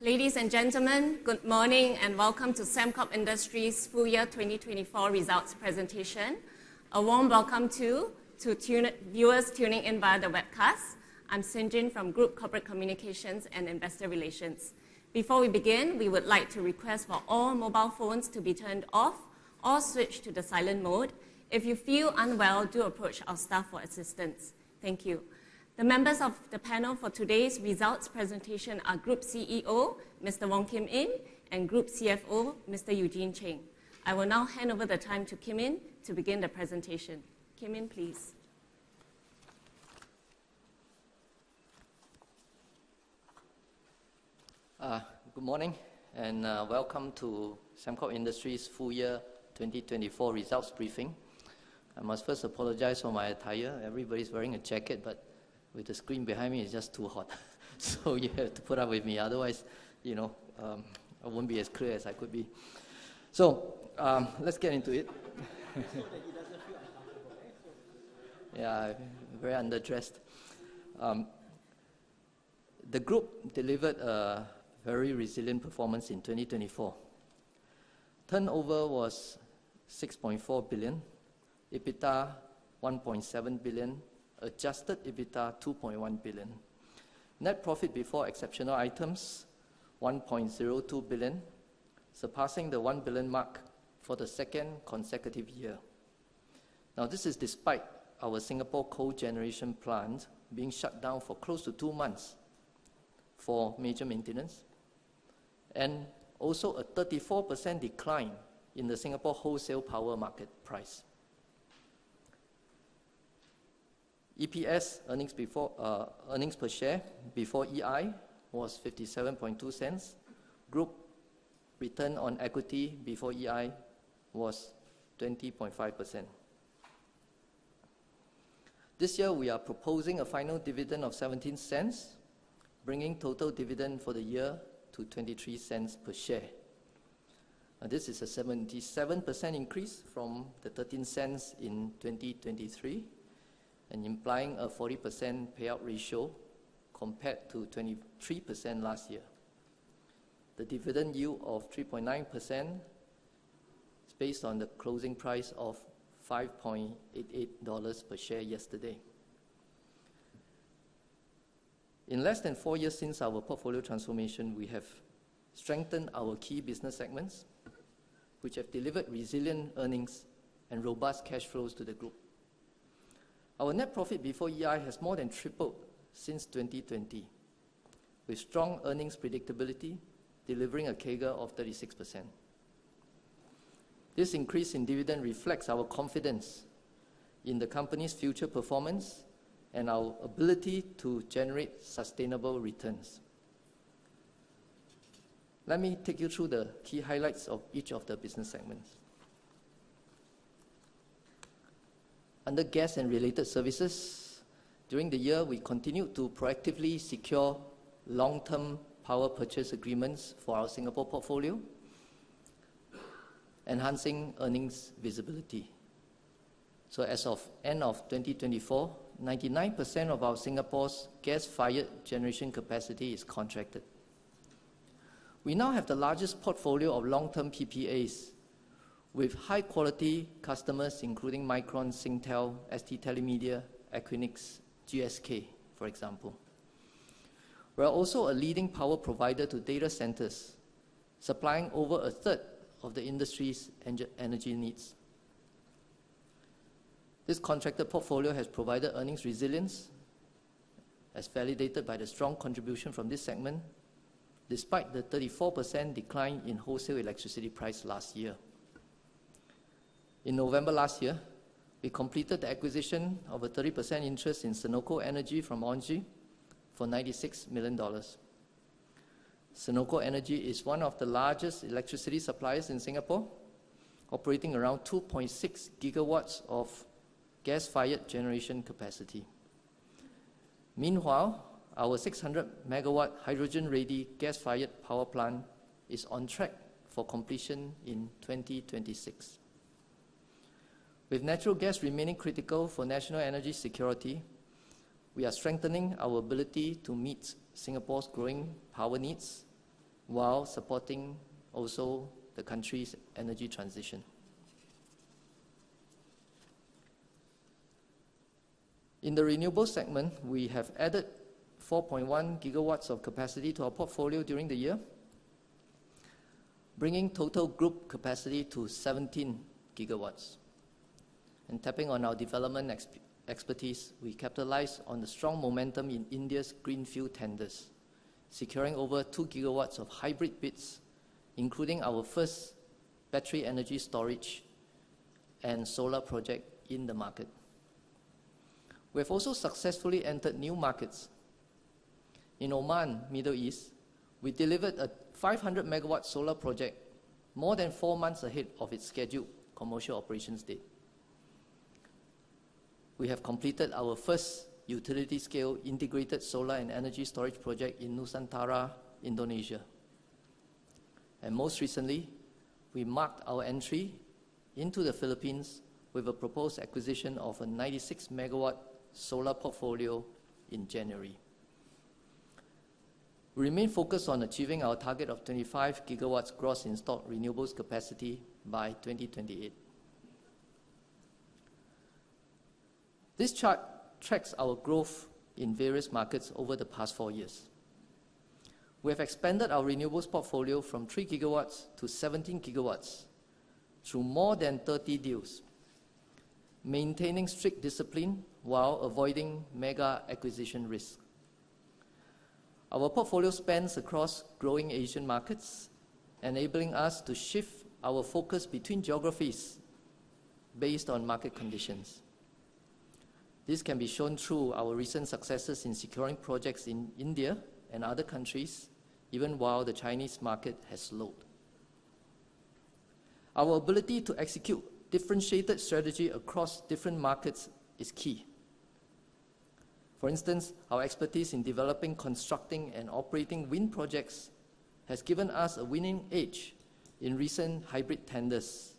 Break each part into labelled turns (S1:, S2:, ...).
S1: Ladies and gentlemen, Good morning and welcome to Sembcorp Industries' full year 2024 results presentation. A warm welcome to viewers tuning in via the webcast. I'm Xin Jin from Group Corporate Communications and Investor Relations. Before we begin, we would like to request for all mobile phones to be turned off or switched to the silent mode. If you feel unwell, do approach our staff for assistance. Thank you. The members of the panel for today's results presentation are Group CEO, Mr. Wong Kim Yin, and Group CFO, Mr. Eugene Cheng. I will now hand over the time to Kim Yin to begin the presentation. Kim Yin, please.
S2: Good morning and welcome to Sembcorp Industries' full year 2024 results briefing. I must first apologize for my attire. Everybody's wearing a jacket, but with the screen behind me, it's just too hot. So you have to put up with me. Otherwise, you know, I won't be as clear as I could be. So let's get into it.
S3: Make sure that he doesn't feel uncomfortable.
S2: Yeah, very underdressed. The group delivered a very resilient performance in 2024. Turnover was 6.4 billion, EBITDA 1.7 billion, adjusted EBITDA 2.1 billion. Net profit before exceptional items was 1.02 billion, surpassing the 1 billion mark for the second consecutive year. Now, this is despite our Singapore co-generation plant being shut down for close to two months for major maintenance and also a 34% decline in the Singapore wholesale power market price. EPS earnings per share before EI was 0.57. Group return on equity before EI was 20.5%. This year, we are proposing a final dividend of 0.17, bringing total dividend for the year to 0.23 per share. This is a 77% increase from the 0.13 in 2023 and implying a 40% payout ratio compared to 23% last year. The dividend yield of 3.9% is based on the closing price of 5.88 dollars per share yesterday. In less than four years since our portfolio transformation, we have strengthened our key business segments, which have delivered resilient earnings and robust cash flows to the group. Our net profit before EI has more than tripled since 2020, with strong earnings predictability delivering a CAGR of 36%. This increase in dividend reflects our confidence in the company's future performance and our ability to generate sustainable returns. Let me take you through the key highlights of each of the business segments. Under Gas and Related Services, during the year, we continued to proactively secure long-term power purchase agreements for our Singapore portfolio, enhancing earnings visibility. So, as of the end of 2024, 99% of our Singapore's gas-fired generation capacity is contracted. We now have the largest portfolio of long-term PPAs with high-quality customers including Micron, Singtel, ST Telemedia, Equinix, GSK, for example. We are also a leading power provider to data centers, supplying over a third of the industry's energy needs. This contracted portfolio has provided earnings resilience, as validated by the strong contribution from this segment despite the 34% decline in wholesale electricity price last year. In November last year, we completed the acquisition of a 30% interest in Senoko Energy from ENGIE for 96 million dollars. Senoko Energy is one of the largest electricity suppliers in Singapore, operating around 2.6 GW of gas-fired generation capacity. Meanwhile, our 600-MW hydrogen-ready gas-fired power plant is on track for completion in 2026. With natural gas remaining critical for national energy security, we are strengthening our ability to meet Singapore's growing power needs while supporting also the country's energy transition. In the renewable segment, we have added 4.1 GW of capacity to our portfolio during the year, bringing total group capacity to 17 GW. Tapping on our development expertise, we capitalize on the strong momentum in India's greenfield tenders, securing over two GW of hybrid bids, including our first battery energy storage and solar project in the market. We have also successfully entered new markets. In Oman, Middle East, we delivered a 500-MW solar project more than four months ahead of its scheduled commercial operations date. We have completed our first utility-scale integrated solar and energy storage project in Nusantara, Indonesia. Most recently, we marked our entry into the Philippines with a proposed acquisition of a 96-MW solar portfolio in January. We remain focused on achieving our target of 25 GW gross installed Renewables capacity by 2028. This chart tracks our growth in various markets over the past four years. We have expanded our Renewables portfolio from 3 GW to 17 GW through more than 30 deals, maintaining strict discipline while avoiding mega acquisition risks. Our portfolio spans across growing Asian markets, enabling us to shift our focus between geographies based on market conditions. This can be shown through our recent successes in securing projects in India and other countries, even while the Chinese market has slowed. Our ability to execute differentiated strategy across different markets is key. For instance, our expertise in developing, constructing, and operating wind projects has given us a winning edge in recent hybrid tenders,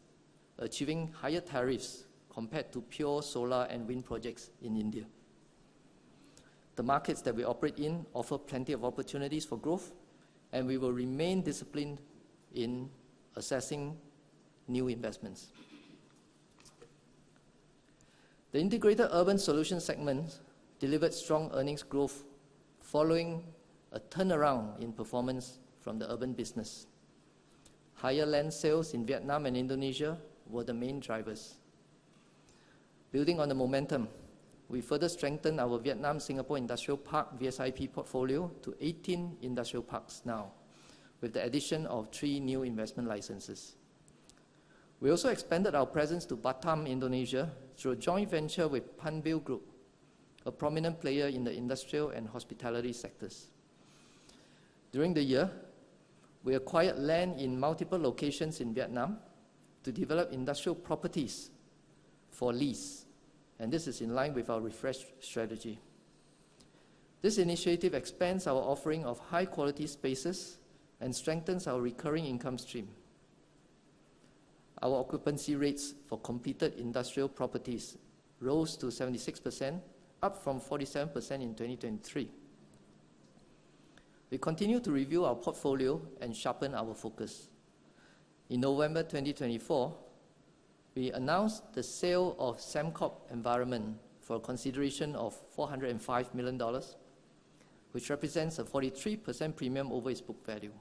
S2: achieving higher tariffs compared to pure solar and wind projects in India. The markets that we operate in offer plenty of opportunities for growth, and we will remain disciplined in assessing new investments. The Integrated Urban Solutions segment delivered strong earnings growth following a turnaround in performance from the urban business. Higher land sales in Vietnam and Indonesia were the main drivers. Building on the momentum, we further strengthened our Vietnam-Singapore Industrial Park (VSIP) portfolio to 18 industrial parks now, with the addition of three new investment licenses. We also expanded our presence to Batam, Indonesia, through a joint venture with Panbil Group, a prominent player in the industrial and hospitality sectors. During the year, we acquired land in multiple locations in Vietnam to develop industrial properties for lease, and this is in line with our refresh strategy. This initiative expands our offering of high-quality spaces and strengthens our recurring income stream. Our occupancy rates for completed industrial properties rose to 76%, up from 47% in 2023. We continue to review our portfolio and sharpen our focus. In November 2024, we announced the sale of Sembcorp Environment for a consideration of S$405 million, which represents a 43% premium over its book value.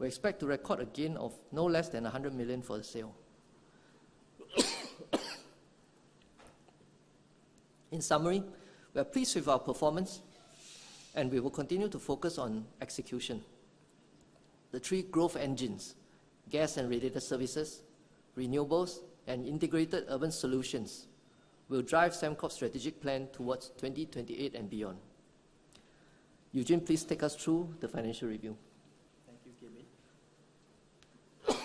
S2: We expect to record a gain of no less than S$100 million for the sale. In summary, we are pleased with our performance, and we will continue to focus on execution. The three growth engines, gas and related services, renewables, and integrated urban solutions, will drive Sembcorp's strategic plan towards 2028 and beyond. Eugene, please take us through the financial review.
S3: Thank you, Kim Yin.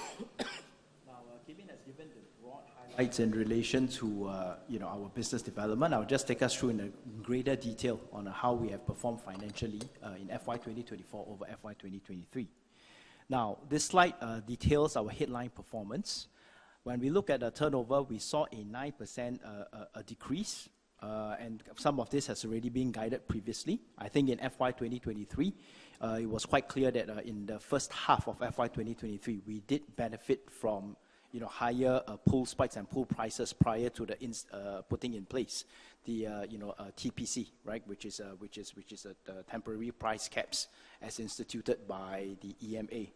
S3: Now, Kim Yin has given the broad highlights in relation to our business development. I'll just take us through in greater detail on how we have performed financially in FY 2024 over FY 2023. Now, this slide details our headline performance. When we look at the turnover, we saw a 9% decrease, and some of this has already been guided previously. I think in FY 2023, it was quite clear that in the first half of FY 2023, we did benefit from higher fuel spikes and fuel prices prior to the putting in place the TPC, which is a Temporary Price Cap as instituted by the EMA.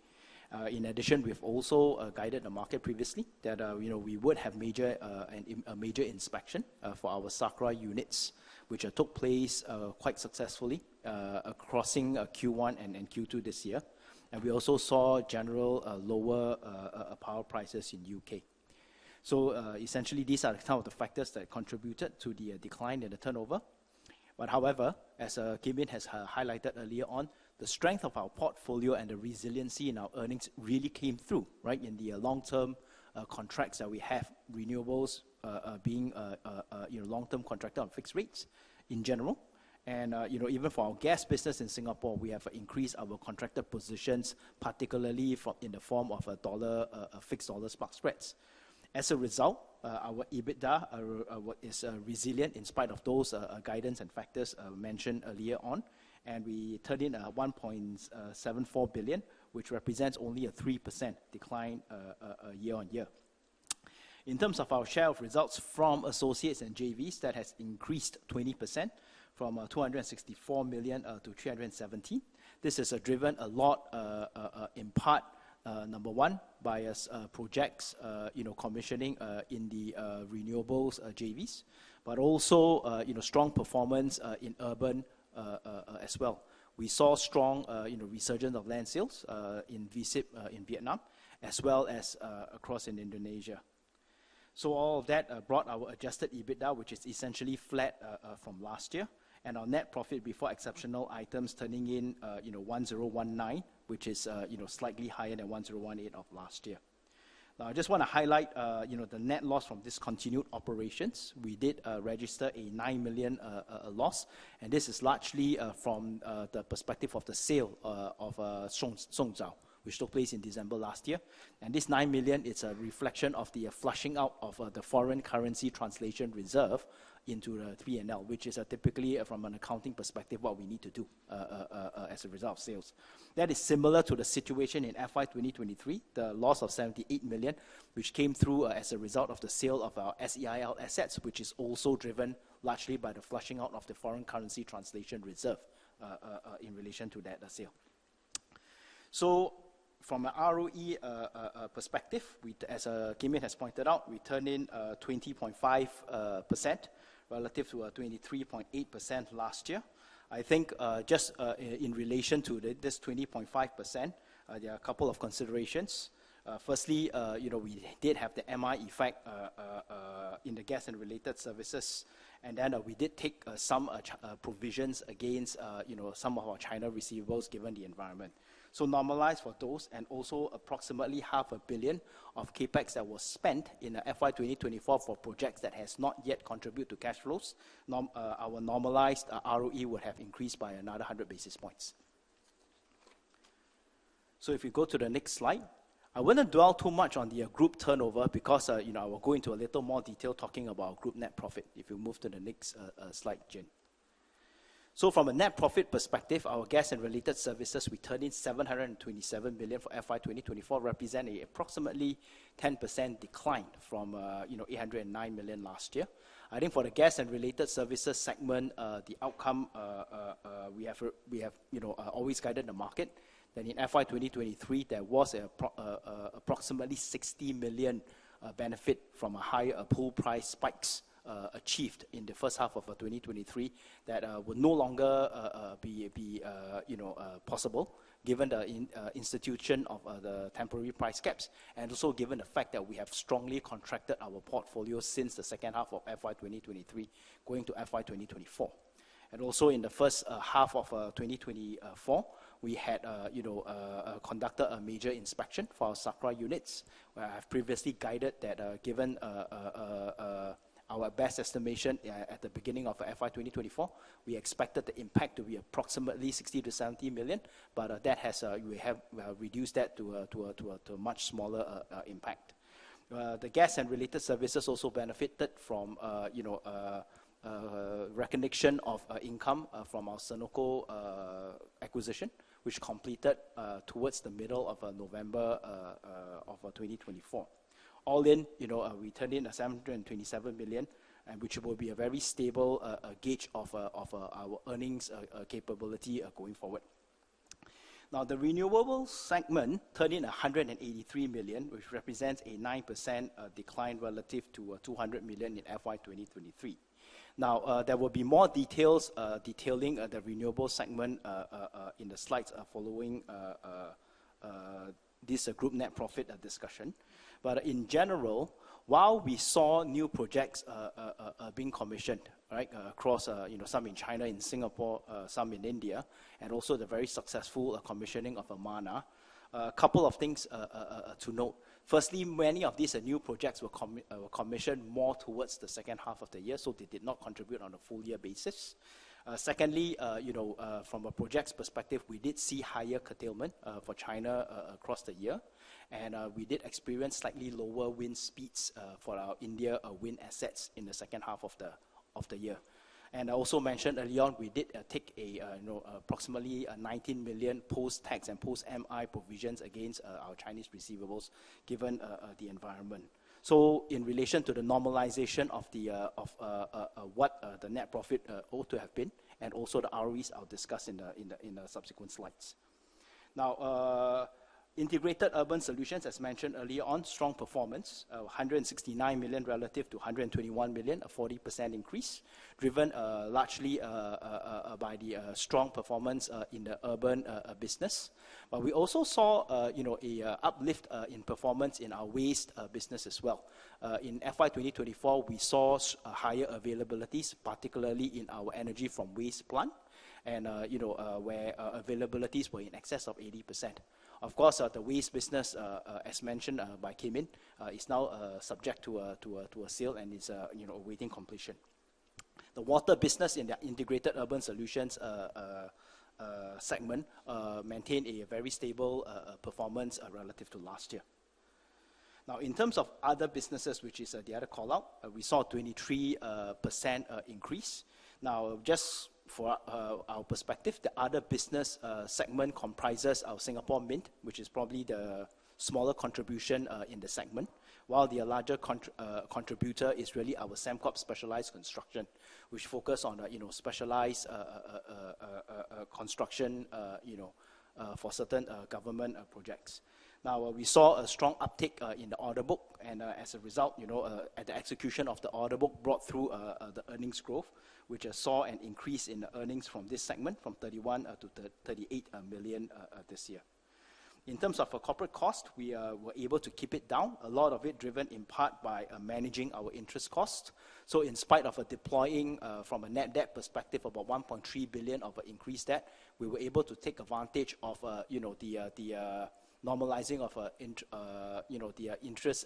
S3: In addition, we've also guided the market previously that we would have a major inspection for our Sakra units, which took place quite successfully across Q1 and Q2 this year. We also saw general lower power prices in the UK. Essentially, these are some of the factors that contributed to the decline in the turnover. But, however, as Kim Yin has highlighted earlier on, the strength of our portfolio and the resiliency in our earnings really came through in the long-term contracts that we have, renewables being long-term contracted on fixed rates in general. Even for our gas business in Singapore, we have increased our contracted positions, particularly in the form of fixed dollar spot spreads. As a result, our EBITDA is resilient in spite of those guidance and factors mentioned earlier on. We turned in 1.74 billion, which represents only a 3% decline year on year. In terms of our share of results from associates and JVs, that has increased 20% from 264 million to 370 million. This has driven a lot in part, number one, by projects commissioning in the renewables JVs, but also strong performance in urban as well. We saw strong resurgence of land sales in VSIP in Vietnam, as well as across Indonesia. So, all of that brought our Adjusted EBITDA, which is essentially flat from last year, and our net profit before exceptional items turning in $1,019, which is slightly higher than $1,018 of last year. Now, I just want to highlight the net loss from discontinued operations. We did register a $9 million loss, and this is largely from the perspective of the sale of Songzao, which took place in December last year. This $9 million is a reflection of the flushing out of the foreign currency translation reserve into the P&L, which is typically, from an accounting perspective, what we need to do as a result of sales. That is similar to the situation in FY 2023, the loss of $78 million, which came through as a result of the sale of our SEIL assets, which is also driven largely by the flushing out of the foreign currency translation reserve in relation to that sale. So, from an ROE perspective, as Kim Yin has pointed out, we turned in 20.5% relative to 23.8% last year. I think just in relation to this 20.5%, there are a couple of considerations. Firstly, we did have the MI effect in the gas and related services, and then we did take some provisions against some of our China receivables given the environment. So, normalized for those, and also approximately $500 million of capex that was spent in FY 2024 for projects that have not yet contributed to cash flows, our normalized ROE would have increased by another 100 basis points. So, if you go to the next slide, I won't dwell too much on the group turnover because I will go into a little more detail talking about our group net profit if you move to the next slide, Xin. So, from a net profit perspective, our gas and related services we turned in 727 million for FY 2024, represents an approximately 10% decline from 809 million last year. I think for the gas and related services segment, the outcome we have always guided the market. Then, in FY 2023, there was approximately 60 million benefit from higher pool price spikes achieved in the first half of 2023 that will no longer be possible given the institution of the temporary price caps and also given the fact that we have strongly contracted our portfolio since the second half of FY 2023 going to FY 2024. Also, in the first half of 2024, we had conducted a major inspection for our Sakra units, where I have previously guided that given our best estimation at the beginning of FY 2024, we expected the impact to be approximately $60-$70 million, but we have reduced that to a much smaller impact. The gas and related services also benefited from recognition of income from our Senoko acquisition, which completed towards the middle of November of 2024. All in, we turned in $727 million, which will be a very stable gauge of our earnings capability going forward. Now, the renewable segment turned in $183 million, which represents a 9% decline relative to $200 million in FY 2023. Now, there will be more details detailing the renewable segment in the slides following this group net profit discussion. But in general, while we saw new projects being commissioned across some in China, in Singapore, some in India, and also the very successful commissioning of Manah, a couple of things to note. Firstly, many of these new projects were commissioned more towards the second half of the year, so they did not contribute on a full year basis. Secondly, from a project's perspective, we did see higher curtailment for China across the year, and we did experience slightly lower wind speeds for our India wind assets in the second half of the year, and I also mentioned earlier on, we did take approximately 19 million post-tax and post-MI provisions against our Chinese receivables given the environment. So, in relation to the normalization of what the net profit ought to have been, and also the ROEs, I'll discuss in the subsequent slides. Now, integrated urban solutions, as mentioned earlier on, strong performance, $169 million relative to $121 million, a 40% increase, driven largely by the strong performance in the urban business. But we also saw an uplift in performance in our waste business as well. In FY 2024, we saw higher availabilities, particularly in our energy from waste plant, and where availabilities were in excess of 80%. Of course, the waste business, as mentioned by Kim Yin, is now subject to a sale and is awaiting completion. The water business in the integrated urban solutions segment maintained a very stable performance relative to last year. Now, in terms of other businesses, which is the other callout, we saw a 23% increase. Now, just for our perspective, the other business segment comprises our Singapore Mint, which is probably the smaller contribution in the segment, while the larger contributor is really our Sembcorp Specialised Construction, which focuses on specialized construction for certain government projects. Now, we saw a strong uptake in the order book, and as a result, the execution of the order book brought through the earnings growth, which saw an increase in the earnings from this segment from 31 million to 38 million this year. In terms of corporate costs, we were able to keep it down, a lot of it driven in part by managing our interest costs. In spite of deploying from a net debt perspective about 1.3 billion of an increased debt, we were able to take advantage of the normalizing of the interest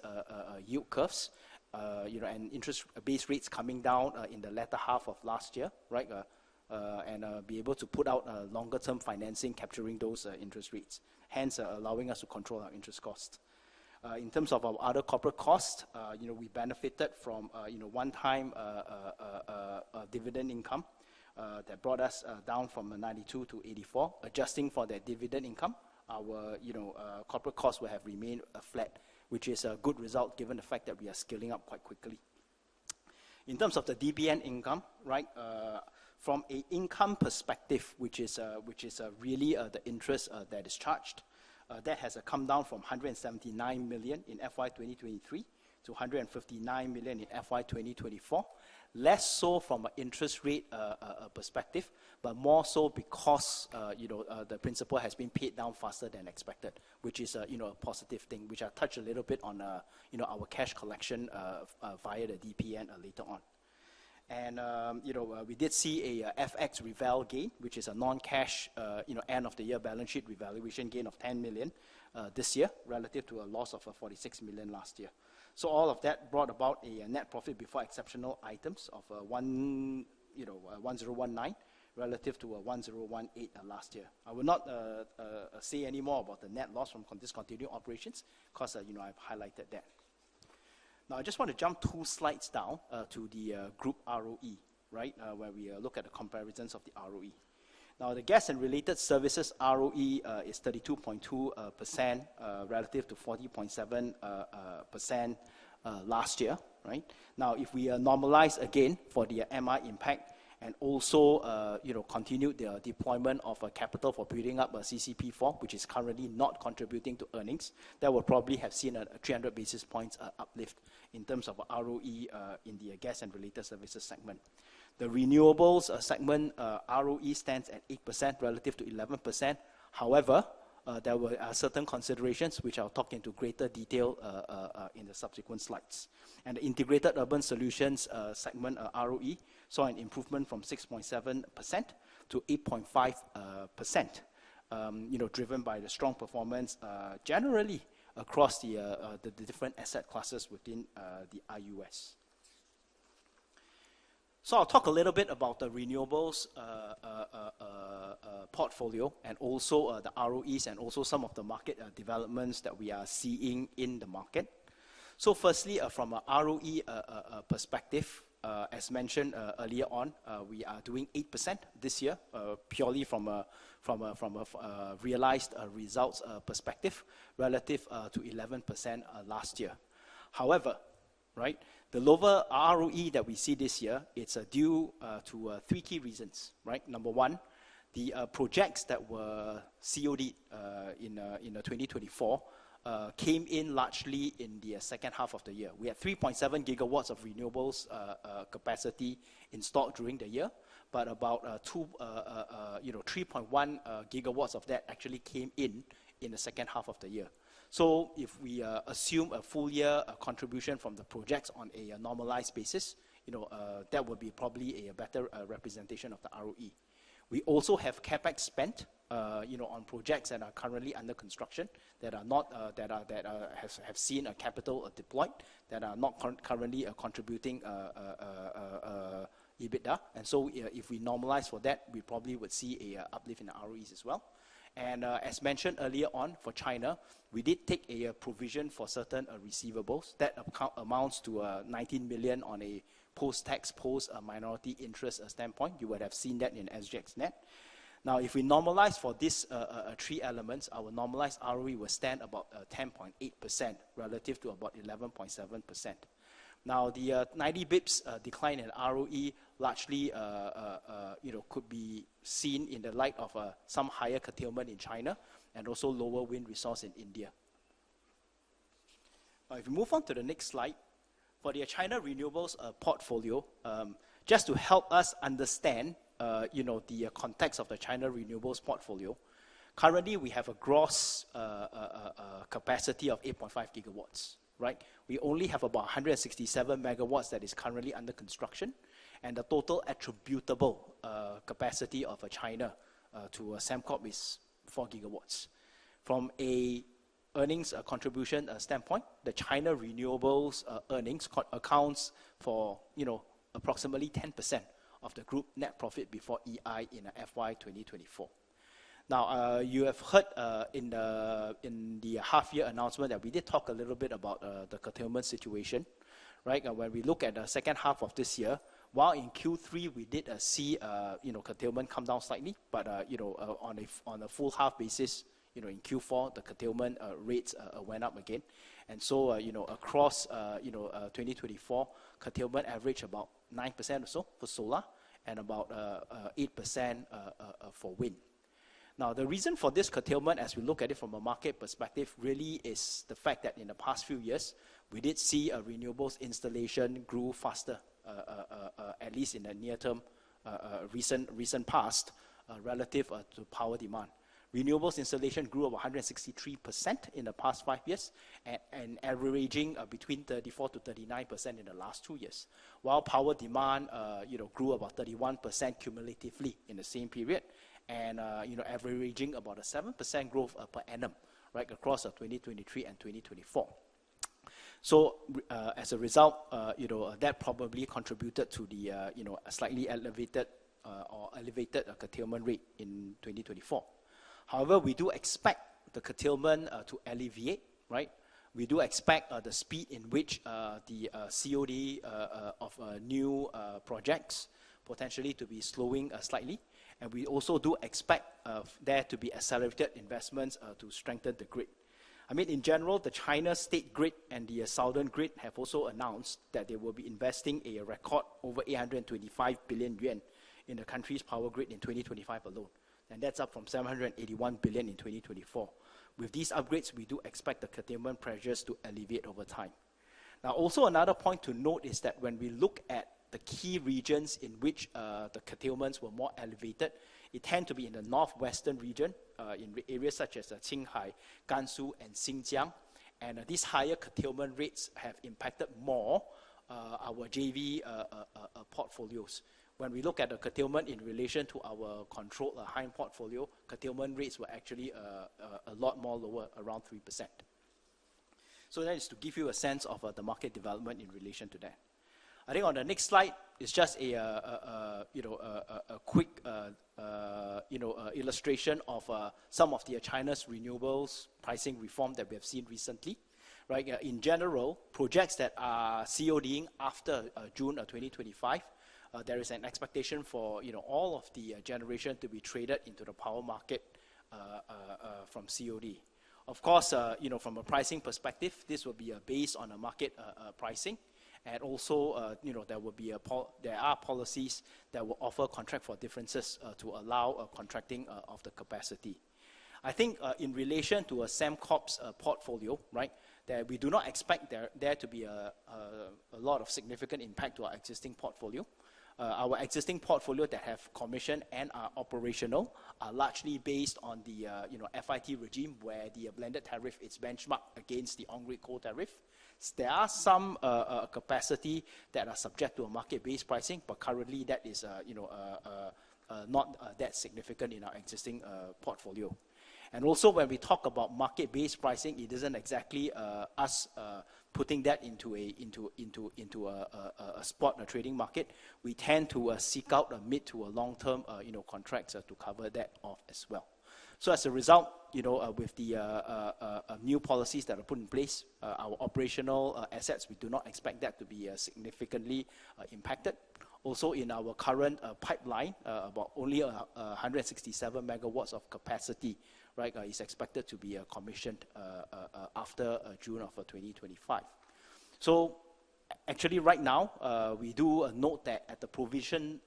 S3: yield curves and interest base rates coming down in the latter half of last year and be able to put out longer-term financing capturing those interest rates, hence allowing us to control our interest costs. In terms of our other corporate costs, we benefited from one-time dividend income that brought us down from 92 to 84. Adjusting for that dividend income, our corporate costs would have remained flat, which is a good result given the fact that we are scaling up quite quickly. In terms of the DPN income, from an income perspective, which is really the interest that is charged, that has come down from $179 million in FY 2023 to $159 million in FY 2024, less so from an interest rate perspective, but more so because the principal has been paid down faster than expected, which is a positive thing, which I touched a little bit on our cash collection via the DPN later on. We did see a FX revalue gain, which is a non-cash end-of-the-year balance sheet revaluation gain of $10 million this year relative to a loss of $46 million last year. All of that brought about a net profit before exceptional items of $1,019 relative to $1,018 last year. I will not say any more about the net loss from discontinued operations because I've highlighted that. Now, I just want to jump two slides down to the group ROE, where we look at the comparisons of the ROE. Now, the gas and related services ROE is 32.2% relative to 40.7% last year. Now, if we normalize again for the MI impact and also continue the deployment of capital for building up a CCP 4, which is currently not contributing to earnings, that will probably have seen a 300 basis points uplift in terms of ROE in the gas and related services segment. The renewables segment ROE stands at 8% relative to 11%. However, there were certain considerations, which I'll talk into greater detail in the subsequent slides, and the integrated urban solutions segment ROE saw an improvement from 6.7% to 8.5%, driven by the strong performance generally across the different asset classes within the IUS. I'll talk a little bit about the renewables portfolio and also the ROEs and also some of the market developments that we are seeing in the market. Firstly, from an ROE perspective, as mentioned earlier on, we are doing 8% this year purely from a realized results perspective relative to 11% last year. However, the lower ROE that we see this year. It's due to three key reasons. Number one, the projects that were COD in 2024 came in largely in the second half of the year. We had 3.7 GW of renewables capacity installed during the year, but about 3.1 GW of that actually came in in the second half of the year. If we assume a full year contribution from the projects on a normalized basis, that would be probably a better representation of the ROE. We also have CapEx spent on projects that are currently under construction that have seen capital deployed that are not currently contributing EBITDA. And so, if we normalize for that, we probably would see an uplift in the ROEs as well. And as mentioned earlier on for China, we did take a provision for certain receivables that amounts to $19 million on a post-tax post-minority interest standpoint. You would have seen that in SGXNet. Now, if we normalize for these three elements, our normalized ROE would stand about 10.8% relative to about 11.7%. Now, the 90 basis points decline in ROE largely could be seen in the light of some higher curtailment in China and also lower wind resources in India. If we move on to the next slide, for the China renewables portfolio, just to help us understand the context of the China renewables portfolio, currently we have a gross capacity of 8.5 GW. We only have about 167 MWs that is currently under construction, and the total attributable capacity of China to Sembcorp is 4 GW. From an earnings contribution standpoint, the China renewables earnings accounts for approximately 10% of the group net profit before EI in FY 2024. Now, you have heard in the half-year announcement that we did talk a little bit about the curtailment situation. When we look at the second half of this year, while in Q3 we did see curtailment come down slightly, but on a full half basis, in Q4, the curtailment rates went up again. And so, across 2024, curtailment averaged about 9% or so for solar and about 8% for wind. Now, the reason for this curtailment, as we look at it from a market perspective, really is the fact that in the past few years, we did see renewables installation grow faster, at least in the near-term, recent past relative to power demand. Renewables installation grew about 163% in the past five years and averaging between 34%-39% in the last two years, while power demand grew about 31% cumulatively in the same period and averaging about a 7% growth per annum across 2023 and 2024. So, as a result, that probably contributed to the slightly elevated curtailment rate in 2024. However, we do expect the curtailment to alleviate. We do expect the speed in which the COD of new projects potentially to be slowing slightly, and we also do expect there to be accelerated investments to strengthen the grid. I mean, in general, the China State Grid and the Southern Grid have also announced that they will be investing a record over 825 billion yuan in the country's power grid in 2025 alone, and that's up from 781 billion in 2024. With these upgrades, we do expect the curtailment pressures to alleviate over time. Now, also another point to note is that when we look at the key regions in which the curtailments were more elevated, it tends to be in the northwestern region, in areas such as Qinghai, Gansu, and Xinjiang, and these higher curtailment rates have impacted more our JV portfolios. When we look at the curtailment in relation to our controlled owned portfolio, curtailment rates were actually a lot more lower, around 3%. So that is to give you a sense of the market development in relation to that. I think on the next slide, it's just a quick illustration of some of China's renewables pricing reform that we have seen recently. In general, projects that are CODing after June 2025, there is an expectation for all of the generation to be traded into the power market from COD. Of course, from a pricing perspective, this will be based on market pricing, and also there are policies that will offer contract for differences to allow contracting of the capacity. I think in relation to Sembcorp's portfolio, that we do not expect there to be a lot of significant impact to our existing portfolio. Our existing portfolio that have commissioned and are operational are largely based on the FIT regime where the blended tariff is benchmarked against the on-grid coal tariff. There are some capacity that are subject to market-based pricing, but currently that is not that significant in our existing portfolio. And also, when we talk about market-based pricing, it isn't exactly us putting that into a spot, a trading market. We tend to seek out a mid to a long-term contract to cover that off as well. So, as a result, with the new policies that are put in place, our operational assets, we do not expect that to be significantly impacted. Also, in our current pipeline, about only 167 MWs of capacity is expected to be commissioned after June 2025. So, actually, right now, we do note that at the provincial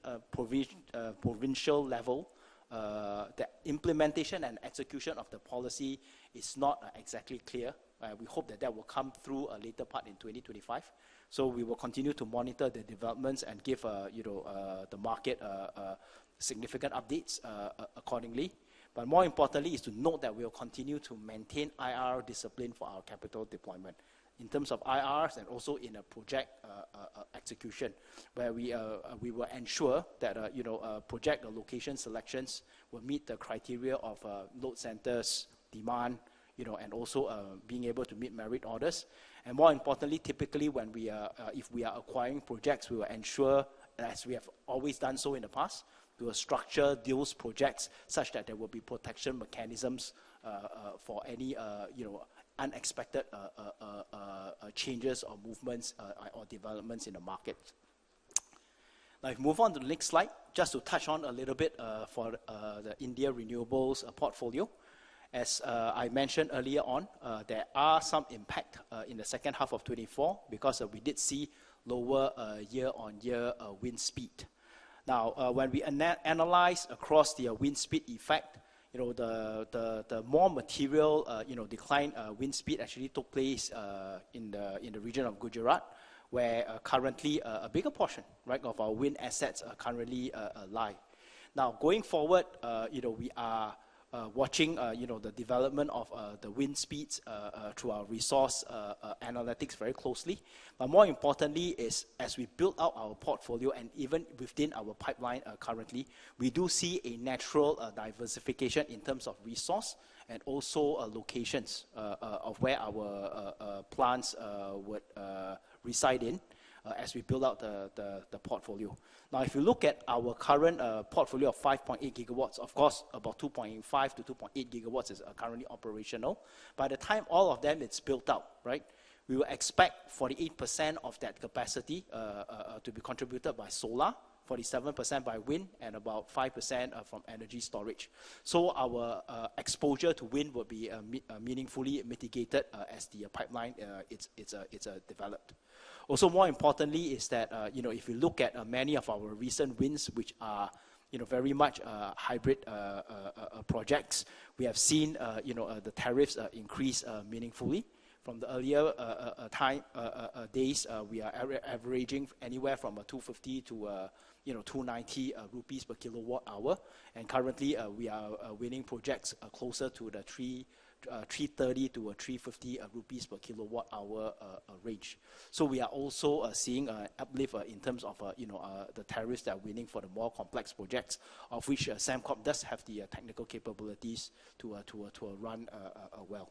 S3: level, that implementation and execution of the policy is not exactly clear. We hope that that will come through a later part in 2025. So, we will continue to monitor the developments and give the market significant updates accordingly. But more importantly, it's to note that we will continue to maintain IRR discipline for our capital deployment. In terms of IRRs and also in project execution, where we will ensure that project location selections will meet the criteria of load centers demand and also being able to meet merit orders. And more importantly, typically, if we are acquiring projects, we will ensure, as we have always done so in the past, we will structure those projects such that there will be protection mechanisms for any unexpected changes or movements or developments in the market. Now, if we move on to the next slide, just to touch on a little bit for the India renewables portfolio. As I mentioned earlier on, there are some impacts in the second half of 2024 because we did see lower year-on-year wind speed. Now, when we analyze across the wind speed effect, the more material decline wind speed actually took place in the region of Gujarat, where currently a bigger portion of our wind assets lie. Now, going forward, we are watching the development of the wind speeds to our resource analytics very closely. But more importantly, as we build out our portfolio and even within our pipeline currently, we do see a natural diversification in terms of resource and also locations of where our plants would reside in as we build out the portfolio. Now, if you look at our current portfolio of 5.8 GW, of course, about 2.5-2.8 GW is currently operational. By the time all of them is built out, we will expect 48% of that capacity to be contributed by solar, 47% by wind, and about 5% from energy storage. So, our exposure to wind will be meaningfully mitigated as the pipeline is developed. Also, more importantly, is that if you look at many of our recent wins, which are very much hybrid projects, we have seen the tariffs increase meaningfully. From the earlier days, we are averaging anywhere from 250-290 rupees per kilowatt hour. And currently, we are winning projects closer to the 330-350 rupees per kilowatt hour range. So, we are also seeing an uplift in terms of the tariffs that are winning for the more complex projects, of which Sembcorp does have the technical capabilities to run well.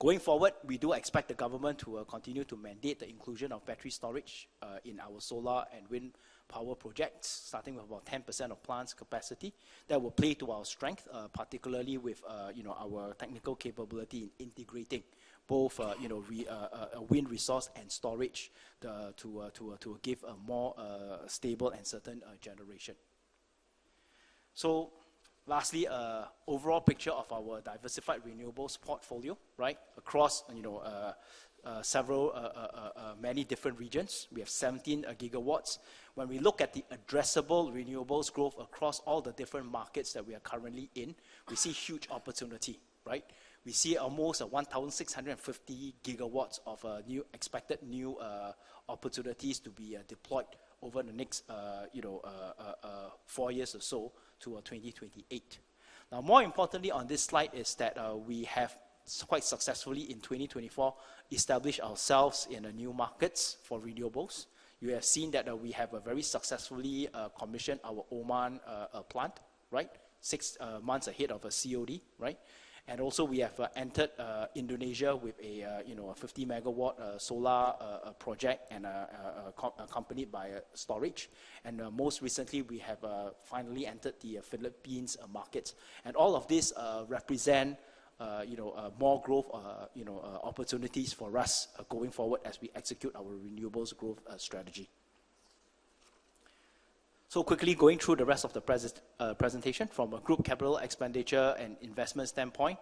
S3: Going forward, we do expect the government to continue to mandate the inclusion of battery storage in our solar and wind power projects, starting with about 10% of plants' capacity. That will play to our strength, particularly with our technical capability in integrating both wind resource and storage to give a more stable and certain generation. So, lastly, overall picture of our diversified renewables portfolio across many different regions. We have 17 GW. When we look at the addressable renewables growth across all the different markets that we are currently in, we see huge opportunity. We see almost 1,650 GW of new expected new opportunities to be deployed over the next four years or so to 2028. Now, more importantly, on this slide is that we have quite successfully in 2024 established ourselves in the new markets for renewables. You have seen that we have very successfully commissioned our Oman plant, six months ahead of COD. And also, we have entered Indonesia with a 50-MW solar project and accompanied by storage. And most recently, we have finally entered the Philippines market. And all of this represents more growth opportunities for us going forward as we execute our renewables growth strategy. So, quickly going through the rest of the presentation, from a group capital expenditure and investment standpoint,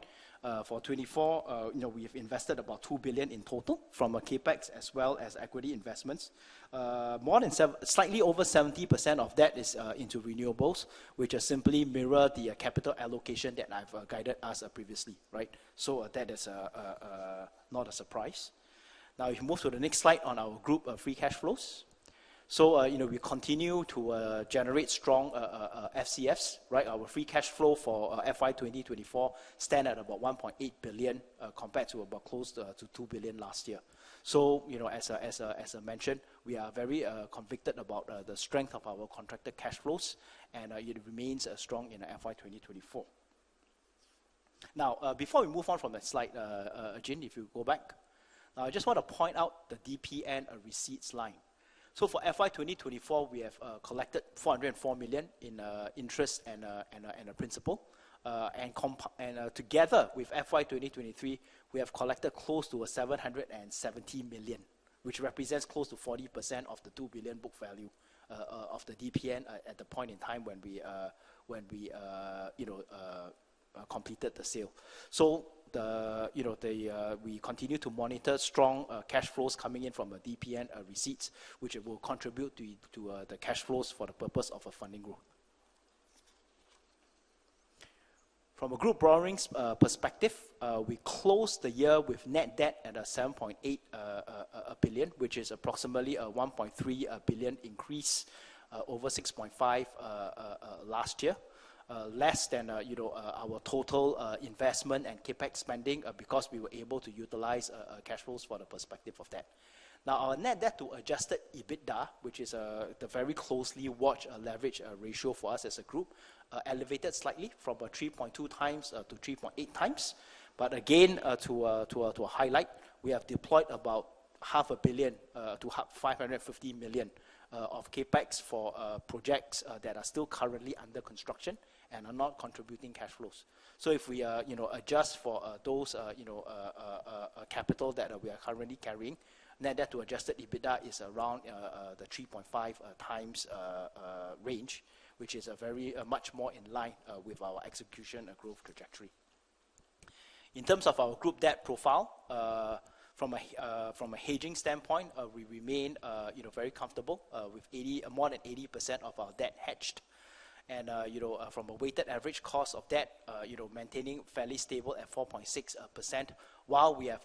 S3: for 2024, we have invested about 2 billion in total from CapEx as well as equity investments. Slightly over 70% of that is into renewables, which simply mirrors the capital allocation that I've guided us previously. So, that is not a surprise. Now, if we move to the next slide on our group free cash flows. So, we continue to generate strong FCFs. Our free cash flow for FY 2024 stands at about 1.8 billion compared to about close to 2 billion last year. So, as I mentioned, we are very convicted about the strength of our contracted cash flows, and it remains strong in FY 2024. Now, before we move on from the slide, Jin, if you go back, I just want to point out the DPN receipts line. So, for FY 2024, we have collected 404 million in interest and principal. And together with FY 2023, we have collected close to 770 million, which represents close to 40% of the 2 billion book value of the DPN at the point in time when we completed the sale. So, we continue to monitor strong cash flows coming in from the DPN receipts, which will contribute to the cash flows for the purpose of funding growth. From a group borrowing perspective, we closed the year with net debt at 7.8 billion, which is approximately a 1.3 billion increase over 6.5 billion last year, less than our total investment and CapEx spending because we were able to utilize cash flows for the perspective of that. Now, our Net Debt to Adjusted EBITDA, which is the very closely watched leverage ratio for us as a group, elevated slightly from 3.2 times to 3.8 times. But again, to highlight, we have deployed about 500 million-550 million of CapEx for projects that are still currently under construction and are not contributing cash flows. So, if we adjust for those capital that we are currently carrying, Net Debt to Adjusted EBITDA is around the 3.5 times range, which is much more in line with our execution growth trajectory. In terms of our group debt profile, from a hedging standpoint, we remain very comfortable with more than 80% of our debt hedged, and from a weighted average cost of debt, maintaining fairly stable at 4.6%, while we have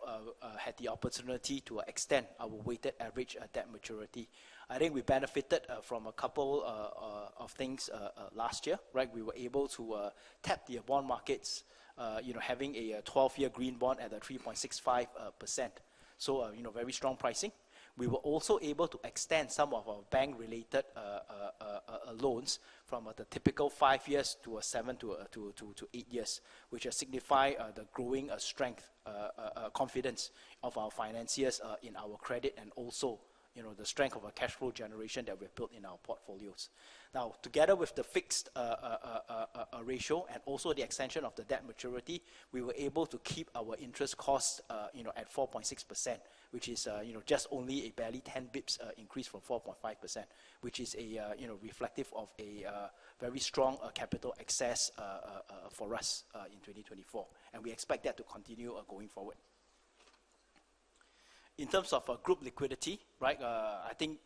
S3: had the opportunity to extend our weighted average debt maturity. I think we benefited from a couple of things last year. We were able to tap the bond markets, having a 12-year green bond at 3.65%, so very strong pricing. We were also able to extend some of our bank-related loans from the typical five years to seven to eight years, which signifies the growing strength, confidence of our financiers in our credit, and also the strength of our cash flow generation that we have built in our portfolios. Now, together with the fixed rate and also the extension of the debt maturity, we were able to keep our interest cost at 4.6%, which is just only a barely 10 basis points increase from 4.5%, which is reflective of a very strong capital access for us in 2024, and we expect that to continue going forward. In terms of group liquidity, I think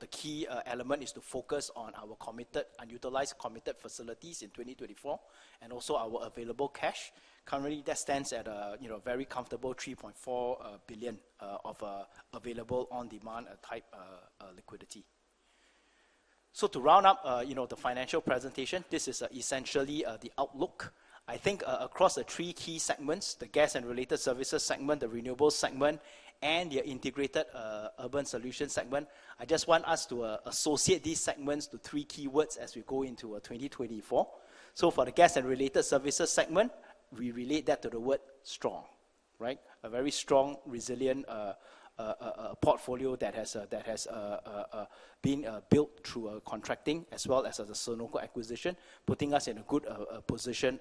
S3: the key element is to focus on our committed, unutilized facilities in 2024, and also our available cash. Currently, that stands at a very comfortable 3.4 billion of available on-demand type liquidity. To round up the financial presentation, this is essentially the outlook. I think across the three key segments, the gas and related services segment, the renewables segment, and the integrated urban solutions segment, I just want us to associate these segments to three keywords as we go into 2024. For the gas and related services segment, we relate that to the word strong. A very strong, resilient portfolio that has been built through contracting as well as the Senoko acquisition, putting us in a good position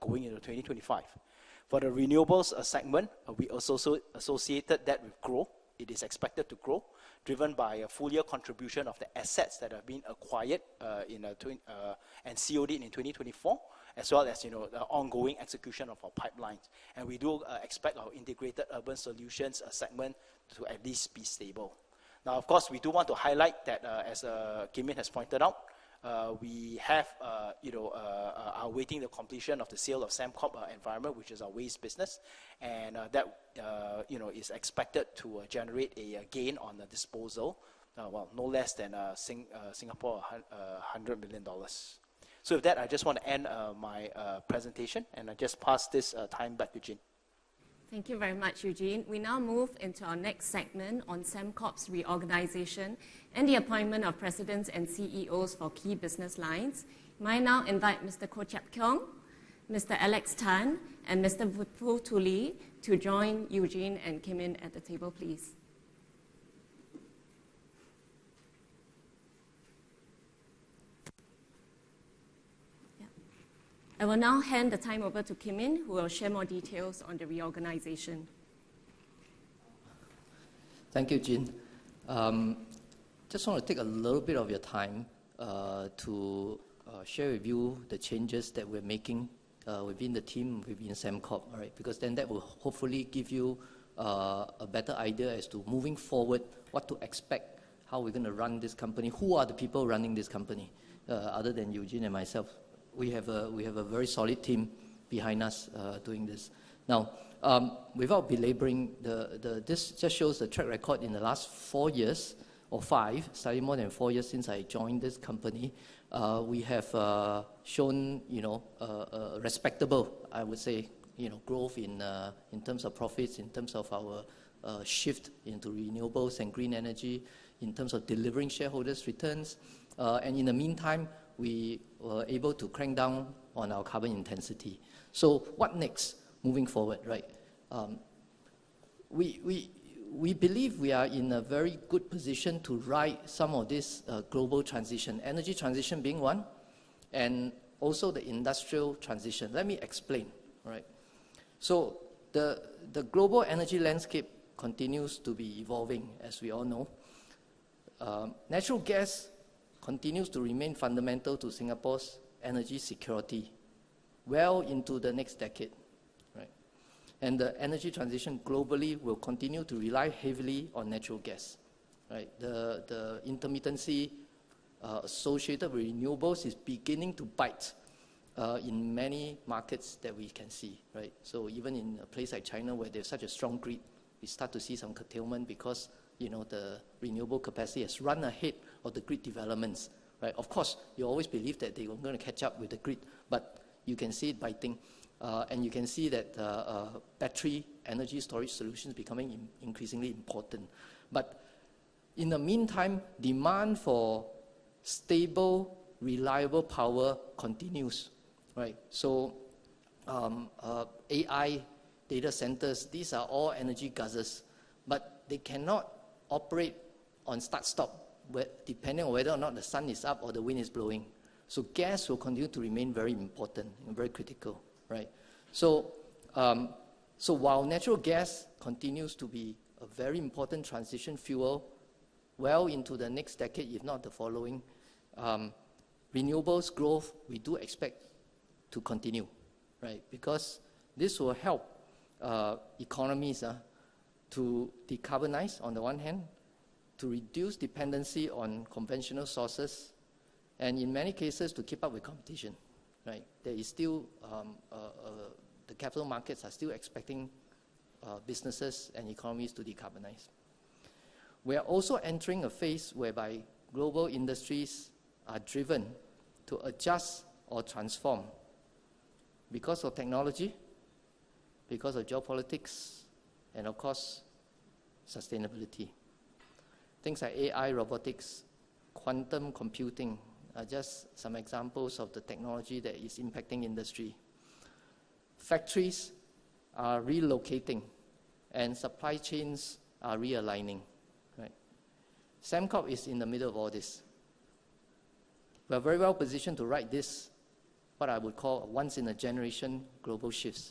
S3: going into 2025. For the renewables segment, we associated that with growth. It is expected to grow, driven by a full year contribution of the assets that have been acquired and COD in 2024, as well as the ongoing execution of our pipelines. We do expect our integrated urban solutions segment to at least be stable. Now, of course, we do want to highlight that, as Kim Yin has pointed out, we are awaiting the completion of the sale of Sembcorp Environment, which is our waste business, and that is expected to generate a gain on the disposal, well, no less than 100 million Singapore dollars. So, with that, I just want to end my presentation, and I just pass this time back to Jin.
S1: Thank you very much, Eugene. We now move into our next segment on Sembcorp's reorganization and the appointment of presidents and CEOs for key business lines. May I now invite Mr. Koh Chiap Khiong, Mr. Alex Tan, and Mr. Vipul Tuli to join Eugene and Kim Yin at the table, please. I will now hand the time over to Kim Yin, who will share more details on the reorganization.
S2: Thank you, Jin. Just want to take a little bit of your time to share with you the changes that we're making within the team within Sembcorp, because then that will hopefully give you a better idea as to moving forward, what to expect, how we're going to run this company, who are the people running this company other than Eugene and myself. We have a very solid team behind us doing this. Now, without belaboring, this just shows the track record in the last four years or five, slightly more than four years since I joined this company. We have shown respectable, I would say, growth in terms of profits, in terms of our shift into renewables and green energy, in terms of delivering shareholders' returns. And in the meantime, we were able to crank down on our carbon intensity. So, what next moving forward? We believe we are in a very good position to ride some of this global transition, energy transition being one, and also the industrial transition. Let me explain. The global energy landscape continues to be evolving, as we all know. Natural gas continues to remain fundamental to Singapore's energy security well into the next decade. The energy transition globally will continue to rely heavily on natural gas. The intermittency associated with renewables is beginning to bite in many markets that we can see. Even in a place like China, where there's such a strong grid, we start to see some curtailment because the renewable capacity has run ahead of the grid developments. Of course, you always believe that they are going to catch up with the grid, but you can see it biting. You can see that battery energy storage solutions are becoming increasingly important. In the meantime, demand for stable, reliable power continues. AI data centers, these are all energy guzzlers, but they cannot operate on start-stop, depending on whether or not the sun is up or the wind is blowing. Gas will continue to remain very important and very critical. While natural gas continues to be a very important transition fuel well into the next decade, if not the following, renewables' growth we do expect to continue because this will help economies to decarbonize on the one hand, to reduce dependency on conventional sources, and in many cases, to keep up with competition. The capital markets are still expecting businesses and economies to decarbonize. We are also entering a phase whereby global industries are driven to adjust or transform because of technology, because of geopolitics, and of course, sustainability. Things like AI, robotics, quantum computing are just some examples of the technology that is impacting industry. Factories are relocating, and supply chains are realigning. Sembcorp is in the middle of all this. We are very well positioned to ride this, what I would call a once-in-a-generation global shift.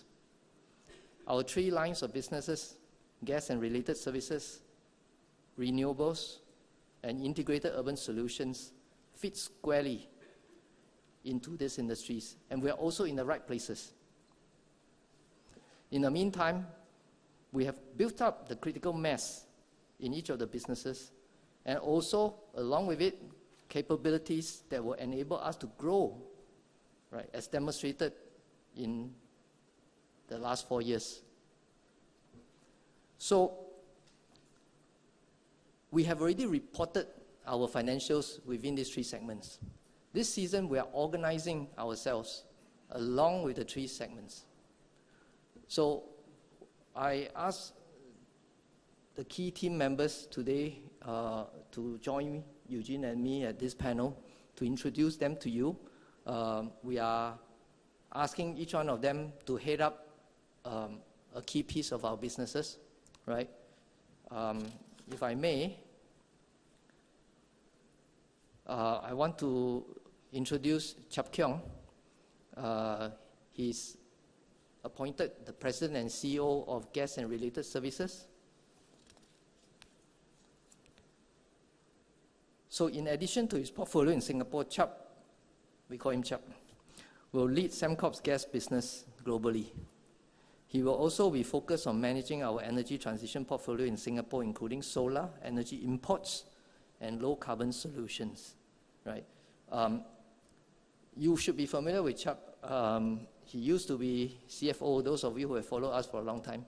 S2: Our three lines of businesses, gas and related services, renewables, and integrated urban solutions, fit squarely into these industries, and we are also in the right places. In the meantime, we have built up the critical mass in each of the businesses, and also, along with it, capabilities that will enable us to grow, as demonstrated in the last four years. So, we have already reported our financials within these three segments. This session, we are organizing ourselves along with the three segments. So, I asked the key team members today to join Eugene and me at this panel to introduce them to you. We are asking each one of them to head up a key piece of our businesses. If I may, I want to introduce Koh Chiap Khiong. He's appointed the President and CEO of Gas and Related Services. So, in addition to his portfolio in Singapore, Chiap, we call him Chiap, will lead Sembcorp's gas business globally. He will also be focused on managing our energy transition portfolio in Singapore, including solar energy imports and low carbon solutions. You should be familiar with Chiap. He used to be CFO, those of you who have followed us for a long time.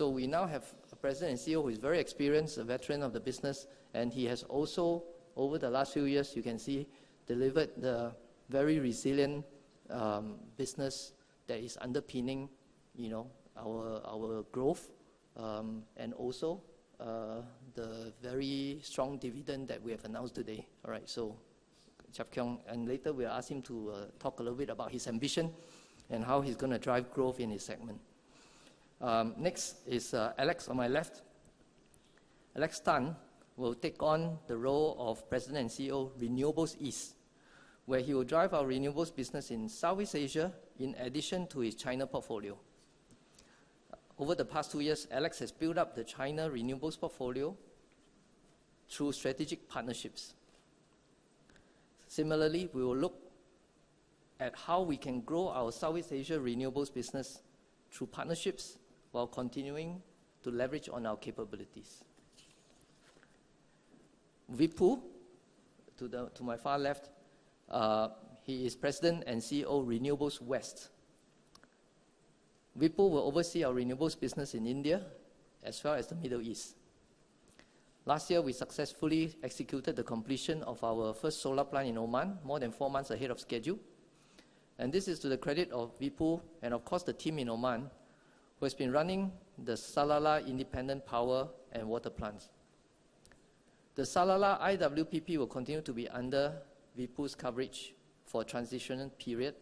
S2: We now have a President and CEO who is very experienced, a veteran of the business, and he has also, over the last few years, you can see, delivered the very resilient business that is underpinning our growth and also the very strong dividend that we have announced today. Chiap Khiong, and later, we will ask him to talk a little bit about his ambition and how he's going to drive growth in his segment. Next is Alex on my left. Alex Tan will take on the role of President and CEO of Renewables East, where he will drive our renewables business in Southeast Asia in addition to his China portfolio. Over the past two years, Alex has built up the China renewables portfolio through strategic partnerships. Similarly, we will look at how we can grow our Southeast Asia renewables business through partnerships while continuing to leverage on our capabilities. Vipul, to my far left, he is President and CEO of Renewables West. Vipul will oversee our renewables business in India as well as the Middle East. Last year, we successfully executed the completion of our first solar plant in Oman, more than four months ahead of schedule, and this is to the credit of Vipul and, of course, the team in Oman, who has been running the Salalah Independent Power and Water Plants. The Salalah IWPP will continue to be under Vipul's coverage for a transitional period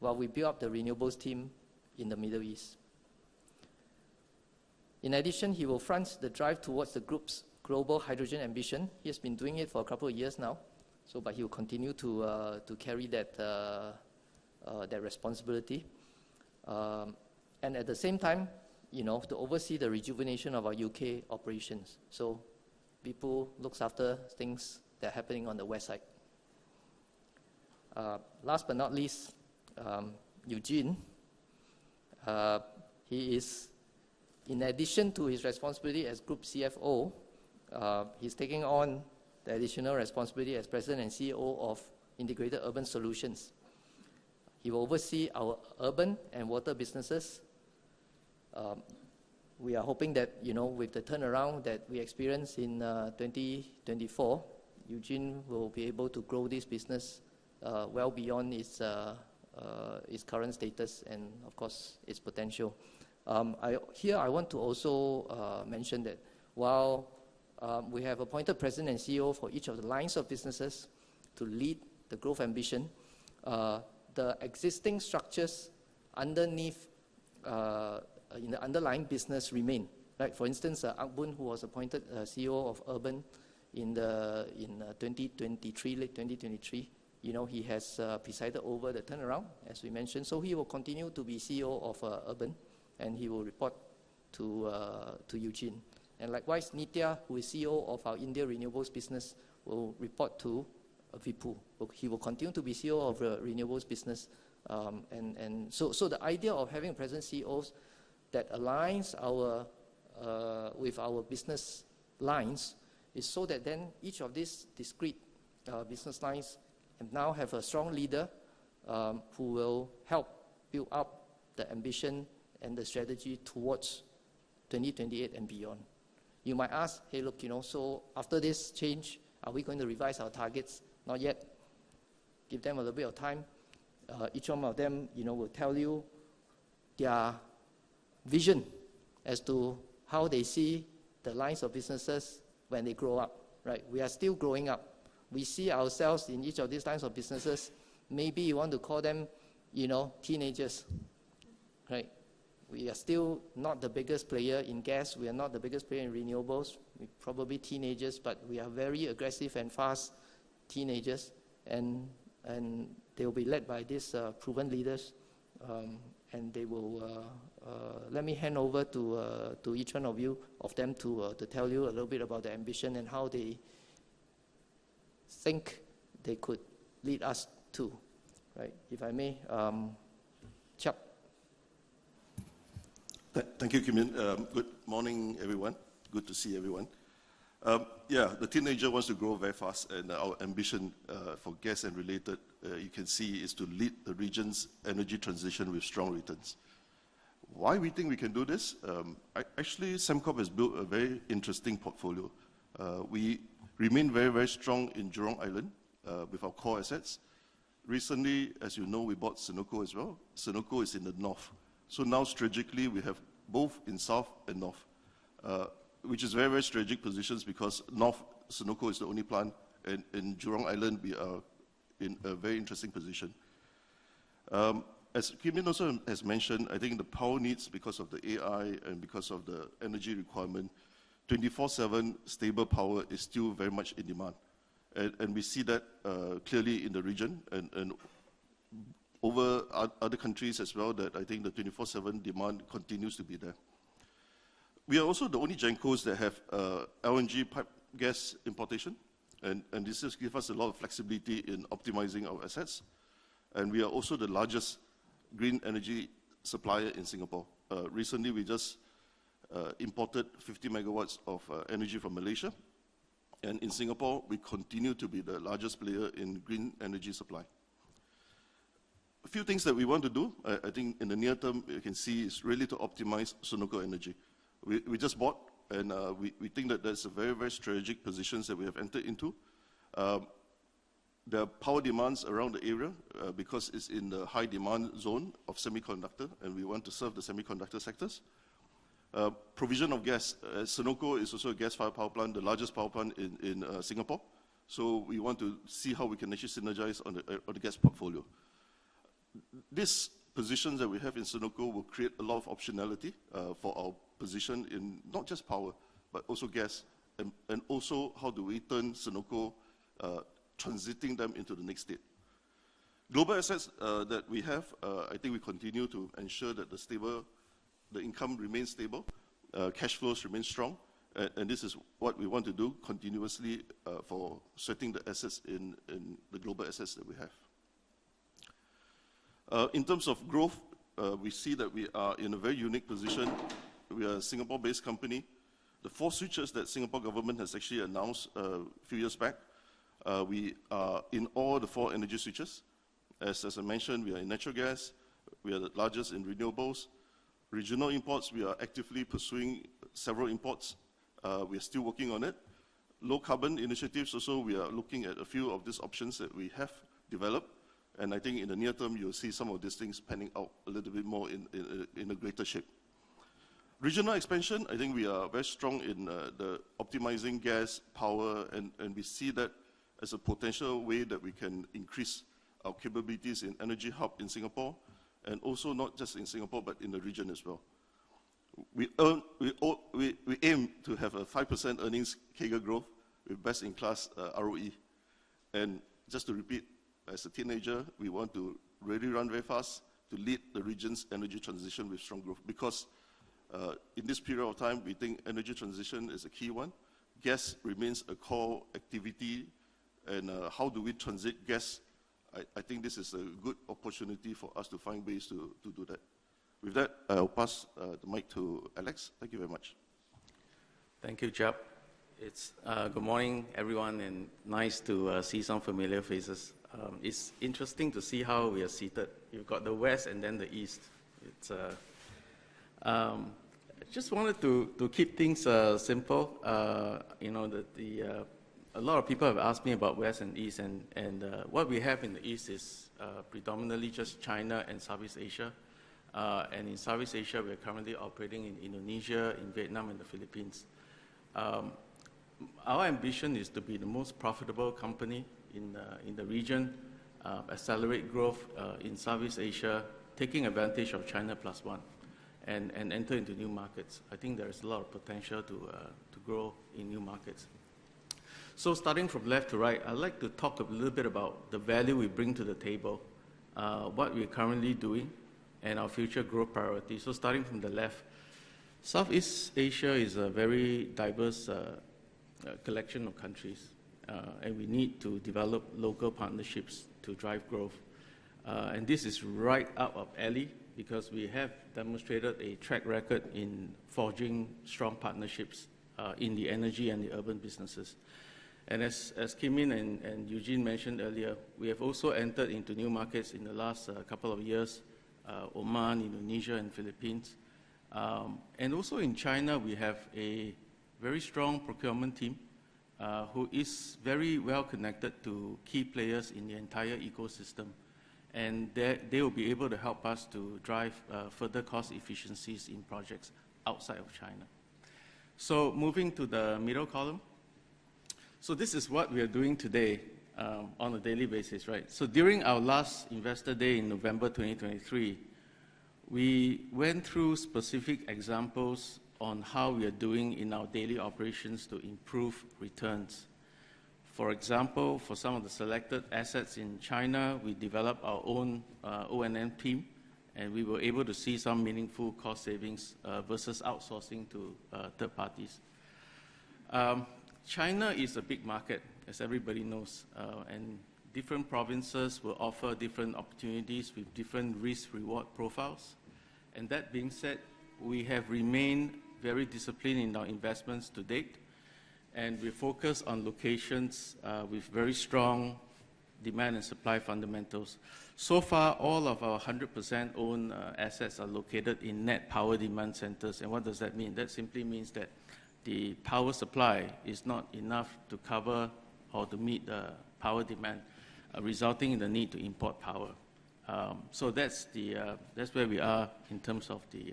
S2: while we build up the renewables team in the Middle East. In addition, he will front the drive towards the group's global hydrogen ambition. He has been doing it for a couple of years now, but he will continue to carry that responsibility. And at the same time, to oversee the rejuvenation of our U.K. operations. So, Vipul looks after things that are happening on the west side. Last but not least, Eugene, he is, in addition to his responsibility as Group CFO, he's taking on the additional responsibility as President and CEO of Integrated Urban Solutions. He will oversee our urban and water businesses. We are hoping that with the turnaround that we experience in 2024, Eugene will be able to grow this business well beyond its current status and, of course, its potential. Here, I want to also mention that while we have appointed President and CEO for each of the lines of businesses to lead the growth ambition, the existing structures underneath in the underlying business remain. For instance, Ark Boon, who was appointed CEO of Urban in late 2023, he has presided over the turnaround, as we mentioned. So, he will continue to be CEO of Urban, and he will report to Eugene. And likewise, Nithya, who is CEO of our India renewables business, will report to Vipul. He will continue to be CEO of the renewables business. And so, the idea of having President CEOs that align with our business lines is so that then each of these discrete business lines now have a strong leader who will help build up the ambition and the strategy towards 2028 and beyond. You might ask, "Hey, look, so after this change, are we going to revise our targets?" Not yet. Give them a little bit of time. Each one of them will tell you their vision as to how they see the lines of businesses when they grow up. We are still growing up. We see ourselves in each of these lines of businesses. Maybe you want to call them teenagers. We are still not the biggest player in gas. We are not the biggest player in renewables. We're probably teenagers, but we are very aggressive and fast teenagers. And they will be led by these proven leaders, and they will let me hand over to each one of them to tell you a little bit about their ambition and how they think they could lead us too. If I may, Chiap.
S4: Thank you, Kim Yin. Good morning, everyone. Good to see everyone. Yeah, the teenager wants to grow very fast, and our ambition for gas and related, you can see, is to lead the region's energy transition with strong returns. Why we think we can do this? Actually, Sembcorp has built a very interesting portfolio. We remain very, very strong in Jurong Island with our core assets. Recently, as you know, we bought Senoko as well. Senoko is in the north. So now, strategically, we have both in south and north, which is very, very strategic positions because north, Senoko is the only plant, and in Jurong Island, we are in a very interesting position. As Kim Yin also has mentioned, I think the power needs, because of the AI and because of the energy requirement, 24/7 stable power is still very much in demand. We see that clearly in the region and over other countries as well, that I think the 24/7 demand continues to be there. We are also the only GenCos that have LNG piped gas importation, and this just gives us a lot of flexibility in optimizing our assets. We are also the largest green energy supplier in Singapore. Recently, we just imported 50 MWs of energy from Malaysia. In Singapore, we continue to be the largest player in green energy supply. A few things that we want to do, I think in the near term, you can see, is really to optimize Senoko Energy. We just bought, and we think that that's a very, very strategic position that we have entered into. There are power demands around the area because it's in the high demand zone of semiconductor, and we want to serve the semiconductor sectors. Provision of gas. Senoko is also a gas-fired power plant, the largest power plant in Singapore. We want to see how we can actually synergize on the gas portfolio. This position that we have in Senoko will create a lot of optionality for our position in not just power, but also gas, and also how do we turn Senoko, transitioning them into the next state. Global assets that we have, I think we continue to ensure that the income remains stable, cash flows remain strong, and this is what we want to do continuously for setting the assets in the global assets that we have. In terms of growth, we see that we are in a very unique position. We are a Singapore-based company. The Four Switches that Singapore Government has actually announced a few years back, we are in all the four energy switches. As I mentioned, we are in natural gas. We are the largest in renewables. Regional imports, we are actively pursuing several imports. We are still working on it. Low carbon initiatives also, we are looking at a few of these options that we have developed. And I think in the near term, you'll see some of these things panning out a little bit more in a greater shape. Regional expansion, I think we are very strong in optimizing gas, power, and we see that as a potential way that we can increase our capabilities in energy hub in Singapore, and also not just in Singapore, but in the region as well. We aim to have a 5% earnings CAGR growth with best-in-class ROE. Just to repeat, as a teenager, we want to really run very fast to lead the region's energy transition with strong growth because in this period of time, we think energy transition is a key one. Gas remains a core activity, and how do we transit gas? I think this is a good opportunity for us to find ways to do that. With that, I'll pass the mic to Alex.
S5: Thank you very much. Thank you, Chiap. Good morning, everyone, and nice to see some familiar faces. It's interesting to see how we are seated. You've got the west and then the east. I just wanted to keep things simple. A lot of people have asked me about west and east, and what we have in the east is predominantly just China and Southeast Asia. In Southeast Asia, we are currently operating in Indonesia, in Vietnam, and the Philippines. Our ambition is to be the most profitable company in the region, accelerate growth in Southeast Asia, taking advantage of China Plus One, and enter into new markets. I think there is a lot of potential to grow in new markets. Starting from left to right, I'd like to talk a little bit about the value we bring to the table, what we're currently doing, and our future growth priorities. Starting from the left, Southeast Asia is a very diverse collection of countries, and we need to develop local partnerships to drive growth. This is right up our alley because we have demonstrated a track record in forging strong partnerships in the energy and the urban businesses. As Kim Yin and Eugene mentioned earlier, we have also entered into new markets in the last couple of years, Oman, Indonesia, and Philippines. Also in China, we have a very strong procurement team who is very well connected to key players in the entire ecosystem. They will be able to help us to drive further cost efficiencies in projects outside of China. Moving to the middle column, this is what we are doing today on a daily basis. During our last investor day in November 2023, we went through specific examples on how we are doing in our daily operations to improve returns. For example, for some of the selected assets in China, we developed our own O&M team, and we were able to see some meaningful cost savings versus outsourcing to third parties. China is a big market, as everybody knows, and different provinces will offer different opportunities with different risk-reward profiles. And that being said, we have remained very disciplined in our investments to date, and we focus on locations with very strong demand and supply fundamentals. So far, all of our 100% owned assets are located in net power demand centers. And what does that mean? That simply means that the power supply is not enough to cover or to meet the power demand, resulting in the need to import power. So that's where we are in terms of the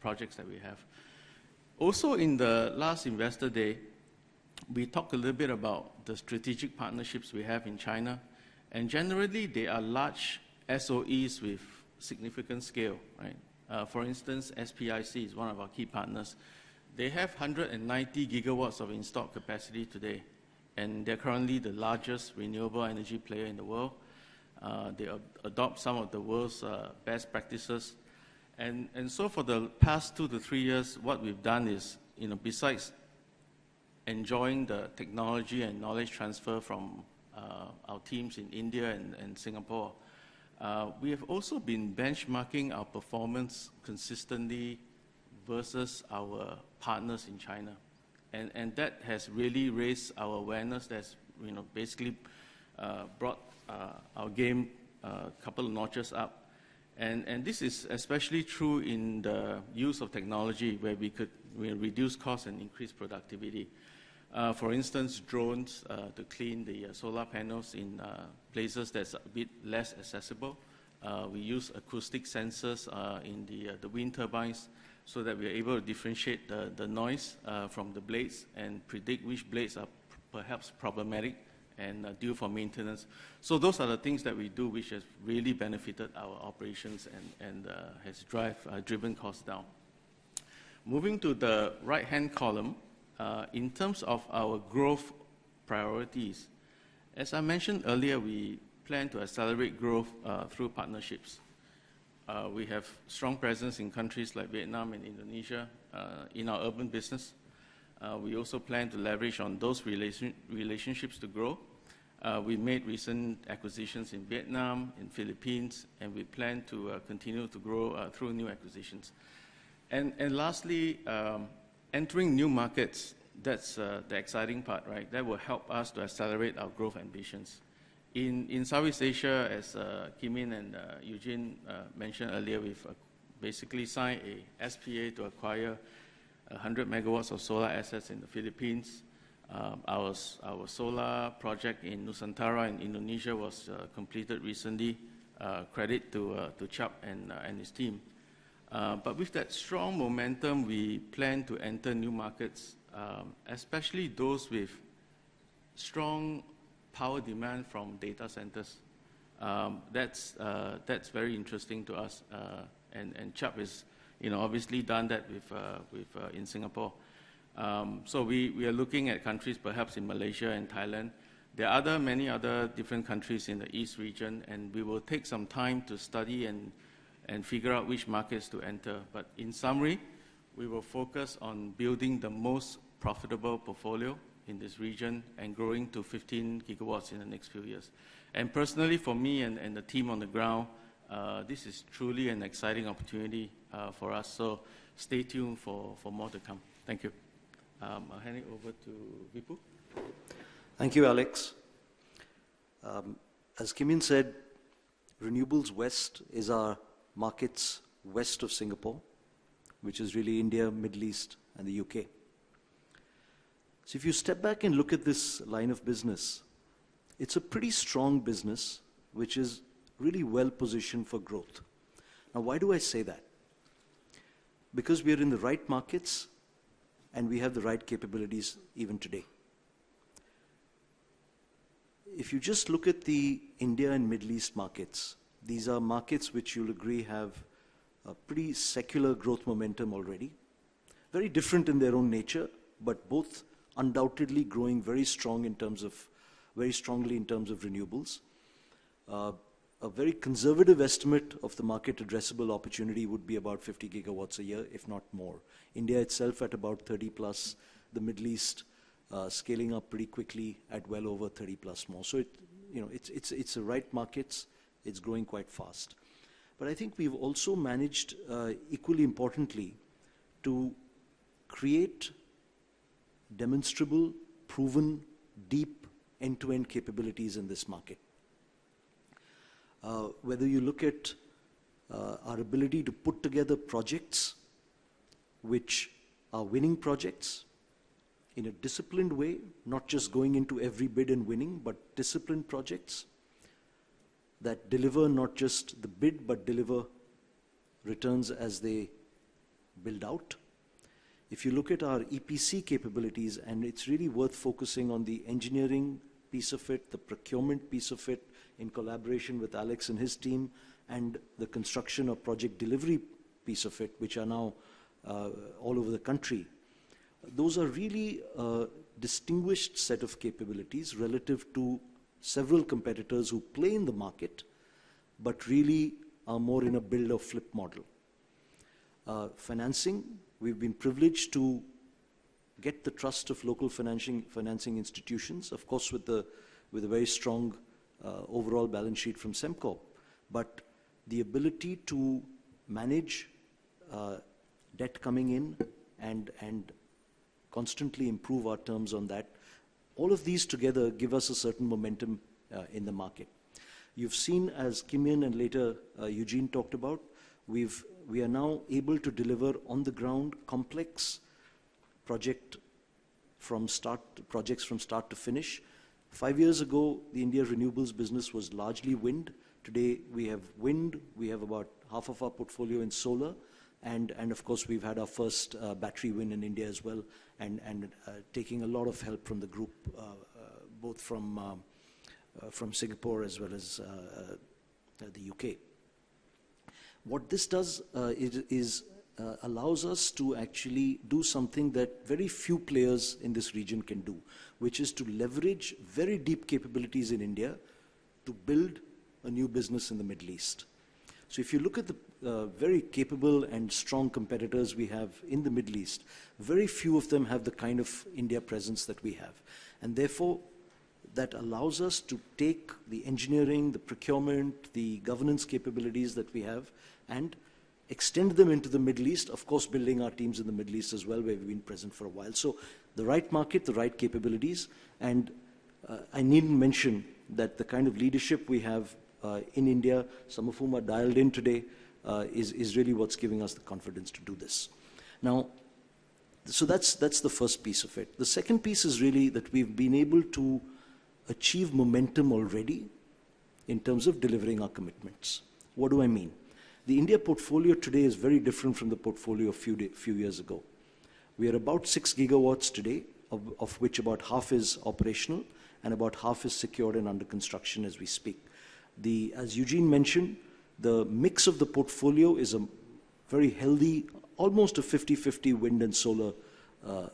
S5: projects that we have. Also, in the last investor day, we talked a little bit about the strategic partnerships we have in China. And generally, they are large SOEs with significant scale. For instance, SPIC is one of our key partners. They have 190 GW of installed capacity today, and they're currently the largest renewable energy player in the world. They adopt some of the world's best practices, and so for the past two to three years, what we've done is, besides enjoying the technology and knowledge transfer from our teams in India and Singapore, we have also been benchmarking our performance consistently versus our partners in China, and that has really raised our awareness. That's basically brought our game a couple of notches up, and this is especially true in the use of technology where we could reduce costs and increase productivity. For instance, drones to clean the solar panels in places that are a bit less accessible. We use acoustic sensors in the wind turbines so that we are able to differentiate the noise from the blades and predict which blades are perhaps problematic and due for maintenance. So those are the things that we do, which has really benefited our operations and has driven costs down. Moving to the right-hand column, in terms of our growth priorities, as I mentioned earlier, we plan to accelerate growth through partnerships. We have a strong presence in countries like Vietnam and Indonesia in our urban business. We also plan to leverage on those relationships to grow. We made recent acquisitions in Vietnam, in Philippines, and we plan to continue to grow through new acquisitions and lastly, entering new markets, that's the exciting part. That will help us to accelerate our growth ambitions. In Southeast Asia, as Kim Yin and Eugene mentioned earlier, we've basically signed an SPA to acquire 100 MWs of solar assets in the Philippines. Our solar project in Nusantara in Indonesia was completed recently, credit to Chiap and his team. But with that strong momentum, we plan to enter new markets, especially those with strong power demand from data centers. That's very interesting to us. And Chiap has obviously done that in Singapore. So we are looking at countries, perhaps in Malaysia and Thailand. There are many other different countries in the east region, and we will take some time to study and figure out which markets to enter. But in summary, we will focus on building the most profitable portfolio in this region and growing to 15 GW in the next few years. And personally, for me and the team on the ground, this is truly an exciting opportunity for us. So stay tuned for more to come. Thank you. I'll hand it over to Vipul.
S6: Thank you, Alex. As Wong Kim Yin said, Renewables West is our markets west of Singapore, which is really India, Middle East, and the UK. So if you step back and look at this line of business, it's a pretty strong business, which is really well positioned for growth. Now, why do I say that? Because we are in the right markets and we have the right capabilities even today. If you just look at the India and Middle East markets, these are markets which you'll agree have a pretty secular growth momentum already. Very different in their own nature, but both undoubtedly growing very strong in terms of renewables. A very conservative estimate of the market addressable opportunity would be about 50 GW a year, if not more. India itself at about 30 plus, the Middle East scaling up pretty quickly at well over 30 plus more. So it's the right markets. It's growing quite fast. But I think we've also managed, equally importantly, to create demonstrable, proven, deep end-to-end capabilities in this market. Whether you look at our ability to put together projects which are winning projects in a disciplined way, not just going into every bid and winning, but disciplined projects that deliver not just the bid, but deliver returns as they build out. If you look at our EPC capabilities, and it's really worth focusing on the engineering piece of it, the procurement piece of it in collaboration with Alex and his team, and the construction of project delivery piece of it, which are now all over the country. Those are really a distinguished set of capabilities relative to several competitors who play in the market, but really are more in a build-to-flip model. Financing, we've been privileged to get the trust of local financing institutions, of course, with a very strong overall balance sheet from Sembcorp. But the ability to manage debt coming in and constantly improve our terms on that, all of these together give us a certain momentum in the market. You've seen, as Kim Yin and later Eugene talked about, we are now able to deliver on the ground complex projects from start to finish. Five years ago, the India renewables business was largely wind. Today, we have wind. We have about half of our portfolio in solar. And of course, we've had our first battery wind in India as well, and taking a lot of help from the group, both from Singapore as well as the UK. What this does is allow us to actually do something that very few players in this region can do, which is to leverage very deep capabilities in India to build a new business in the Middle East, so if you look at the very capable and strong competitors we have in the Middle East, very few of them have the kind of India presence that we have, and therefore, that allows us to take the engineering, the procurement, the governance capabilities that we have and extend them into the Middle East, of course, building our teams in the Middle East as well, where we've been present for a while, so the right market, the right capabilities, and I need to mention that the kind of leadership we have in India, some of whom are dialed in today, is really what's giving us the confidence to do this. Now, so that's the first piece of it. The second piece is really that we've been able to achieve momentum already in terms of delivering our commitments. What do I mean? The India portfolio today is very different from the portfolio a few years ago. We are about six GW today, of which about half is operational and about half is secured and under construction as we speak. As Eugene mentioned, the mix of the portfolio is a very healthy, almost a 50-50 wind and solar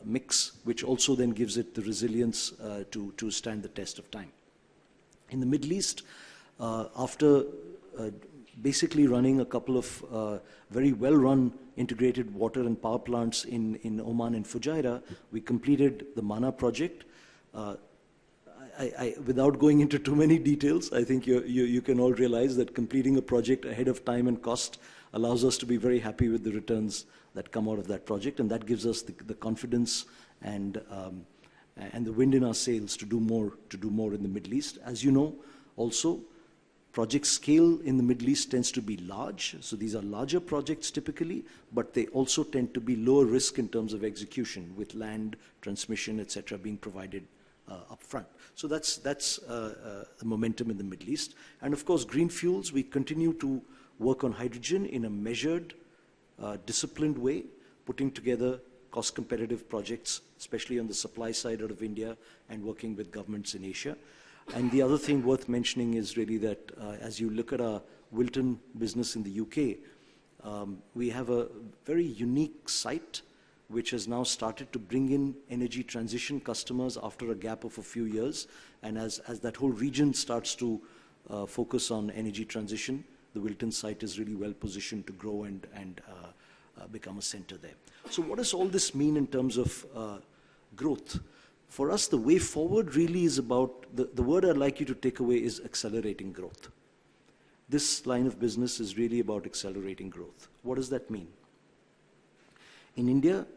S6: mix, which also then gives it the resilience to stand the test of time. In the Middle East, after basically running a couple of very well-run integrated water and power plants in Oman and Fujairah, we completed the Manah project. Without going into too many details, I think you can all realize that completing a project ahead of time and cost allows us to be very happy with the returns that come out of that project. And that gives us the confidence and the wind in our sails to do more in the Middle East. As you know, also, project scale in the Middle East tends to be large. So these are larger projects typically, but they also tend to be lower risk in terms of execution, with land transmission, etc., being provided upfront. So that's the momentum in the Middle East. And of course, green fuels, we continue to work on hydrogen in a measured, disciplined way, putting together cost-competitive projects, especially on the supply side out of India and working with governments in Asia. And the other thing worth mentioning is really that as you look at our Wilton business in the U.K., we have a very unique site which has now started to bring in energy transition customers after a gap of a few years. And as that whole region starts to focus on energy transition, the Wilton site is really well positioned to grow and become a center there. So what does all this mean in terms of growth? For us, the way forward really is about the word I'd like you to take away is accelerating growth. This line of business is really about accelerating growth. What does that mean? In India,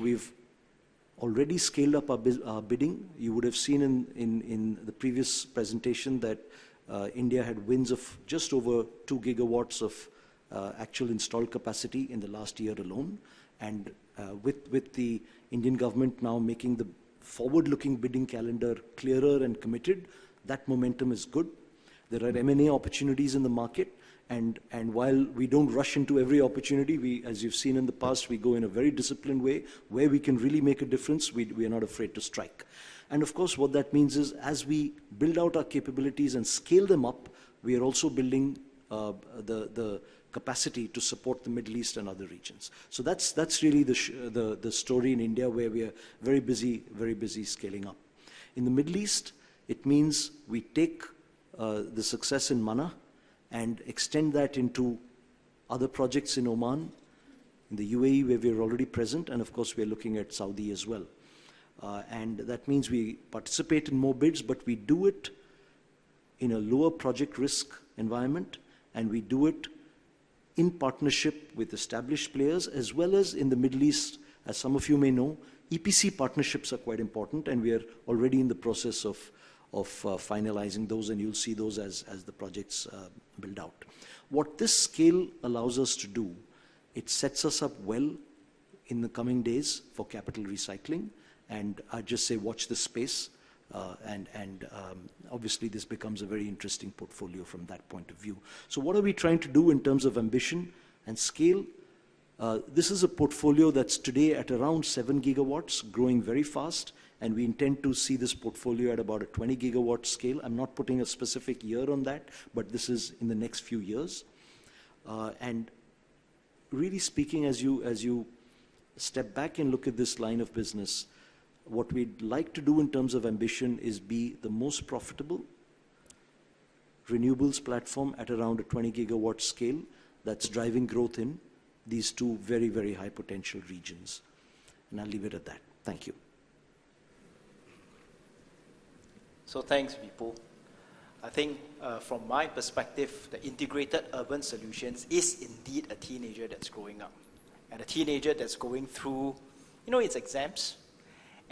S6: we've already scaled up our bidding. You would have seen in the previous presentation that India had won just over two GW of actual installed capacity in the last year alone. With the Indian government now making the forward-looking bidding calendar clearer and committed, that momentum is good. There are M&A opportunities in the market. While we don't rush into every opportunity, as you've seen in the past, we go in a very disciplined way where we can really make a difference. We are not afraid to strike. Of course, what that means is as we build out our capabilities and scale them up, we are also building the capacity to support the Middle East and other regions. That's really the story in India where we are very busy, very busy scaling up. In the Middle East, it means we take the success in Manah and extend that into other projects in Oman, in the UAE where we are already present. Of course, we are looking at Saudi as well. And that means we participate in more bids, but we do it in a lower project risk environment. And we do it in partnership with established players as well as in the Middle East. As some of you may know, EPC partnerships are quite important, and we are already in the process of finalizing those, and you'll see those as the projects build out. What this scale allows us to do, it sets us up well in the coming days for capital recycling. And I just say, watch this space. And obviously, this becomes a very interesting portfolio from that point of view. So what are we trying to do in terms of ambition and scale? This is a portfolio that's today at around 7 GW, growing very fast. And we intend to see this portfolio at about a 20 GW scale. I'm not putting a specific year on that, but this is in the next few years. And really speaking, as you step back and look at this line of business, what we'd like to do in terms of ambition is be the most profitable renewables platform at around a 20 GW scale that's driving growth in these two very, very high potential regions. And I'll leave it at that.
S3: Thank you. So thanks, Vipul. I think from my perspective, the integrated urban solutions is indeed a teenager that's growing up and a teenager that's going through its exams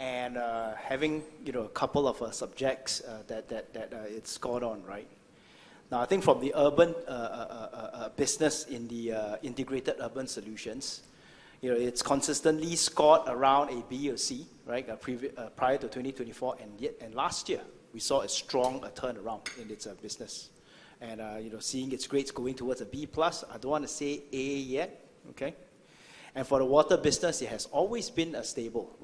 S3: and having a couple of subjects that it's scored on, right? Now, I think from the urban business in the integrated urban solutions, it's consistently scored around a B or C prior to 2024. And last year, we saw a strong turnaround in its business. Seeing its grades going towards a B plus, I don't want to say A yet, okay? For the water business, it has always been a stable.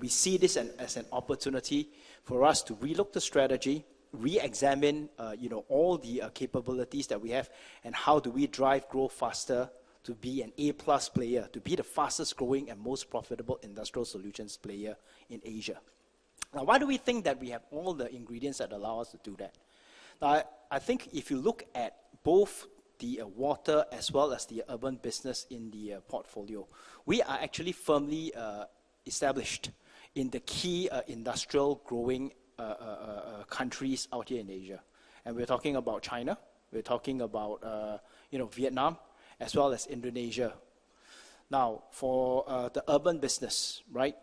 S3: We see this as an opportunity for us to relook the strategy, re-examine all the capabilities that we have, and how do we drive growth faster to be an A plus player, to be the fastest growing and most profitable industrial solutions player in Asia. Now, why do we think that we have all the ingredients that allow us to do that? Now, I think if you look at both the water as well as the urban business in the portfolio, we are actually firmly established in the key industrial growing countries out here in Asia. We're talking about China, we're talking about Vietnam, as well as Indonesia. Now, for the urban business, we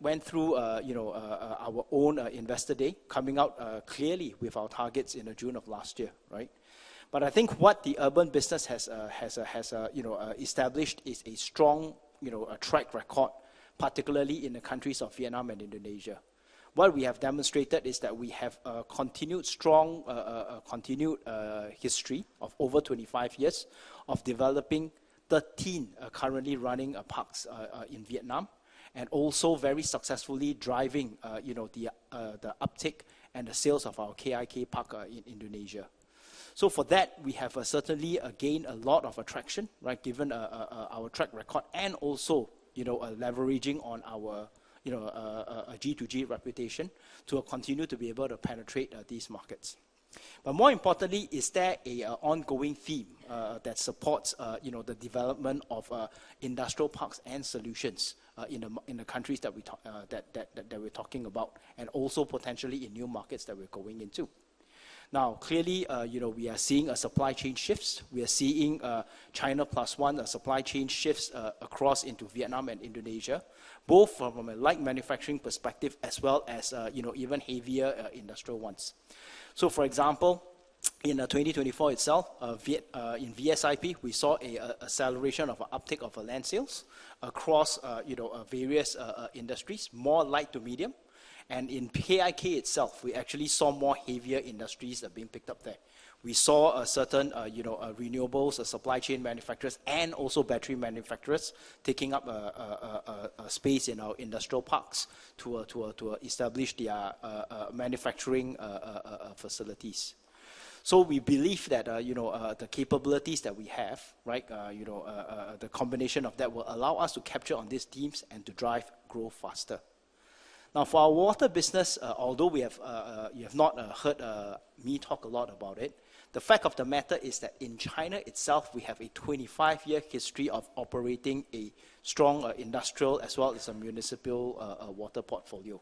S3: went through our own investor day coming out clearly with our targets in June of last year, right? But I think what the urban business has established is a strong track record, particularly in the countries of Vietnam and Indonesia. What we have demonstrated is that we have a continued strong history of over 25 years of developing 13 currently running parks in Vietnam and also very successfully driving the uptake and the sales of our KIK Park in Indonesia. So for that, we have certainly gained a lot of traction given our track record and also a leveraging on our G2G reputation to continue to be able to penetrate these markets. But more importantly, is there an ongoing theme that supports the development of industrial parks and solutions in the countries that we're talking about and also potentially in new markets that we're going into? Now, clearly, we are seeing supply chain shifts. We are seeing China Plus One, a supply chain shift across into Vietnam and Indonesia, both from a light manufacturing perspective as well as even heavier industrial ones. So, for example, in 2024 itself, in VSIP, we saw an acceleration of an uptake of land sales across various industries, more light to medium. And in KIK itself, we actually saw more heavier industries being picked up there. We saw certain renewables, supply chain manufacturers, and also battery manufacturers taking up space in our industrial parks to establish their manufacturing facilities. We believe that the capabilities that we have, the combination of that will allow us to capture on these teams and to drive growth faster. Now, for our water business, although you have not heard me talk a lot about it, the fact of the matter is that in China itself, we have a 25-year history of operating a strong industrial as well as a municipal water portfolio.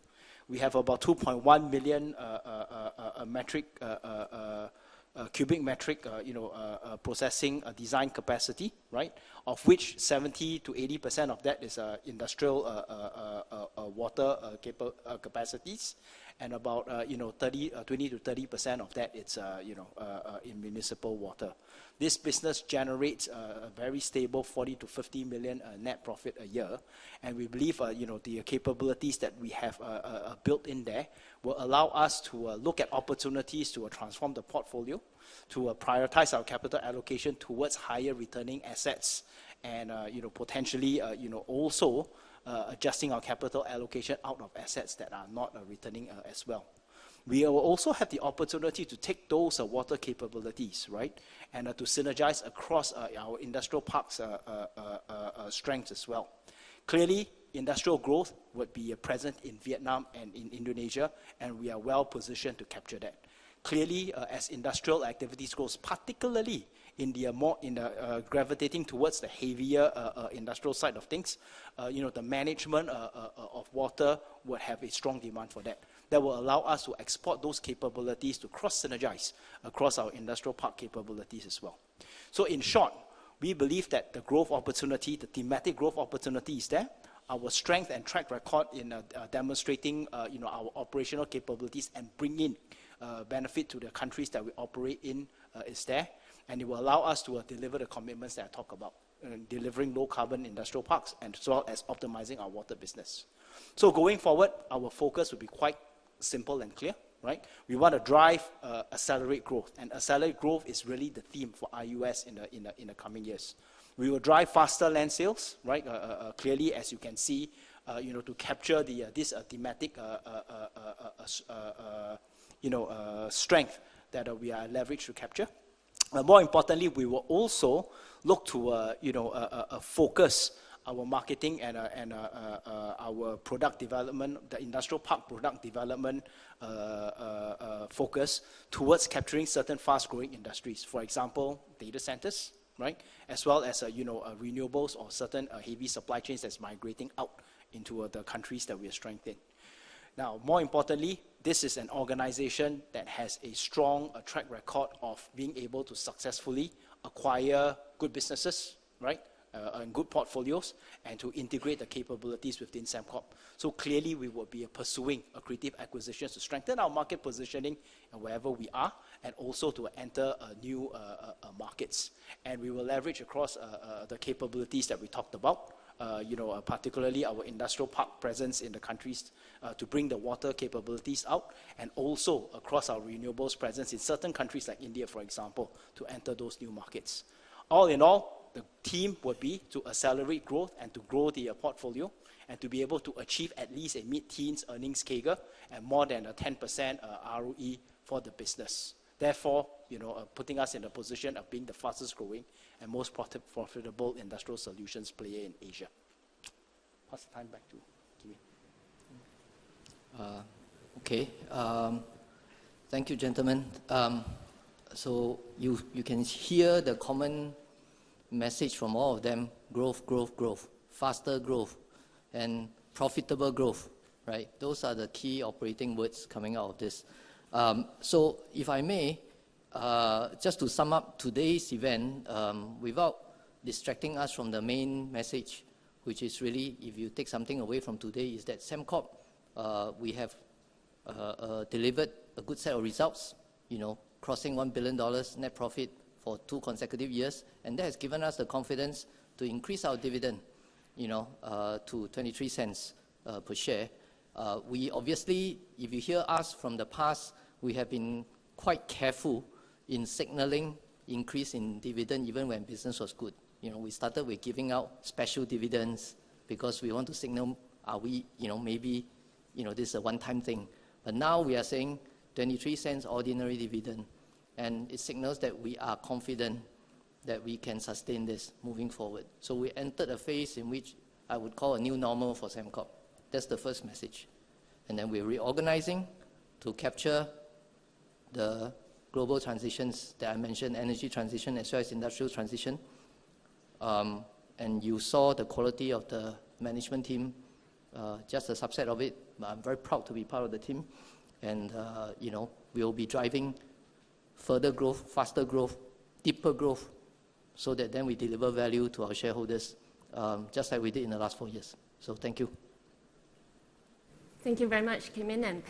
S3: We have about 2.1 million cubic meters processing design capacity, of which 70%-80% of that is industrial water capacities. And about 20%-30% of that is in municipal water. This business generates a very stable 40-50 million net profit a year. We believe the capabilities that we have built in there will allow us to look at opportunities to transform the portfolio, to prioritize our capital allocation towards higher returning assets and potentially also adjusting our capital allocation out of assets that are not returning as well. We will also have the opportunity to take those water capabilities and to synergize across our industrial parks' strengths as well. Clearly, industrial growth would be present in Vietnam and in Indonesia, and we are well positioned to capture that. Clearly, as industrial activities grow, particularly in the gravitating towards the heavier industrial side of things, the management of water would have a strong demand for that. That will allow us to export those capabilities to cross-synergize across our industrial park capabilities as well. In short, we believe that the growth opportunity, the thematic growth opportunity is there. Our strength and track record in demonstrating our operational capabilities and bringing benefit to the countries that we operate in is there, and it will allow us to deliver the commitments that I talk about, delivering low carbon industrial parks and as well as optimizing our water business, so going forward, our focus will be quite simple and clear. We want to drive, accelerate growth, and accelerate growth is really the theme for IUS in the coming years. We will drive faster land sales, clearly, as you can see, to capture this thematic strength that we are leveraged to capture. More importantly, we will also look to focus our marketing and our product development, the industrial park product development focus towards capturing certain fast-growing industries, for example, data centers, as well as renewables or certain heavy supply chains that are migrating out into the countries that we are strengthening. Now, more importantly, this is an organization that has a strong track record of being able to successfully acquire good businesses and good portfolios and to integrate the capabilities within Sembcorp. So, clearly, we will be pursuing accretive acquisitions to strengthen our market positioning wherever we are and also to enter new markets. And we will leverage across the capabilities that we talked about, particularly our industrial park presence in the countries to bring the water capabilities out and also across our renewables presence in certain countries like India, for example, to enter those new markets. All in all, the theme would be to accelerate growth and to grow the portfolio and to be able to achieve at least a mid-teens earnings CAGR and more than a 10% ROE for the business. Therefore, putting us in a position of being the fastest growing and most profitable industrial solutions player in Asia. Pass the time back to Kim Yin.
S2: Okay. Thank you, gentlemen. You can hear the common message from all of them: growth, growth, growth, faster growth, and profitable growth. Those are the key operating words coming out of this. If I may, just to sum up today's event, without distracting us from the main message, which is really, if you take something away from today, is that Sembcorp, we have delivered a good set of results, crossing S$1 billion net profit for two consecutive years. And that has given us the confidence to increase our dividend to S$0.23 per share. Obviously, if you hear us from the past, we have been quite careful in signaling increase in dividend even when business was good. We started with giving out special dividends because we want to signal maybe this is a one-time thing. But now we are saying 0.23 ordinary dividend. And it signals that we are confident that we can sustain this moving forward. So, we entered a phase in which I would call a new normal for Sembcorp. That's the first message. And then we're reorganizing to capture the global transitions that I mentioned, energy transition as well as industrial transition. And you saw the quality of the management team, just a subset of it. I'm very proud to be part of the team. And we will be driving further growth, faster growth, deeper growth so that then we deliver value to our shareholders just like we did in the last four years. So, thank you.
S1: Thank you very much, Kim Yin and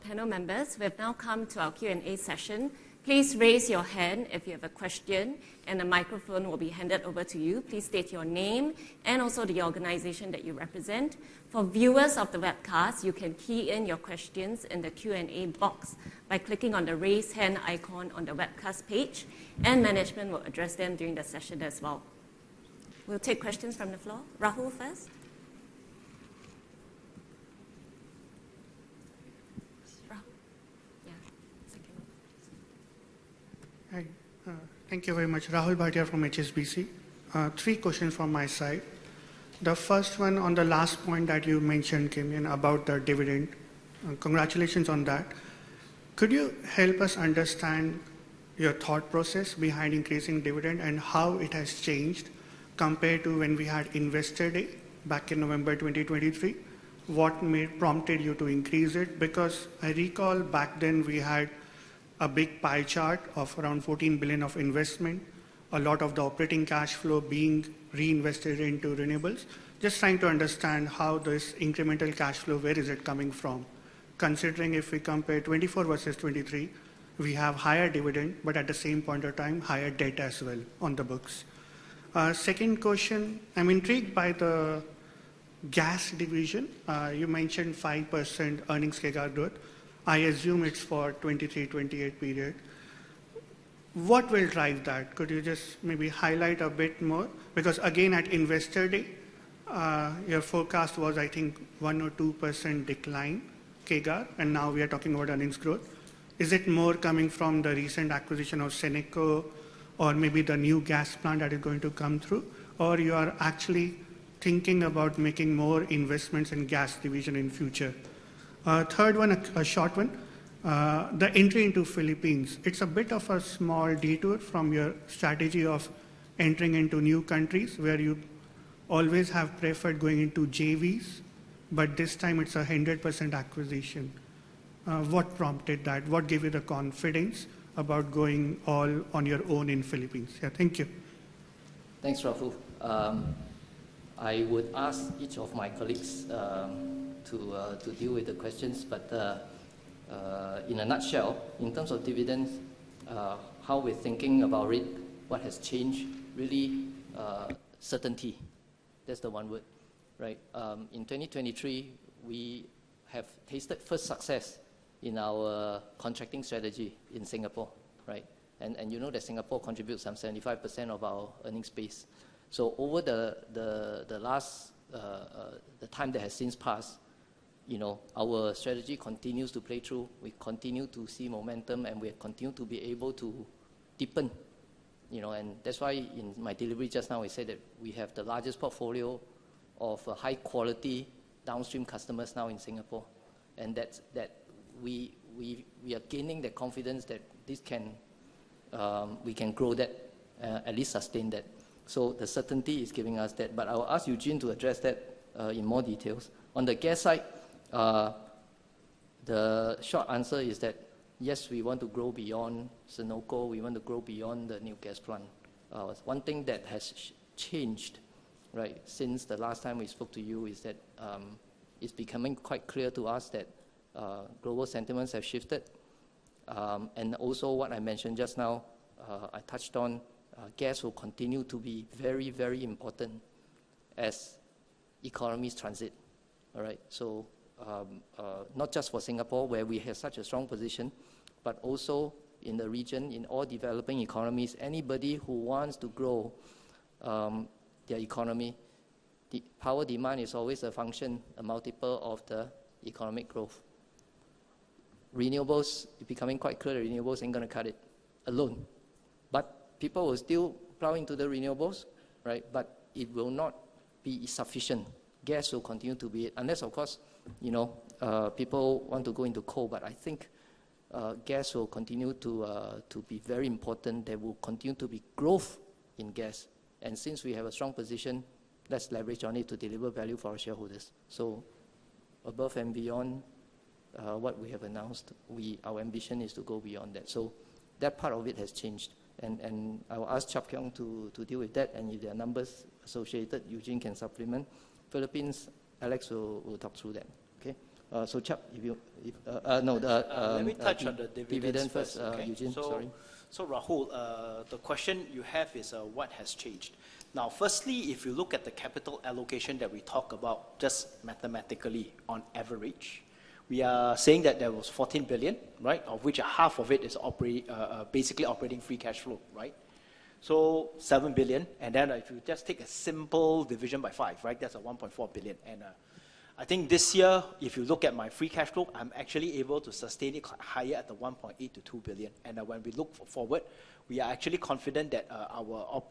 S1: panel members. We have now come to our Q&A session. Please raise your hand if you have a question, and the microphone will be handed over to you. Please state your name and also the organization that you represent. For viewers of the webcast, you can key in your questions in the Q&A box by clicking on the raise hand icon on the webcast page, and management will address them during the session as well. We'll take questions from the floor. Rahul first. Yeah.
S7: Thank you very much. Rahul Bhatia from HSBC. Three questions from my side. The first one on the last point that you mentioned, Kim Yin, about the dividend. Congratulations on that. Could you help us understand your thought process behind increasing dividend and how it has changed compared to when we had invested back in November 2023? What prompted you to increase it? Because I recall back then we had a big pie chart of around 14 billion of investment, a lot of the operating cash flow being reinvested into renewables. Just trying to understand how this incremental cash flow, where is it coming from? Considering if we compare 2024 versus 2023, we have higher dividend, but at the same point of time, higher debt as well on the books. Second question, I'm intrigued by the gas division. You mentioned 5% earnings CAGR growth. I assume it's for 2023-2028 period. What will drive that? Could you just maybe highlight a bit more? Because again, at investor day, your forecast was, I think, 1 or 2% decline CAGR, and now we are talking about earnings growth. Is it more coming from the recent acquisition of Senoko or maybe the new gas plant that is going to come through, or you are actually thinking about making more investments in gas division in future? Third one, a short one, the entry into Philippines. It's a bit of a small detour from your strategy of entering into new countries where you always have preferred going into JVs, but this time it's a 100% acquisition. What prompted that? What gave you the confidence about going all on your own in Philippines?
S2: Yeah, thank you. Thanks, Rahul. I would ask each of my colleagues to deal with the questions, but in a nutshell, in terms of dividends, how we're thinking about it, what has changed, really certainty, that's the one word. In 2023, we have tasted first success in our contracting strategy in Singapore. You know that Singapore contributes some 75% of our earnings base. Over the last time that has since passed, our strategy continues to play through. We continue to see momentum, and we continue to be able to deepen. That's why in my delivery just now, I said that we have the largest portfolio of high-quality downstream customers now in Singapore. And that we are gaining the confidence that we can grow that, at least sustain that. The certainty is giving us that. I'll ask Eugene to address that in more details. On the gas side, the short answer is that, yes, we want to grow beyond Senoko. We want to grow beyond the new gas plant. One thing that has changed since the last time we spoke to you is that it's becoming quite clear to us that global sentiments have shifted. And also, what I mentioned just now, I touched on gas will continue to be very, very important as economies transition. So, not just for Singapore, where we have such a strong position, but also in the region, in all developing economies. Anybody who wants to grow their economy, power demand is always a function, a multiple of the economic growth. Renewables, it's becoming quite clear that renewables ain't going to cut it alone. But people will still plow into the renewables, but it will not be sufficient. Gas will continue to be it. Unless, of course, people want to go into coal. But I think gas will continue to be very important. There will continue to be growth in gas. And since we have a strong position, let's leverage on it to deliver value for our shareholders. So, above and beyond what we have announced, our ambition is to go beyond that. So, that part of it has changed. And I will ask Chiap Khiong to deal with that. And if there are numbers associated, Eugene can supplement. Philippines, Alex will talk through that. So, Chiap, if you—no. Let me touch on the dividends first, Eugene.
S3: Sorry. So, Rahul, the question you have is, what has changed? Now, firstly, if you look at the capital allocation that we talk about, just mathematically, on average, we are saying that there was 14 billion, of which half of it is basically operating free cash flow. So, 7 billion. And then if you just take a simple division by 5, that's 1.4 billion. And I think this year, if you look at my free cash flow, I'm actually able to sustain it higher at 1.8 billion-2 billion. When we look forward, we are actually confident that our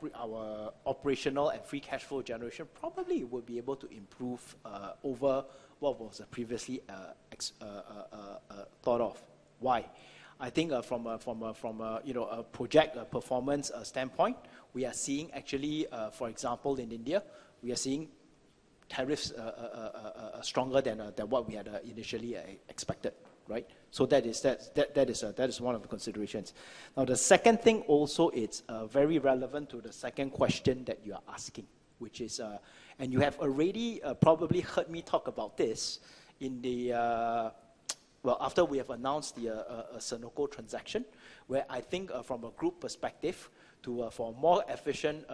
S3: operational and free cash flow generation probably will be able to improve over what was previously thought of. Why? I think from a project performance standpoint, we are seeing, actually, for example, in India, we are seeing tariffs stronger than what we had initially expected. So, that is one of the considerations. Now, the second thing also is very relevant to the second question that you are asking, which is, and you have already probably heard me talk about this in the, well, after we have announced the Senoko transaction, where I think from a group perspective, for more efficient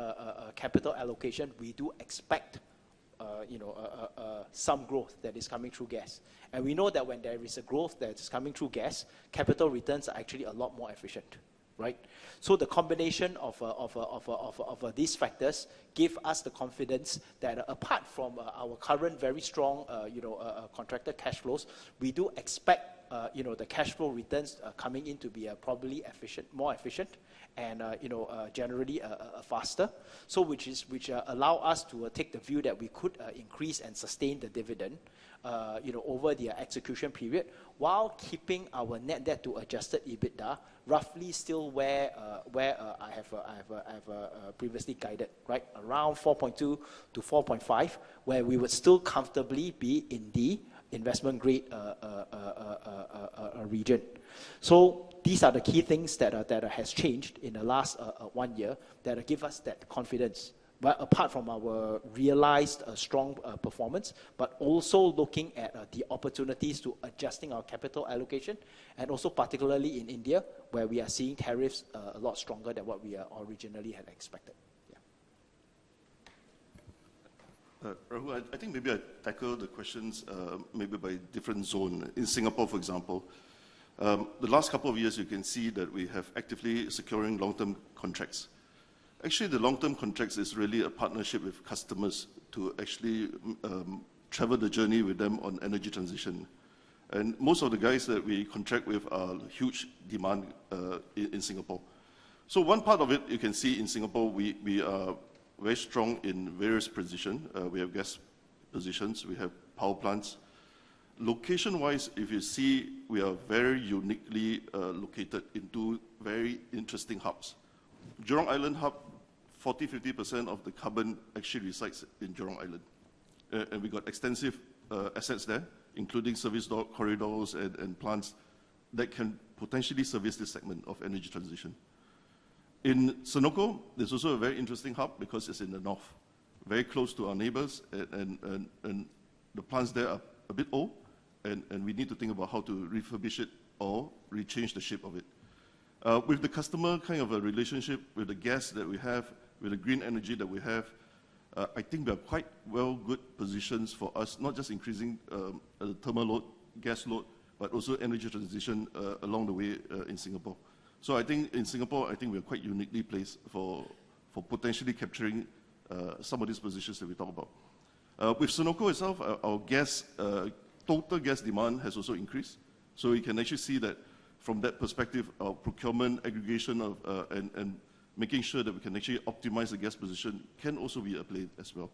S3: capital allocation, we do expect some growth that is coming through gas. And we know that when there is a growth that is coming through gas, capital returns are actually a lot more efficient. The combination of these factors gives us the confidence that apart from our current very strong contractor cash flows, we do expect the cash flow returns coming in to be probably more efficient and generally faster, which allows us to take the view that we could increase and sustain the dividend over the execution period while keeping our net debt to Adjusted EBITDA roughly still where I have previously guided, around 4.2-4.5, where we would still comfortably be in the investment-grade region. These are the key things that have changed in the last one year that give us that confidence. Apart from our realized strong performance, but also looking at the opportunities to adjust our capital allocation, and also particularly in India, where we are seeing tariffs a lot stronger than what we originally had expected.
S4: Rahul, I think maybe I tackle the questions maybe by different zone. In Singapore, for example, the last couple of years, you can see that we have actively securing long-term contracts. Actually, the long-term contracts is really a partnership with customers to actually travel the journey with them on energy transition. And most of the guys that we contract with are huge demand in Singapore. So, one part of it, you can see in Singapore, we are very strong in various positions. We have gas positions. We have power plants. Location-wise, if you see, we are very uniquely located in two very interesting hubs. Jurong Island hub, 40%-50% of the carbon actually resides in Jurong Island. And we got extensive assets there, including service corridors and plants that can potentially service this segment of energy transition. In Senoko, there's also a very interesting hub because it's in the north, very close to our neighbors. The plants there are a bit old, and we need to think about how to refurbish it or rechange the shape of it. With the customer kind of a relationship with the gas that we have, with the green energy that we have, I think we are quite well positioned for us, not just increasing the thermal load, gas load, but also energy transition along the way in Singapore. I think in Singapore, I think we are quite uniquely placed for potentially capturing some of these positions that we talk about. With Senoko itself, our total gas demand has also increased. So, we can actually see that from that perspective, our procurement aggregation and making sure that we can actually optimize the gas position can also be a play as well.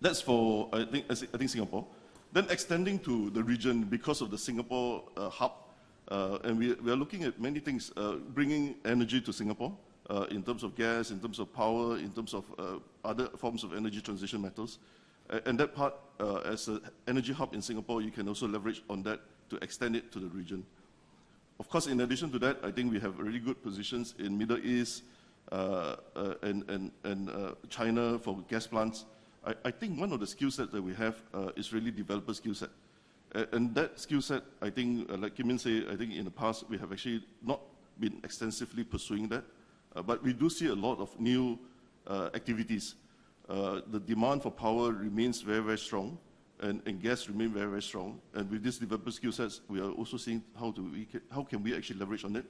S4: That's for, I think, Singapore. Then extending to the region because of the Singapore hub, and we are looking at many things, bringing energy to Singapore in terms of gas, in terms of power, in terms of other forms of energy transition metals. And that part, as an energy hub in Singapore, you can also leverage on that to extend it to the region. Of course, in addition to that, I think we have really good positions in Middle East and China for gas plants. I think one of the skill sets that we have is really developer skill set. That skill set, I think, like Kim Yin said, I think in the past, we have actually not been extensively pursuing that. But we do see a lot of new activities. The demand for power remains very, very strong, and gas remains very, very strong. And with these developer skill sets, we are also seeing how can we actually leverage on it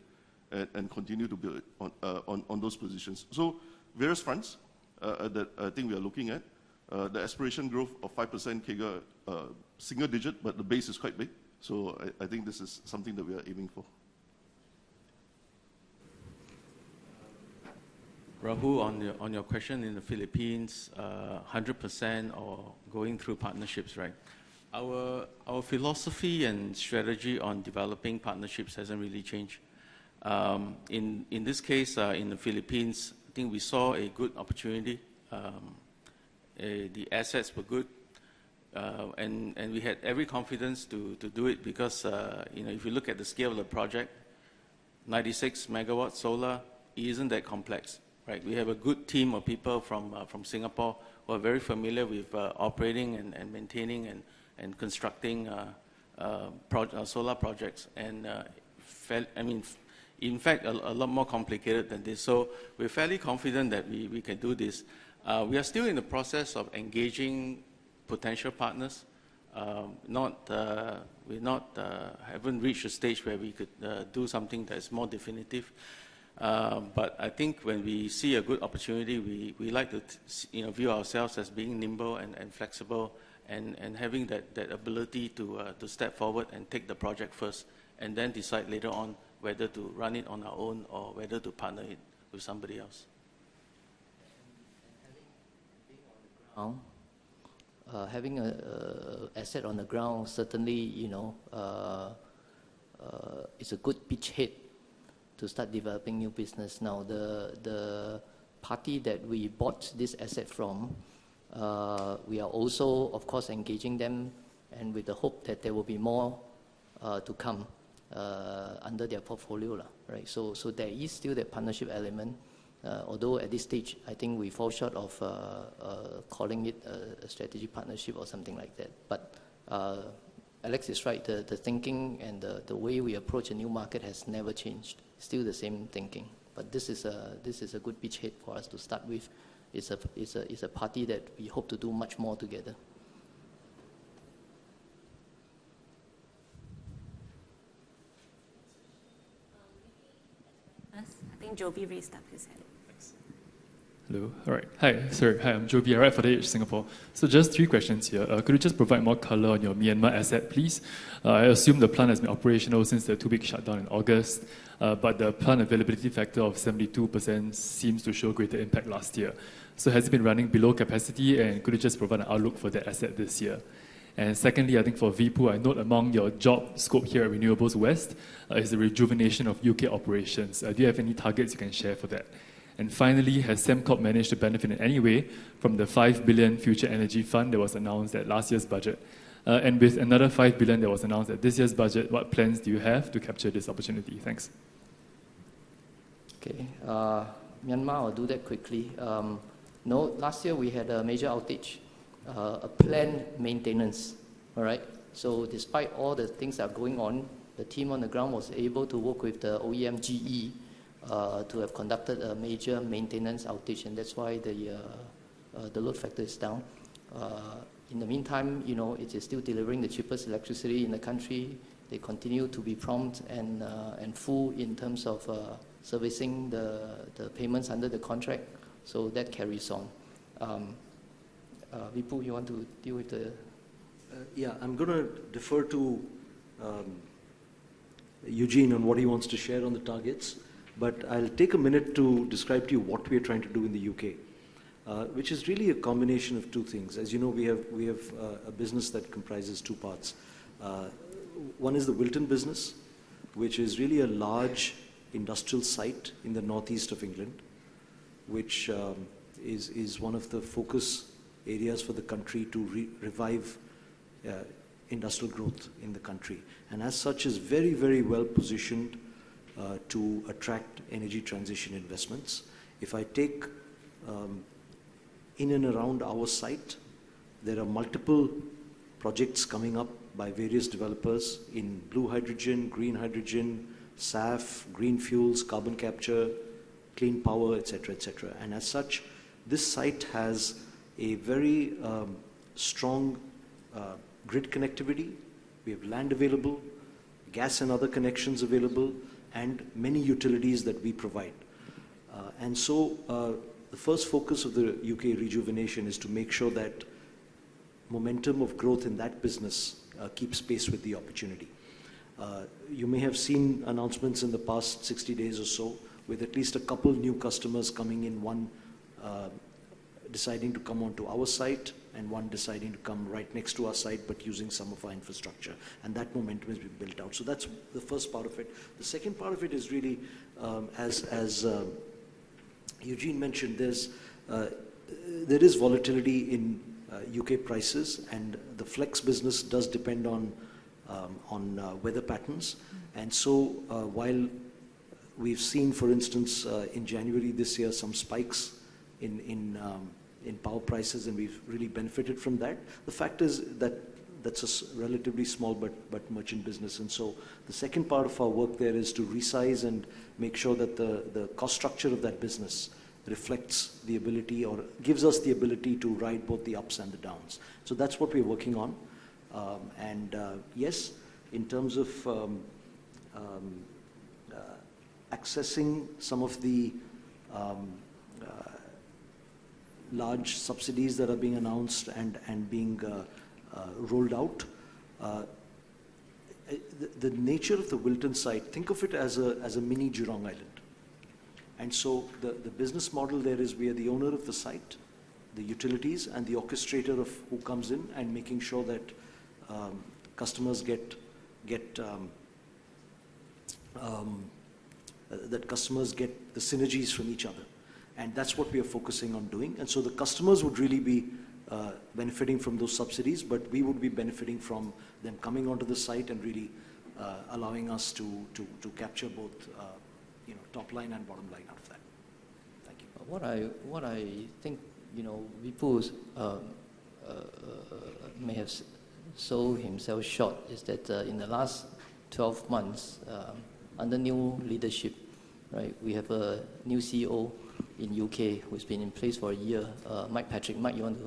S4: and continue to build on those positions. So, various fronts that I think we are looking at. The aspiration growth of 5% CAGR, single digit, but the base is quite big. So, I think this is something that we are aiming for.
S5: Rahul, on your question in the Philippines, 100% or going through partnerships, right? Our philosophy and strategy on developing partnerships hasn't really changed. In this case, in the Philippines, I think we saw a good opportunity. The assets were good, and we had every confidence to do it because if you look at the scale of the project, 96 MWs solar isn't that complex. We have a good team of people from Singapore who are very familiar with operating and maintaining and constructing solar projects, and I mean, in fact, a lot more complicated than this, so we're fairly confident that we can do this. We are still in the process of engaging potential partners. We haven't reached a stage where we could do something that is more definitive, but I think when we see a good opportunity, we like to view ourselves as being nimble and flexible and having that ability to step forward and take the project first and then decide later on whether to run it on our own or whether to partner it with somebody else.
S3: Being on the ground, having an asset on the ground, certainly it's a good beachhead to start developing new business. Now, the party that we bought this asset from, we are also, of course, engaging them and with the hope that there will be more to come under their portfolio. So, there is still that partnership element. Although at this stage, I think we fall short of calling it a strategic partnership or something like that. But Alex is right. The thinking and the way we approach a new market has never changed. Still the same thinking. But this is a good beachhead for us to start with. It's a party that we hope to do much more together. I think Jovi raised his hand.
S8: Hello. Hi, sorry. Hi, I'm Jovi Ho. I'm with The Edge Singapore. So, just three questions here. Could you just provide more color on your Myanmar asset, please? I assume the plant has been operational since the two-week shutdown in August, but the plant availability factor of 72% seems to show greater impact last year. So, has it been running below capacity, and could you just provide an outlook for the asset this year? And secondly, I think for Vipul, I note among your job scope here at Renewables West is the rejuvenation of UK operations. Do you have any targets you can share for that? And finally, has Sembcorp managed to benefit in any way from the 5 billion Future Energy Fund that was announced at last year's budget? And with another 5 billion that was announced at this year's budget, what plans do you have to capture this opportunity? Thanks.
S3: Okay. Myanmar, I'll do that quickly. Last year, we had a major outage, a planned maintenance. So, despite all the things that are going on, the team on the ground was able to work with the OEM GE to have conducted a major maintenance outage, and that's why the load factor is down. In the meantime, it is still delivering the cheapest electricity in the country. They continue to be prompt and full in terms of servicing the payments under the contract. So, that carries on. Vipul, you want to deal with the.
S6: Yeah, I'm going to defer to Eugene on what he wants to share on the targets, but I'll take a minute to describe to you what we are trying to do in the U.K., which is really a combination of two things. As you know, we have a business that comprises two parts. One is the Wilton business, which is really a large industrial site in the northeast of England, which is one of the focus areas for the country to revive industrial growth in the country. And as such, it is very, very well positioned to attract energy transition investments. If I take in and around our site, there are multiple projects coming up by various developers in blue hydrogen, green hydrogen, SAF, green fuels, carbon capture, clean power, et cetera, et cetera. And as such, this site has a very strong grid connectivity. We have land available, gas and other connections available, and many utilities that we provide. And so, the first focus of the UK rejuvenation is to make sure that momentum of growth in that business keeps pace with the opportunity. You may have seen announcements in the past 60 days or so with at least a couple of new customers coming in, one deciding to come onto our site and one deciding to come right next to our site, but using some of our infrastructure. And that momentum has been built out. So, that's the first part of it. The second part of it is really, as Eugene mentioned, there is volatility in U.K. prices, and the flex business does depend on weather patterns. And so, while we've seen, for instance, in January this year, some spikes in power prices, and we've really benefited from that, the fact is that that's a relatively small but much in business. The second part of our work there is to resize and make sure that the cost structure of that business reflects the ability or gives us the ability to ride both the ups and the downs. That's what we're working on. Yes, in terms of accessing some of the large subsidies that are being announced and being rolled out, the nature of the Wilton site, think of it as a mini Jurong Island. The business model there is we are the owner of the site, the utilities, and the orchestrator of who comes in and making sure that customers get the synergies from each other. That's what we are focusing on doing. And so, the customers would really be benefiting from those subsidies, but we would be benefiting from them coming onto the site and really allowing us to capture both top line and bottom line out of that. Thank you. What I think Vipul may have sold himself short is that in the last 12 months, under new leadership, we have a new CEO in UK who's been in place for a year, Mike Patrick. Mike, you want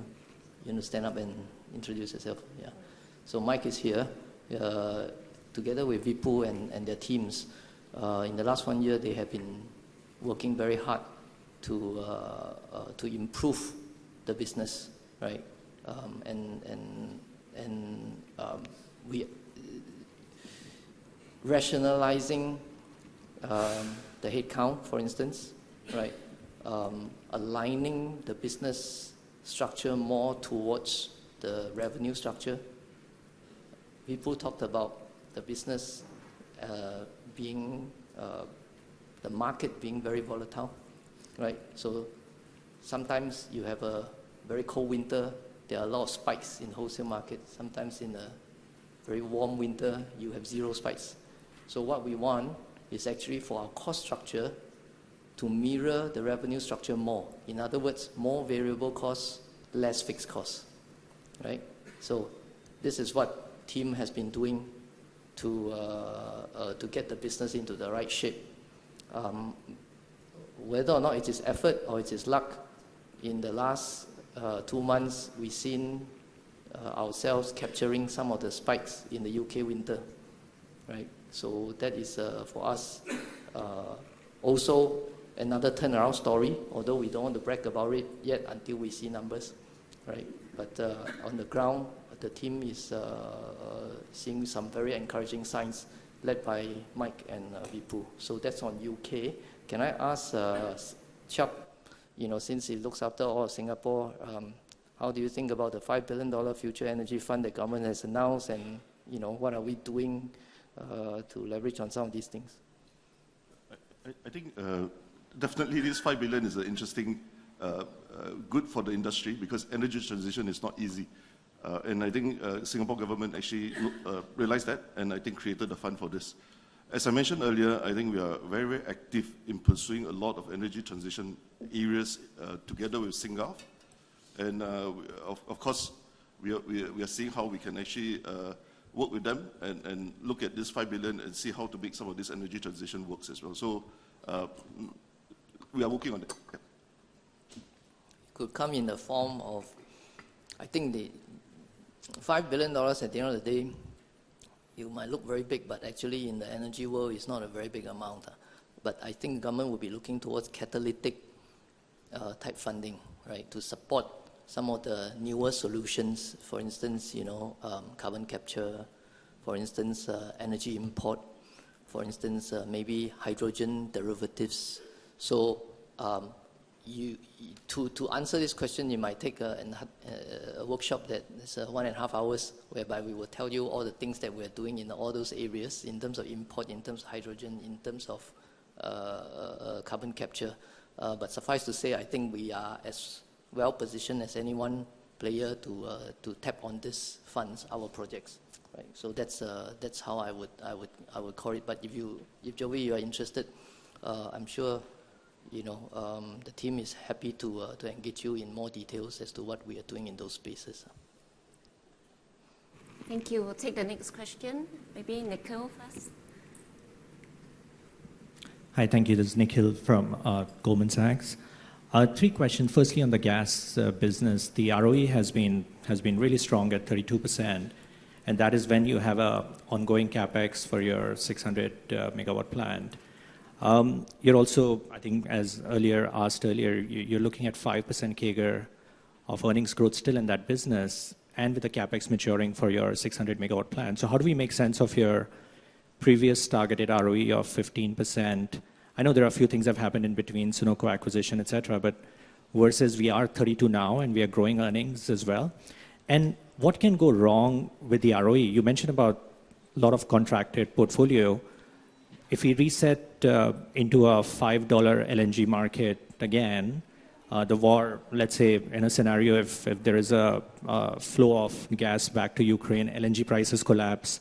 S6: to stand up and introduce yourself? Yeah. So, Mike is here. Together with Vipul and their teams, in the last one year, they have been working very hard to improve the business. And rationalizing the headcount, for instance, aligning the business structure more towards the revenue structure. Vipul talked about the business, the market being very volatile. So, sometimes you have a very cold winter. There are a lot of spikes in the wholesale market. Sometimes in a very warm winter, you have zero spikes. So, what we want is actually for our cost structure to mirror the revenue structure more. In other words, more variable costs, less fixed costs. So, this is what the team has been doing to get the business into the right shape. Whether or not it is effort or it is luck, in the last two months, we've seen ourselves capturing some of the spikes in the U.K. winter. So, that is for us also another turnaround story, although we don't want to brag about it yet until we see numbers. But on the ground, the team is seeing some very encouraging signs led by Mike and Vipul. So, that's on U.K. Can I ask Chiap, since he looks after all of Singapore, how do you think about the five billion dollar Future Energy Fund the government has announced and what are we doing to leverage on some of these things?
S4: I think definitely this five billion is an interesting boon for the industry because energy transition is not easy. I think the Singapore Government actually realized that and created a fund for this. As I mentioned earlier, I think we are very, very active in pursuing a lot of energy transition areas together with Sing Gov. Of course, we are seeing how we can actually work with them and look at this five billion and see how to make some of this energy transition work as well. We are working on it.
S3: It could come in the form of, I think the 5 billion dollars at the end of the day, it might look very big, but actually in the energy world, it's not a very big amount. But I think the government will be looking towards catalytic type funding to support some of the newer solutions, for instance, carbon capture, for instance, energy import, for instance, maybe hydrogen derivatives. So, to answer this question, you might take a workshop that is one and a half hours whereby we will tell you all the things that we are doing in all those areas in terms of import, in terms of hydrogen, in terms of carbon capture. But suffice to say, I think we are as well positioned as any one player to tap on these funds, our projects. So, that's how I would call it. But if Jovi, you are interested, I'm sure the team is happy to engage you in more details as to what we are doing in those spaces.
S1: Thank you. We'll take the next question. Maybe Nikhil first.
S9: Hi, thank you. This is Nikhil from Goldman Sachs. Three questions. Firstly, on the gas business, the ROE has been really strong at 32%, and that is when you have an ongoing CapEx for your 600 MW plant. You're also, I think, as earlier asked, you're looking at 5% CAGR of earnings growth still in that business and with the CapEx maturing for your 600 MW plant. So, how do we make sense of your previous targeted ROE of 15%? I know there are a few things that have happened in between, Senoko acquisition, et cetera, but versus we are 32 now and we are growing earnings as well. What can go wrong with the ROE? You mentioned about a lot of contracted portfolio. If we reset into a $5 LNG market again, the war, let's say in a scenario if there is a flow of gas back to Ukraine, LNG prices collapse,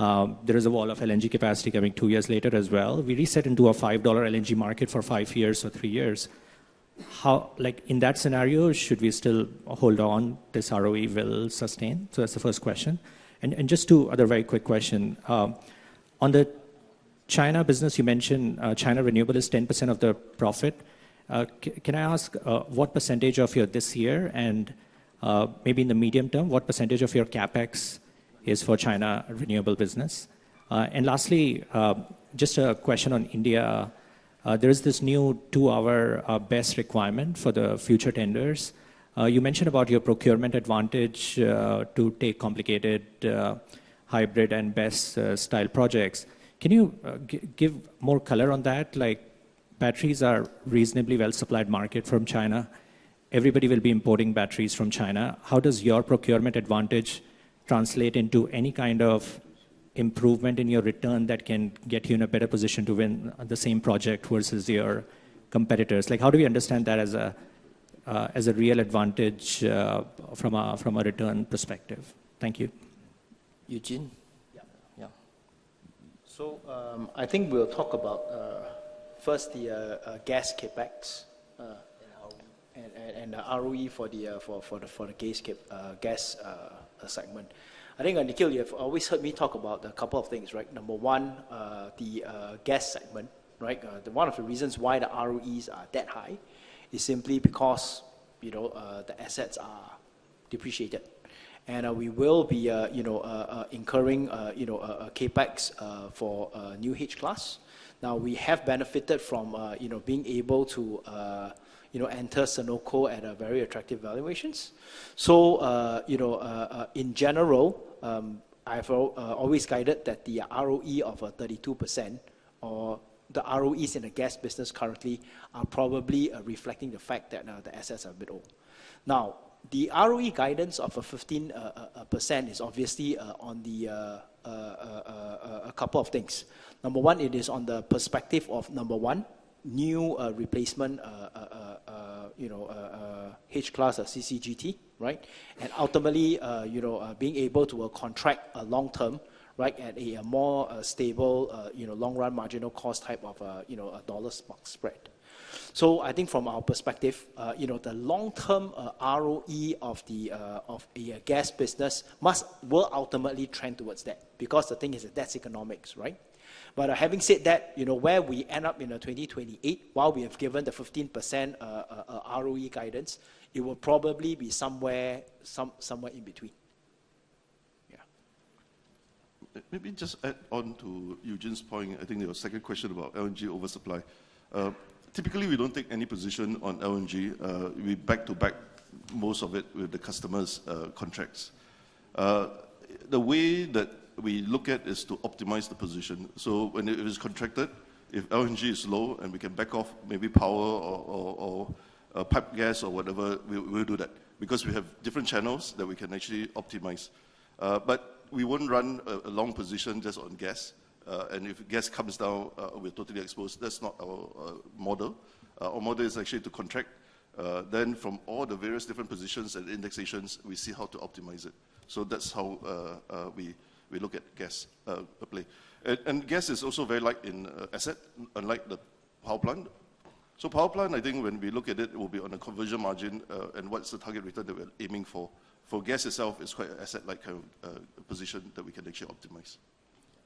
S9: there is a wall of LNG capacity coming two years later as well. We reset into a $5 LNG market for five years or three years. In that scenario, should we still hold on? This ROE will sustain. So, that's the first question. And just two other very quick questions. On the China business, you mentioned China Renewables is 10% of the profit. Can I ask what percentage of your this year and maybe in the medium term, what percentage of your CapEx is for China Renewables business? And lastly, just a question on India. There is this new two-hour BESS requirement for the future tenders. You mentioned about your procurement advantage to take complicated hybrid and BESS-style projects. Can you give more color on that? Batteries are a reasonably well-supplied market from China. Everybody will be importing batteries from China. How does your procurement advantage translate into any kind of improvement in your return that can get you in a better position to win the same project versus your competitors? How do we understand that as a real advantage from a return perspective? Thank you. Eugene? Yeah.
S3: So, I think we'll talk about first the gas CapEx and the ROE for the gas segment. I think, Nikhil, you have always heard me talk about a couple of things. Number one, the gas segment. One of the reasons why the ROEs are that high is simply because the assets are depreciated. We will be incurring a CapEx for a new H-class. Now, we have benefited from being able to enter Senoko at very attractive valuations. So, in general, I've always guided that the ROE of 32% or the ROEs in the gas business currently are probably reflecting the fact that the assets are a bit old. Now, the ROE guidance of 15% is obviously on a couple of things. Number one, it is on the perspective of number one, new replacement H-class or CCGT, and ultimately being able to contract long term at a more stable long run marginal cost type of a spark spread. So, I think from our perspective, the long term ROE of a gas business will ultimately trend towards that because the thing is that that's economics. But having said that, where we end up in 2028, while we have given the 15% ROE guidance, it will probably be somewhere in between. Yeah.
S4: Maybe just add on to Eugene's point. I think there was a second question about LNG oversupply. Typically, we don't take any position on LNG. We back to back most of it with the customers' contracts. The way that we look at is to optimize the position. So, when it is contracted, if LNG is low and we can back off maybe power or pipe gas or whatever, we'll do that because we have different channels that we can actually optimize. But we wouldn't run a long position just on gas. And if gas comes down, we're totally exposed. That's not our model. Our model is actually to contract. Then, from all the various different positions and indexations, we see how to optimize it. So, that's how we look at gas play. And gas is also very asset-light, unlike the power plant. So, power plant, I think when we look at it, it will be on a conversion margin and what's the target return that we're aiming for. For gas itself, it's quite an asset-light kind of position that we can actually optimize.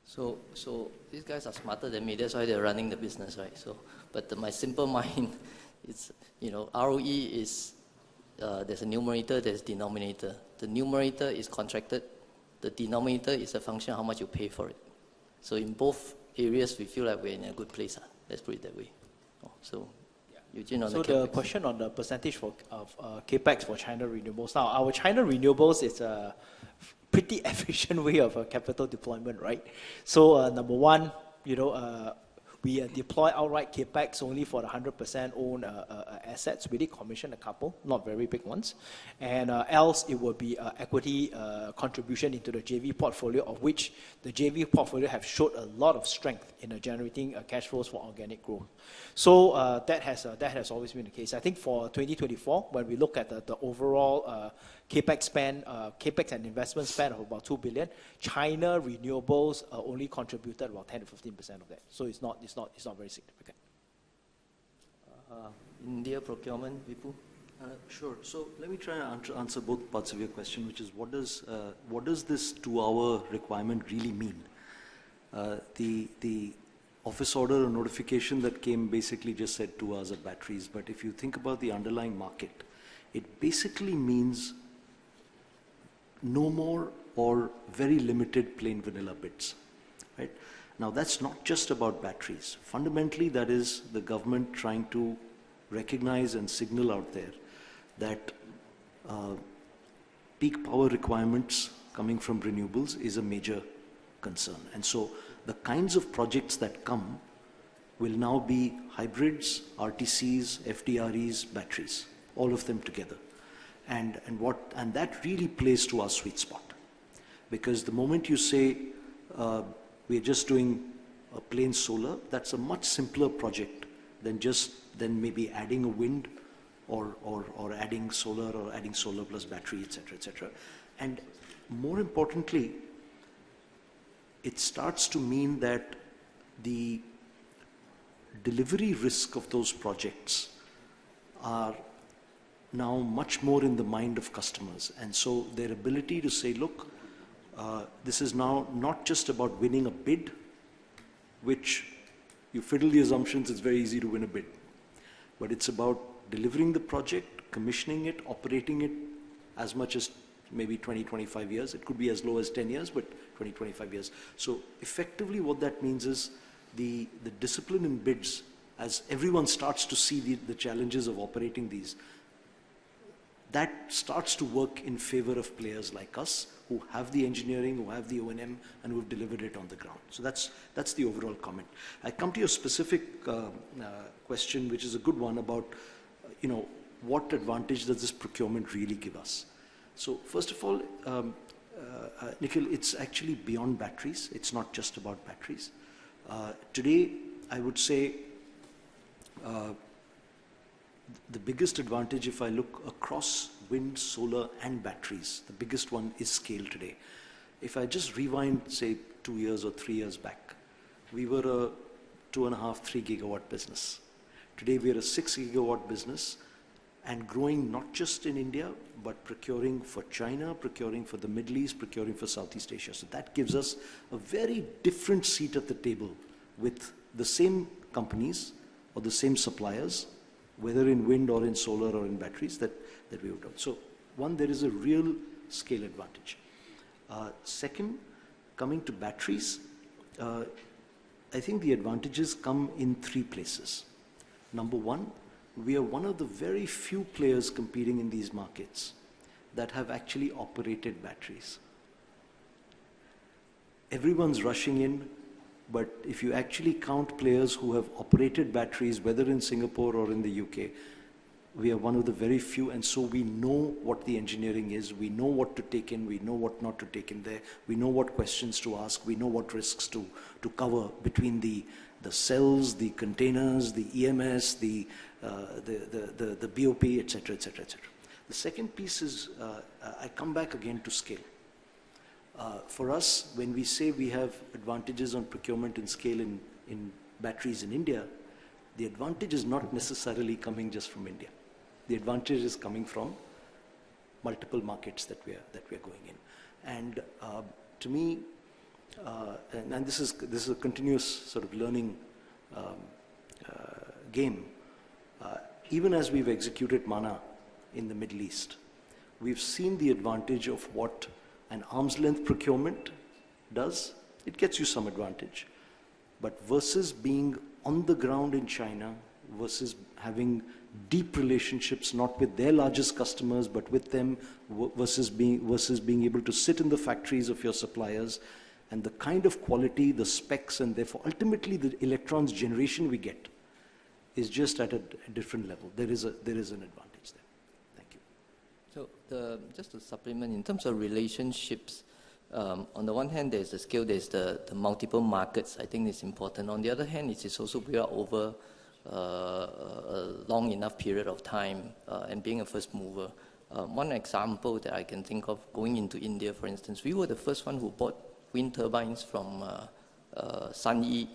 S3: So, these guys are smarter than me. That's why they're running the business. But in my simple mind, ROE is there's a numerator, there's a denominator. The numerator is contracted. The denominator is a function of how much you pay for it. So, in both areas, we feel like we're in a good place. Let's put it that way. So, Eugene on the CapEx. So, the question on the percentage of CapEx for China Renewables. Now, our China Renewables is a pretty efficient way of capital deployment. Number one, we deploy outright CapEx only for the 100% owned assets. We did commission a couple, not very big ones. And else, it will be an equity contribution into the JV portfolio of which the JV portfolio has showed a lot of strength in generating cash flows for organic growth. That has always been the case. I think for 2024, when we look at the overall CapEx spend, CapEx and investment spend of about 2 billion, China Renewables only contributed about 10%-15% of that. So, it's not very significant. India procurement, Vipul? Sure.
S6: Let me try to answer both parts of your question, which is what does this two-hour requirement really mean? The office order notification that came basically just said two hours of batteries. But if you think about the underlying market, it basically means no more or very limited plain vanilla BESS. Now, that's not just about batteries. Fundamentally, that is the government trying to recognize and signal out there that peak power requirements coming from renewables is a major concern. And so, the kinds of projects that come will now be hybrids, RTCs, FDREs, batteries, all of them together. And that really plays to our sweet spot because the moment you say we're just doing plain solar, that's a much simpler project than maybe adding wind or adding solar or adding solar plus battery, et cetera, et cetera. And more importantly, it starts to mean that the delivery risk of those projects are now much more in the mind of customers. And so, their ability to say, "Look, this is now not just about winning a bid," which you fiddle the assumptions, it's very easy to win a bid. But it's about delivering the project, commissioning it, operating it as much as maybe 20, 25 years. It could be as low as 10 years, but 20, 25 years. So, effectively, what that means is the discipline in bids, as everyone starts to see the challenges of operating these, that starts to work in favor of players like us who have the engineering, who have the O&M, and we've delivered it on the ground. So, that's the overall comment. I come to your specific question, which is a good one about what advantage does this procurement really give us? So, first of all, Nikhil, it's actually beyond batteries. It's not just about batteries. Today, I would say the biggest advantage, if I look across wind, solar, and batteries, the biggest one is scale today. If I just rewind, say, two years or three years back, we were a two and a half, three GW business. Today, we are a six GW business and growing not just in India, but procuring for China, procuring for the Middle East, procuring for Southeast Asia. So, that gives us a very different seat at the table with the same companies or the same suppliers, whether in wind or in solar or in batteries that we would have. So, one, there is a real scale advantage. Second, coming to batteries, I think the advantages come in three places. Number one, we are one of the very few players competing in these markets that have actually operated batteries. Everyone's rushing in, but if you actually count players who have operated batteries, whether in Singapore or in the U.K., we are one of the very few. And so, we know what the engineering is. We know what to take in. We know what not to take in there. We know what questions to ask. We know what risks to cover between the cells, the containers, the EMS, the BOP, et cetera, et cetera, et cetera. The second piece is I come back again to scale. For us, when we say we have advantages on procurement and scale in batteries in India, the advantage is not necessarily coming just from India. The advantage is coming from multiple markets that we are going in. And to me, and this is a continuous sort of learning game, even as we've executed Manah in the Middle East, we've seen the advantage of what an arm's length procurement does. It gets you some advantage. But versus being on the ground in China versus having deep relationships, not with their largest customers, but with them versus being able to sit in the factories of your suppliers, and the kind of quality, the specs, and therefore ultimately the electrons generation we get is just at a different level. There is an advantage there. Thank you.
S3: So, just a supplement. In terms of relationships, on the one hand, there's the scale, there's the multiple markets. I think it's important. On the other hand, it's also we are over a long enough period of time and being a first mover. One example that I can think of going into India, for instance, we were the first one who bought wind turbines from SANY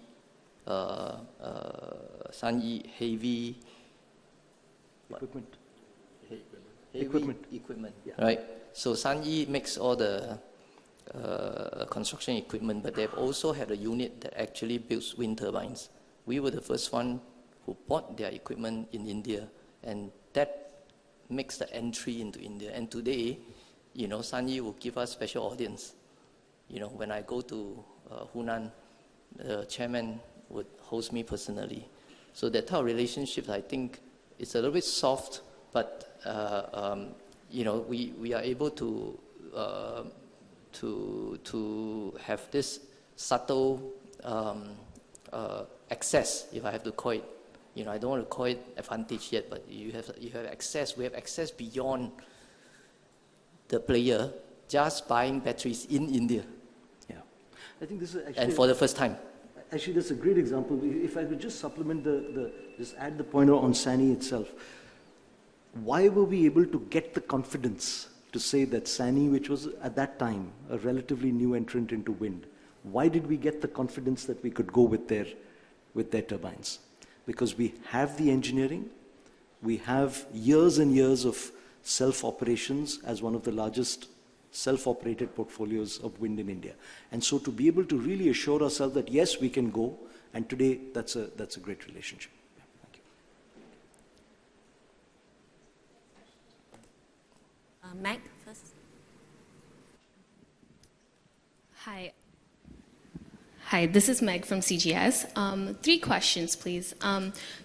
S3: Heavy Equipment. Yeah. Right. So, SANY makes all the construction equipment, but they've also had a unit that actually builds wind turbines. We were the first one who bought their equipment in India, and that makes the entry into India. And today, SANY will give us special audience. When I go to Hunan, the chairman would host me personally. So, that type of relationship, I think it's a little bit soft, but we are able to have this subtle access, if I have to call it. I don't want to call it advantage yet, but you have access. We have access beyond the player just buying batteries in India. Yeah. I think this is actually. And for the first time. Actually, that's a great example. If I could just supplement, just add the pointer on SANY itself.
S6: Why were we able to get the confidence to say that SANY, which was at that time a relatively new entrant into wind, why did we get the confidence that we could go with their turbines? Because we have the engineering. We have years and years of self-operations as one of the largest self-operated portfolios of wind in India. And so, to be able to really assure ourselves that yes, we can go, and today, that's a great relationship. Thank you. Peg, first. Hi. Hi.
S10: This is Peg from CGS. Three questions, please.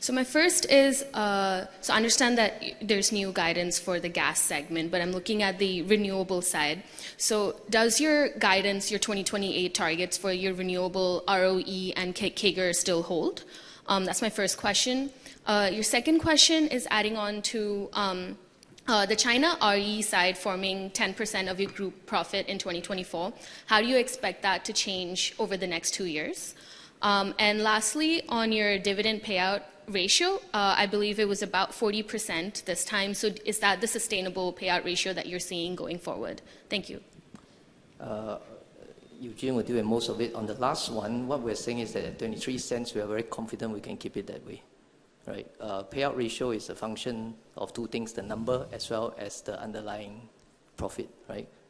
S10: So, my first is, so I understand that there's new guidance for the gas segment, but I'm looking at the renewable side. So, does your guidance, your 2028 targets for your renewable ROE and CAGR still hold? That's my first question. Your second question is adding on to the China RE side forming 10% of your group profit in 2024. How do you expect that to change over the next two years? And lastly, on your dividend payout ratio, I believe it was about 40% this time. So, is that the sustainable payout ratio that you're seeing going forward? Thank you.
S5: Eugene will do it most of it. On the last one, what we're saying is that at 0.23, we are very confident we can keep it that way. Payout ratio is a function of two things, the number as well as the underlying profit.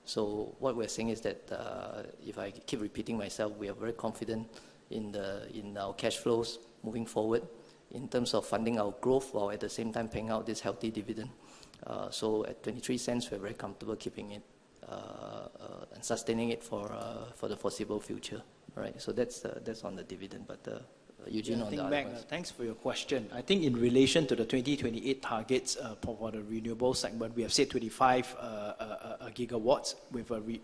S5: So, what we're saying is that if I keep repeating myself, we are very confident in our cash flows moving forward in terms of funding our growth while at the same time paying out this healthy dividend. So, at S$0.23, we're very comfortable keeping it and sustaining it for the foreseeable future. So, that's on the dividend. But Eugene, on the other hand.
S3: Thanks for your question. I think in relation to the 2028 targets for the renewable segment, we have said 25 GW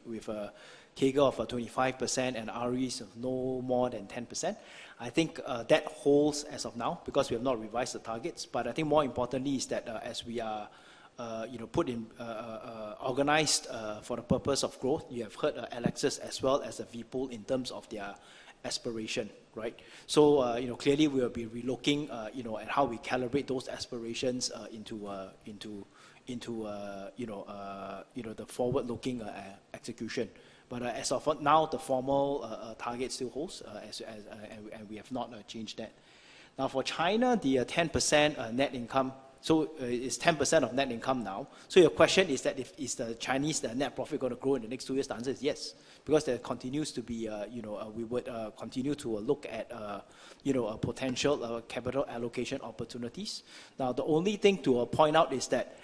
S3: with a CAGR of 25% and REs of no more than 10%. I think that holds as of now because we have not revised the targets. But I think more importantly is that as we are positioned for the purpose of growth, you have heard Alex as well as Vipul in terms of their aspiration. So, clearly, we will be relooking at how we calibrate those aspirations into the forward-looking execution. But as of now, the formal target still holds, and we have not changed that. Now, for China, the 10% net income, so it's 10% of net income now. So, your question is that is the Chinese net profit going to grow in the next two years? The answer is yes because there continues to be, we would continue to look at potential capital allocation opportunities. Now, the only thing to point out is that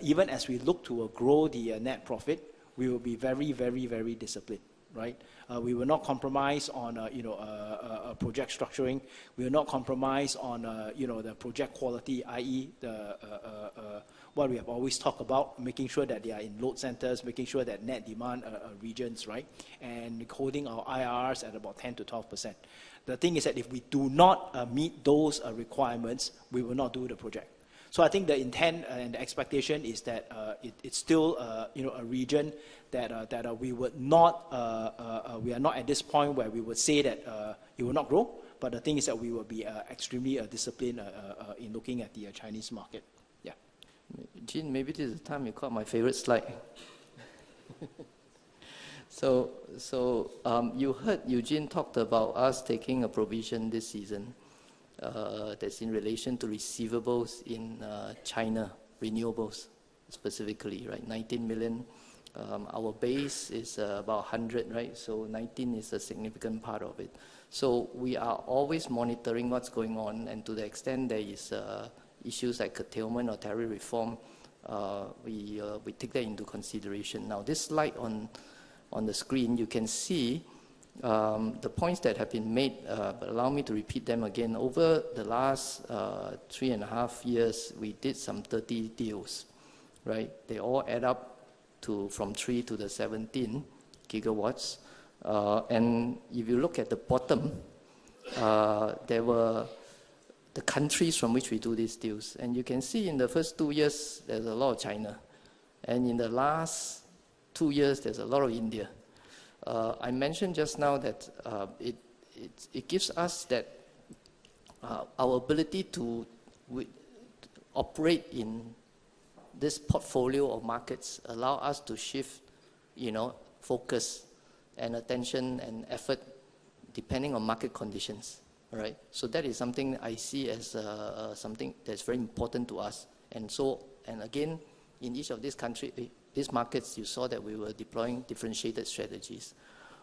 S3: even as we look to grow the net profit, we will be very, very, very disciplined. We will not compromise on project structuring. We will not compromise on the project quality, i.e., what we have always talked about, making sure that they are in load centers, making sure that net demand regions, and holding our IRRs at about 10%-12%. The thing is that if we do not meet those requirements, we will not do the project. I think the intent and the expectation is that it's still a region that we are not at this point where we would say that it will not grow. But the thing is that we will be extremely disciplined in looking at the Chinese market.
S5: Yeah. Eugene, maybe this is the time you caught my favorite slide. So, you heard Eugene talked about us taking a provision this season that's in relation to receivables in China, renewables specifically, 19 million. Our base is about 100 million. So, 19 is a significant part of it. So, we are always monitoring what's going on. And to the extent there are issues like curtailment or tariff reform, we take that into consideration. Now, this slide on the screen, you can see the points that have been made. But allow me to repeat them again. Over the last three and a half years, we did some 30 deals. They all add up from three to 17 GW. And if you look at the bottom, there were the countries from which we do these deals. And you can see in the first two years, there's a lot of China. And in the last two years, there's a lot of India. I mentioned just now that it gives us our ability to operate in this portfolio of markets allows us to shift focus and attention and effort depending on market conditions. So, that is something I see as something that's very important to us. And again, in each of these countries, these markets, you saw that we were deploying differentiated strategies.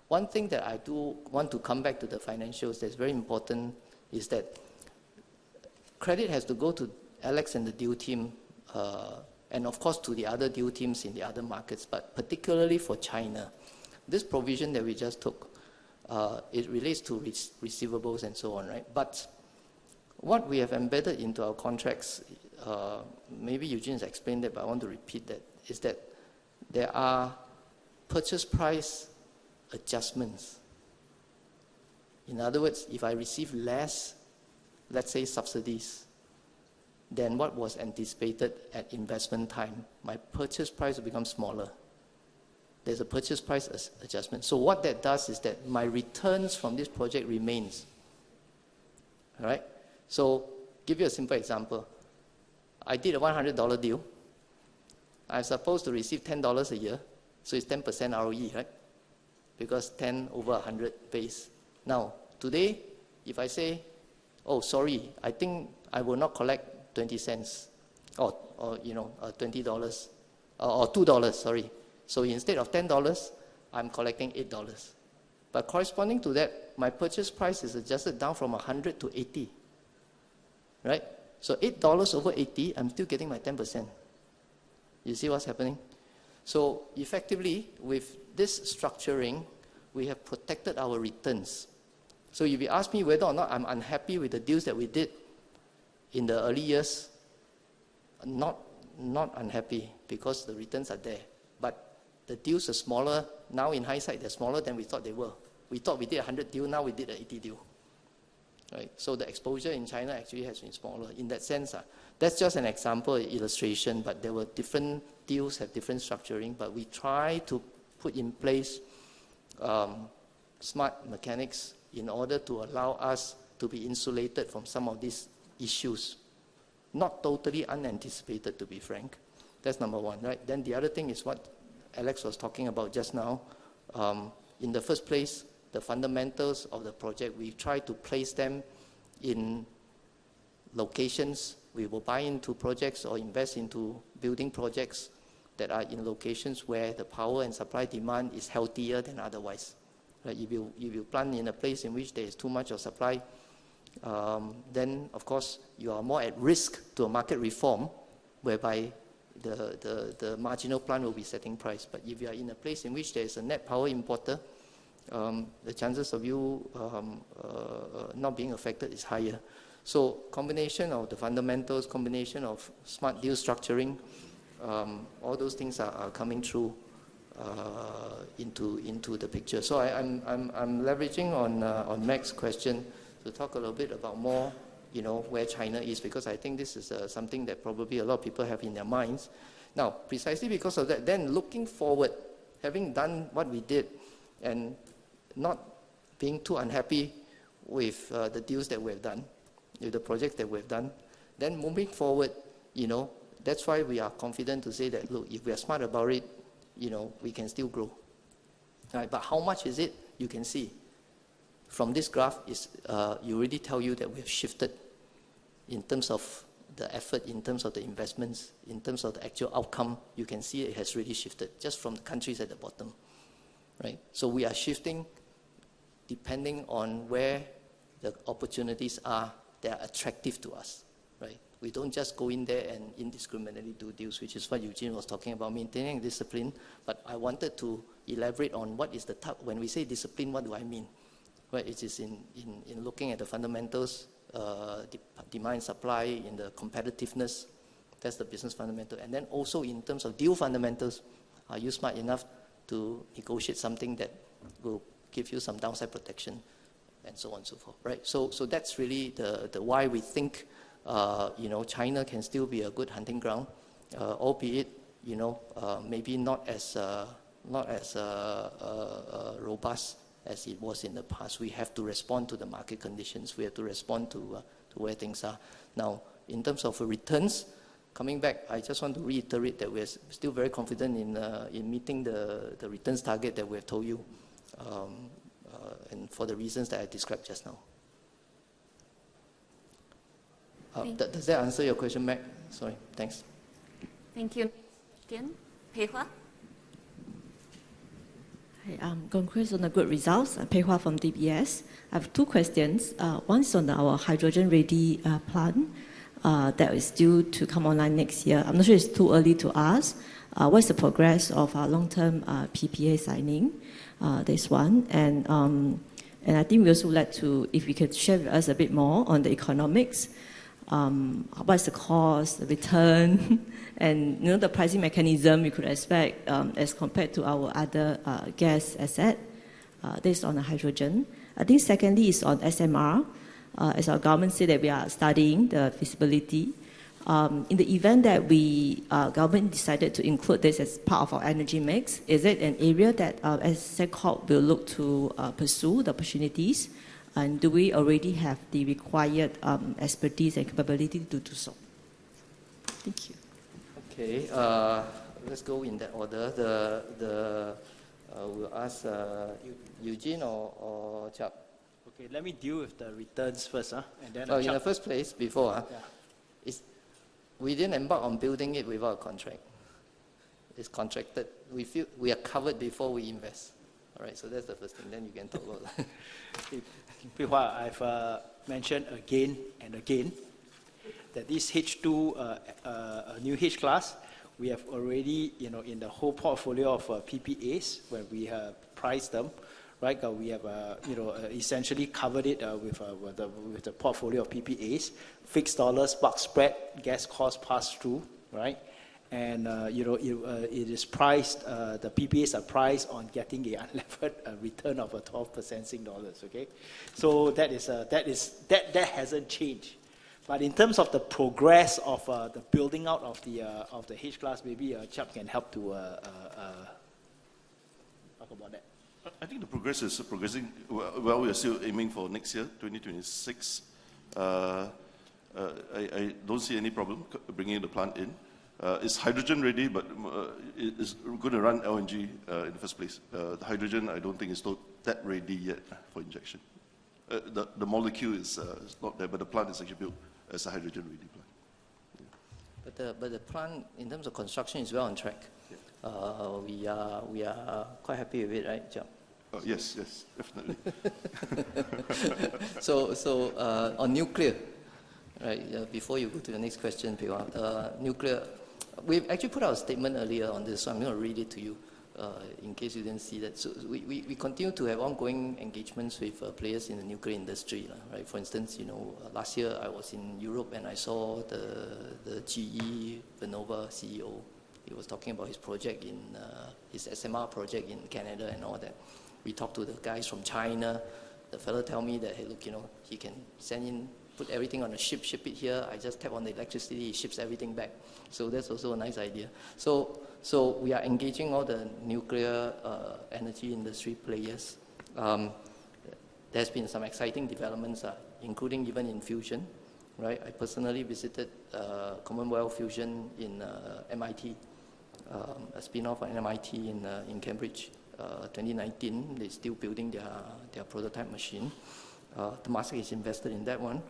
S5: One thing that I do want to come back to the financials that's very important is that credit has to go to Alex and the deal team, and of course, to the other deal teams in the other markets, but particularly for China. This provision that we just took, it relates to receivables and so on. But what we have embedded into our contracts, maybe Eugene has explained it, but I want to repeat that, is that there are purchase price adjustments. In other words, if I receive less, let's say, subsidies, then what was anticipated at investment time, my purchase price will become smaller. There's a purchase price adjustment. So, what that does is that my returns from this project remains. So, give you a simple example. I did a $100 deal. I'm supposed to receive $10 a year. So, it's 10% ROE because 10 over 100 base. Now, today, if I say, "Oh, sorry, I think I will not collect $0.20 or $2," sorry. So, instead of $10, I'm collecting $8. But corresponding to that, my purchase price is adjusted down from 100 to 80. So, $8 over 80, I'm still getting my 10%. You see what's happening? So, effectively, with this structuring, we have protected our returns. So, if you ask me whether or not I'm unhappy with the deals that we did in the early years, not unhappy because the returns are there. But the deals are smaller. Now, in hindsight, they're smaller than we thought they were. We thought we did a 100 deal. Now, we did an 80 deal. So, the exposure in China actually has been smaller. In that sense, that's just an example illustration, but there were different deals have different structuring. But we try to put in place smart mechanics in order to allow us to be insulated from some of these issues. Not totally unanticipated, to be frank. That's number one. Then the other thing is what Alex was talking about just now. In the first place, the fundamentals of the project, we try to place them in locations. We will buy into projects or invest into building projects that are in locations where the power and supply demand is healthier than otherwise. If you plan in a place in which there is too much of supply, then, of course, you are more at risk to a market reform whereby the marginal plant will be setting price. But if you are in a place in which there is a net power importer, the chances of you not being affected is higher. So, combination of the fundamentals, combination of smart deal structuring, all those things are coming through into the picture. So, I'm leveraging on Peg's question to talk a little bit about more where China is because I think this is something that probably a lot of people have in their minds. Now, precisely because of that, then looking forward, having done what we did and not being too unhappy with the deals that we have done, with the project that we have done, then moving forward, that's why we are confident to say that, "Look, if we are smart about it, we can still grow." But how much is it? You can see from this graph, it already tells you that we have shifted in terms of the effort, in terms of the investments, in terms of the actual outcome. You can see it has really shifted just from the countries at the bottom. So, we are shifting depending on where the opportunities are that are attractive to us. We don't just go in there and indiscriminately do deals, which is what Eugene was talking about, maintaining discipline. But I wanted to elaborate on what is the type. When we say discipline, what do I mean? It is in looking at the fundamentals, demand-supply in the competitiveness. That's the business fundamental. And then also in terms of deal fundamentals, are you smart enough to negotiate something that will give you some downside protection and so on and so forth? So, that's really why we think China can still be a good hunting ground, albeit maybe not as robust as it was in the past. We have to respond to the market conditions. We have to respond to where things are. Now, in terms of returns, coming back, I just want to reiterate that we are still very confident in meeting the returns target that we have told you and for the reasons that I described just now. Does that answer your question, Peg? Sorry. Thanks.
S1: Thank you. Pei Hwa. Hi.
S11: Congrats on the good results. Pei Hwa from DBS. I have two questions. One is on our hydrogen-ready plant that is due to come online next year. I'm not sure it's too early to ask. What's the progress of our long-term PPA signing, this one? And I think we also would like to, if you could share with us a bit more on the economics, what's the cost, the return, and the pricing mechanism we could expect as compared to our other gas asset based on the hydrogen. I think secondly is on SMR. As our government said that we are studying the feasibility. In the event that our government decided to include this as part of our energy mix, is it an area that Sembcorp will look to pursue the opportunities? And do we already have the required expertise and capability to do so? Thank you.
S2: Okay. Let's go in that order. We'll ask Eugene or Chiap.
S3: Okay. Let me deal with the returns first, and then I'll chat. In the first place, before, we didn't embark on building it without a contract. It's contracted. We are covered before we invest. So that's the first thing. Then you can talk about that. Pei Hwa, I've mentioned again and again that this H2, a new H-class, we have already in the whole portfolio of PPAs where we have priced them. We have essentially covered it with the portfolio of PPAs, fixed dollars, spark spread, gas cost pass-through, and it is priced. The PPAs are priced on getting a unlevered return of a 12% Singapore dollars, so that hasn't changed, but in terms of the progress of the building out of the H-class, maybe Chiap can help to talk about that.
S4: I think the progress is progressing. Well, we are still aiming for next year, 2026. I don't see any problem bringing the plant in. It's hydrogen-ready, but it's going to run LNG in the first place. The hydrogen, I don't think it's that ready yet for injection. The molecule is not there, but the plant is actually built as a hydrogen-ready plant,
S3: but the plant, in terms of construction, is well on track. We are quite happy with it, right, Chiap? Yes, yes. Definitely. So on nuclear, before you go to the next question, Pei Hwa, nuclear, we actually put out a statement earlier on this. So I'm going to read it to you in case you didn't see that. So we continue to have ongoing engagements with players in the nuclear industry. For instance, last year, I was in Europe and I saw the GE Vernova CEO. He was talking about his project, his SMR project in Canada and all that. We talked to the guys from China. The fellow told me that, "Hey, look, he can send in, put everything on a ship, ship it here. I just tap on the electricity, he ships everything back." So that's also a nice idea. So we are engaging all the nuclear energy industry players. There have been some exciting developments, including even in fusion. I personally visited Commonwealth Fusion Systems in MIT, a spin-off of MIT in Cambridge 2019. They're still building their prototype machine. Temasek is invested in that one.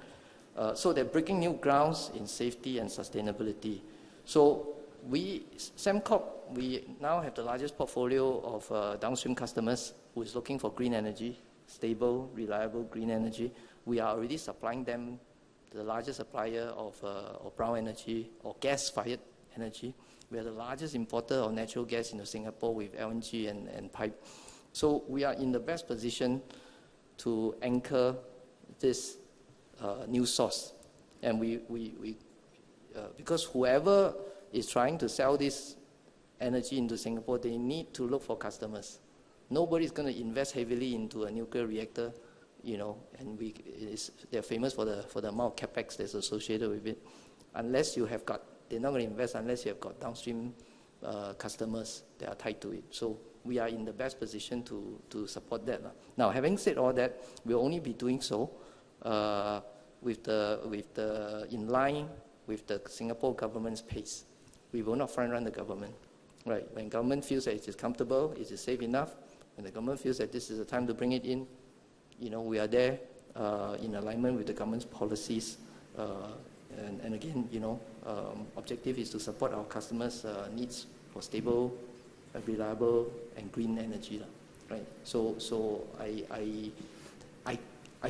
S3: So they're breaking new grounds in safety and sustainability. So Sembcorp, we now have the largest portfolio of downstream customers who are looking for green energy, stable, reliable green energy. We are already supplying them the largest supplier of brown energy or gas-fired energy. We are the largest importer of natural gas in Singapore with LNG and pipe. So we are in the best position to anchor this new source. Because whoever is trying to sell this energy into Singapore, they need to look for customers. Nobody's going to invest heavily into a nuclear reactor. They're famous for the amount of CapEx that's associated with it. Unless you have got they're not going to invest unless you have got downstream customers that are tied to it. So we are in the best position to support that. Now, having said all that, we'll only be doing so in line with the Singapore Government's pace. We will not front-run the government. When the government feels that it is comfortable, it is safe enough, and the government feels that this is the time to bring it in, we are there in alignment with the government's policies. And again, the objective is to support our customers' needs for stable, reliable, and green energy. So I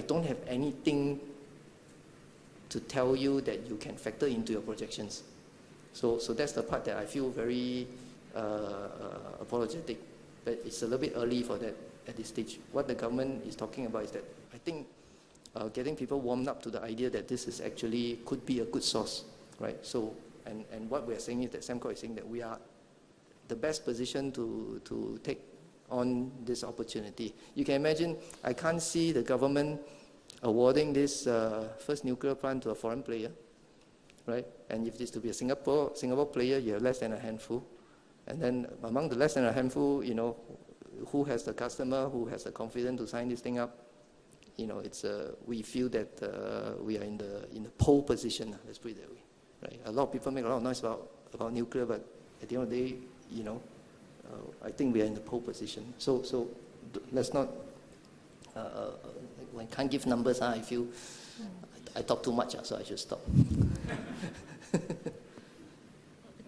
S3: don't have anything to tell you that you can factor into your projections. So that's the part that I feel very apologetic that it's a little bit early for that at this stage. What the government is talking about is that I think getting people warmed up to the idea that this actually could be a good source, and what we are saying is that Sembcorp is saying that we are in the best position to take on this opportunity. You can imagine, I can't see the government awarding this first nuclear plant to a foreign player, and if this is to be a Singapore player, you have less than a handful, and then among the less than a handful, who has the customer who has the confidence to sign this thing up? We feel that we are in the pole position, let's put it that way. A lot of people make a lot of noise about nuclear, but at the end of the day, I think we are in the pole position. So let's not. When I can't give numbers, I feel I talk too much, so I just stop.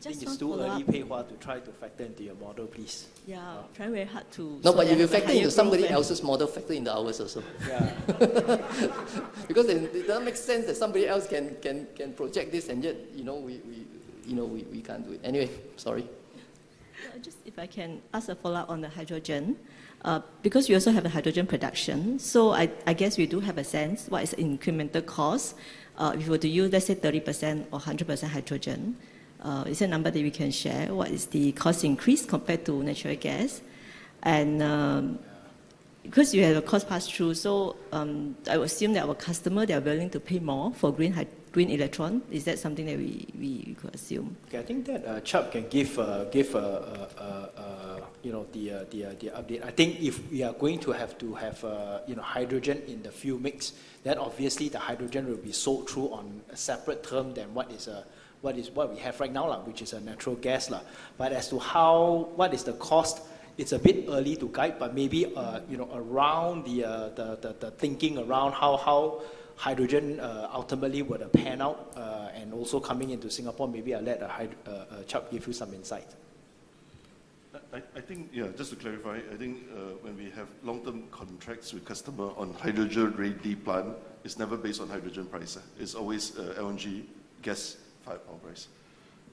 S3: Can you still allow Pei Hwa to try to factor into your model, please? Yeah. Try very hard to. No, but if you factor into somebody else's model, factor into ours also. Because it doesn't make sense that somebody else can project this and yet we can't do it.
S11: Anyway, sorry. Just, if I can ask a follow-up on the hydrogen, because we also have a hydrogen production, so I guess we do have a sense. What is the incremental cost? If we were to use, let's say, 30% or 100% hydrogen, is there a number that we can share? What is the cost increase compared to natural gas? And because you have a cost pass-through, so I would assume that our customer, they are willing to pay more for green electrons. Is that something that we could assume?
S3: Okay. I think that Chiap can give the update. I think if we are going to have to have hydrogen in the fuel mix, then obviously the hydrogen will be sold through on a separate term than what we have right now, which is a natural gas. But as to what is the cost, it's a bit early to guide, but maybe around the thinking around how hydrogen ultimately will pan out and also coming into Singapore, maybe I'll let Chiap give you some insight.
S4: I think, yeah, just to clarify, I think when we have long-term contracts with customers on hydrogen-ready plant, it's never based on hydrogen price. It's always LNG, gas, fired power price.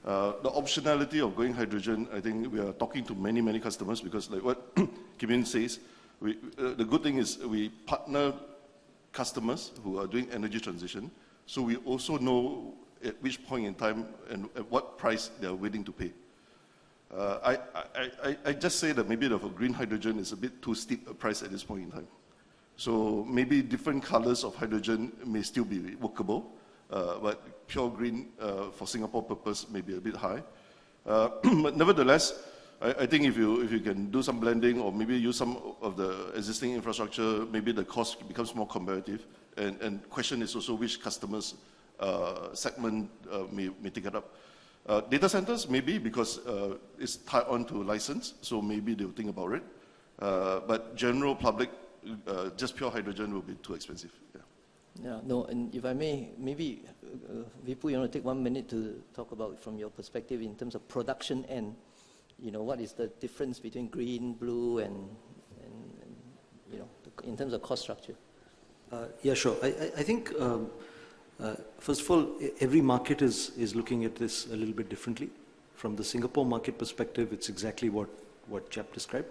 S4: The optionality of going hydrogen, I think we are talking to many, many customers because what Kim Yin says, the good thing is we partner customers who are doing energy transition, so we also know at which point in time and at what price they are willing to pay. I just say that maybe the green hydrogen is a bit too steep a price at this point in time. So maybe different colors of hydrogen may still be workable, but pure green for Singapore purpose may be a bit high. But nevertheless, I think if you can do some blending or maybe use some of the existing infrastructure, maybe the cost becomes more competitive. And the question is also which customer's segment may take it up. Data centers, maybe, because it's tied on to license, so maybe they'll think about it. But general public, just pure hydrogen will be too expensive.
S3: Yeah. Yeah. No, and if I may, maybe Vipul, you want to take one minute to talk about from your perspective in terms of production and what is the difference between green, blue, and in terms of cost structure?
S6: Yeah, sure. I think, first of all, every market is looking at this a little bit differently. From the Singapore market perspective, it's exactly what Chiap described,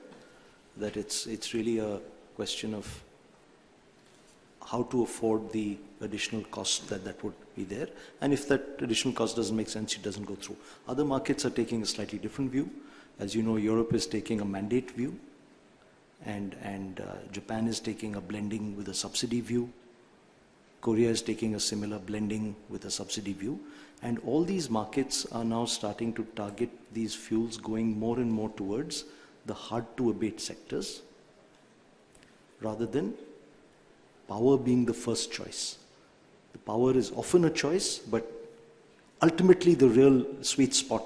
S6: that it's really a question of how to afford the additional cost that would be there. And if that additional cost doesn't make sense, it doesn't go through. Other markets are taking a slightly different view. As you know, Europe is taking a mandate view, and Japan is taking a blending with a subsidy view. Korea is taking a similar blending with a subsidy view. And all these markets are now starting to target these fuels going more and more towards the hard-to-abate sectors rather than power being the first choice. The power is often a choice, but ultimately the real sweet spot.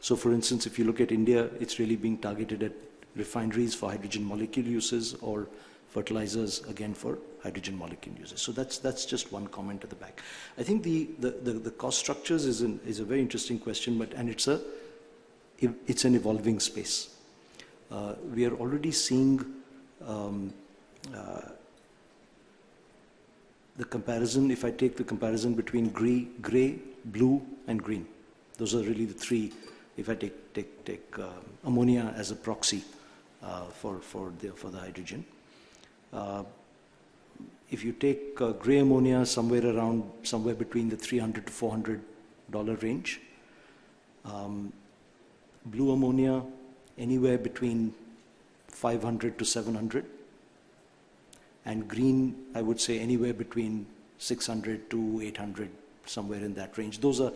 S6: So for instance, if you look at India, it's really being targeted at refineries for hydrogen molecule uses or fertilizers, again, for hydrogen molecule uses. So that's just one comment to the back. I think the cost structures is a very interesting question, and it's an evolving space. We are already seeing the comparison, if I take the comparison between gray, blue, and green. Those are really the three. If I take ammonia as a proxy for the hydrogen, if you take gray ammonia somewhere between the $300-$400 range, blue ammonia anywhere between $500-$700, and green, I would say, anywhere between $600-$800, somewhere in that range. Those are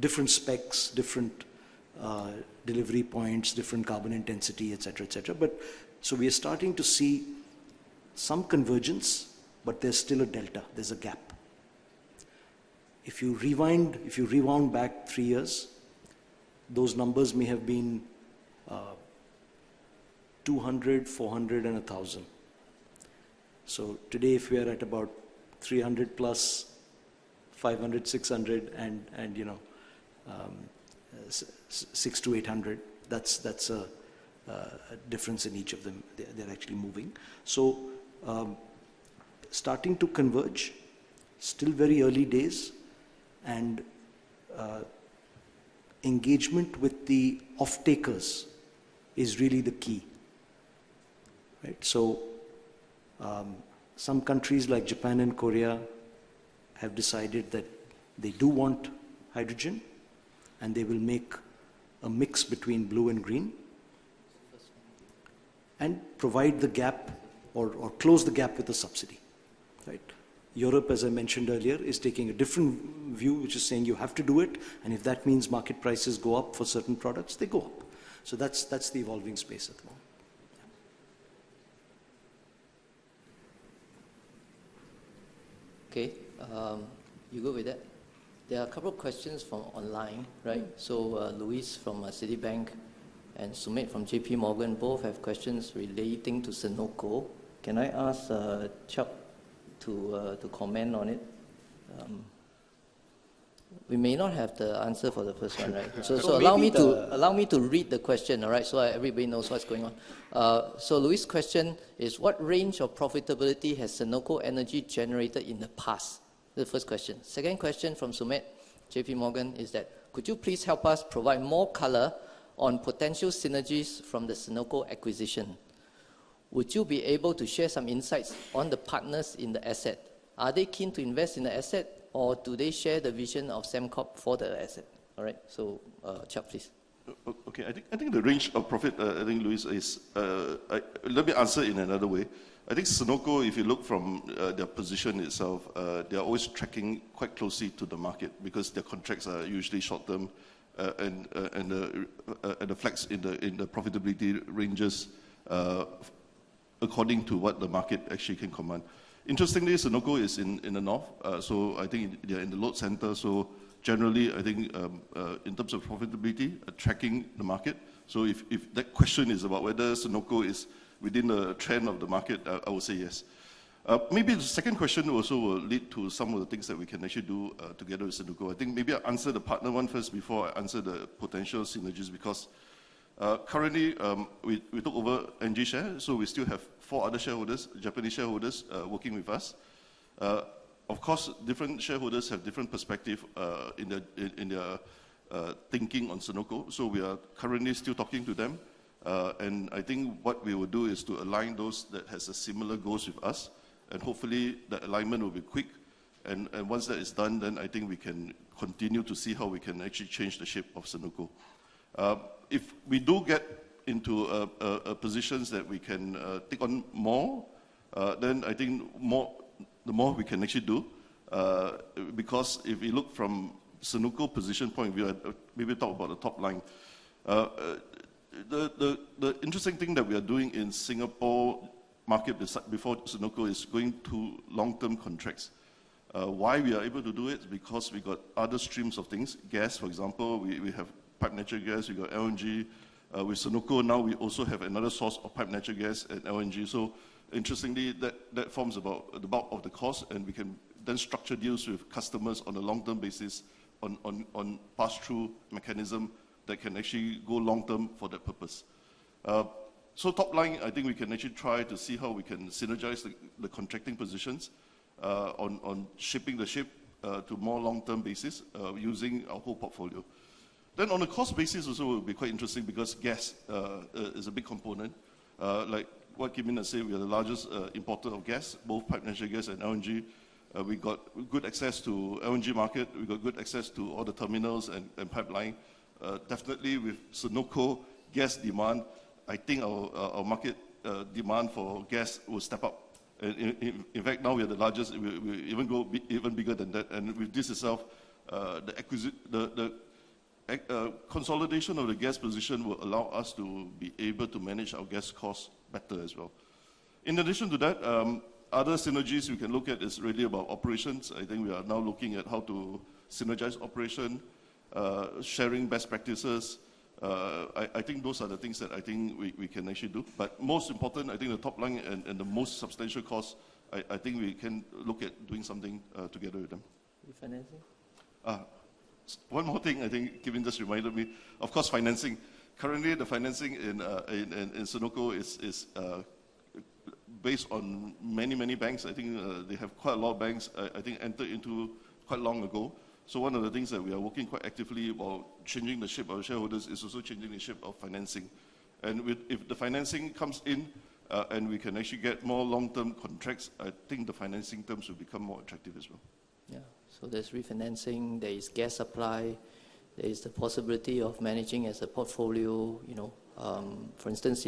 S6: different specs, different delivery points, different carbon intensity, etc., etc. So we are starting to see some convergence, but there's still a delta. There's a gap. If you rewound back three years, those numbers may have been $200, $400, and $1,000. So today, if we are at about $300 plus, $500, $600, and $600 to $800, that's a difference in each of them. They're actually moving. So starting to converge, still very early days, and engagement with the off-takers is really the key. So some countries like Japan and Korea have decided that they do want hydrogen, and they will make a mix between blue and green and provide the gap or close the gap with a subsidy. Europe, as I mentioned earlier, is taking a different view, which is saying you have to do it. And if that means market prices go up for certain products, they go up. So that's the evolving space at the moment.
S3: Okay. You go with that. There are a couple of questions from online. So Luis from Citibank and Sumit from JPMorgan both have questions relating to Senoko. Can I ask Chiap to comment on it? We may not have the answer for the first one. So allow me to read the question so everybody knows what's going on. So Luis's question is, what range of profitability has Senoko Energy generated in the past? The first question. Second question from Sumit, JPMorgan, is that, could you please help us provide more color on potential synergies from the Senoko acquisition? Would you be able to share some insights on the partners in the asset? Are they keen to invest in the asset, or do they share the vision of Sembcorp for the asset? So, Chiap, please.
S4: Okay. I think the range of profit. I think, Luis, let me answer in another way. I think Senoko, if you look from their position itself, they are always tracking quite closely to the market because their contracts are usually short-term and the flex in the profitability ranges according to what the market actually can command. Interestingly, Senoko is in the north, so I think they are in the load center. So generally, I think in terms of profitability, tracking the market. So if that question is about whether Senoko is within the trend of the market, I will say yes. Maybe the second question also will lead to some of the things that we can actually do together with Senoko. I think maybe I'll answer the partner one first before I answer the potential synergies because currently we took over Engie share, so we still have four other shareholders, Japanese shareholders working with us. Of course, different shareholders have different perspectives in their thinking on Senoko. We are currently still talking to them. I think what we will do is to align those that have similar goals with us. Hopefully, that alignment will be quick. Once that is done, then I think we can continue to see how we can actually change the shape of Senoko. If we do get into positions that we can take on more, then I think the more we can actually do. Because if you look from Senoko's position point of view, maybe talk about the top line. The interesting thing that we are doing in Singapore market before Senoko is going to long-term contracts. Why we are able to do it? Because we got other streams of things. Gas, for example, we have piped natural gas, we got LNG. With Senoko now, we also have another source of piped natural gas and LNG. So interestingly, that forms about the bulk of the cost, and we can then structure deals with customers on a long-term basis on pass-through mechanism that can actually go long-term for that purpose. So top line, I think we can actually try to see how we can synergize the contracting positions on shipping the ship to a more long-term basis using our whole portfolio. Then on a cost basis also, it would be quite interesting because gas is a big component. Like what Kim Yin has said, we are the largest importer of gas, both piped natural gas and LNG. We got good access to the LNG market. We got good access to all the terminals and pipeline. Definitely, with Senoko gas demand, I think our market demand for gas will step up. In fact, now we are the largest. We'll even go bigger than that. And with this itself, the consolidation of the gas position will allow us to be able to manage our gas costs better as well. In addition to that, other synergies we can look at is really about operations. I think we are now looking at how to synergize operation, sharing best practices. I think those are the things that I think we can actually do. Most important, I think the top line and the most substantial cost, I think we can look at doing something together with them. Financing? One more thing, I think Kim Yin just reminded me. Of course, financing. Currently, the financing in Senoko is based on many, many banks. I think they have quite a lot of banks, I think, entered into quite long ago. So one of the things that we are working quite actively while changing the shape of shareholders is also changing the shape of financing. And if the financing comes in and we can actually get more long-term contracts, I think the financing terms will become more attractive as well.
S3: Yeah. So there's refinancing, there is gas supply, there is the possibility of managing as a portfolio. For instance,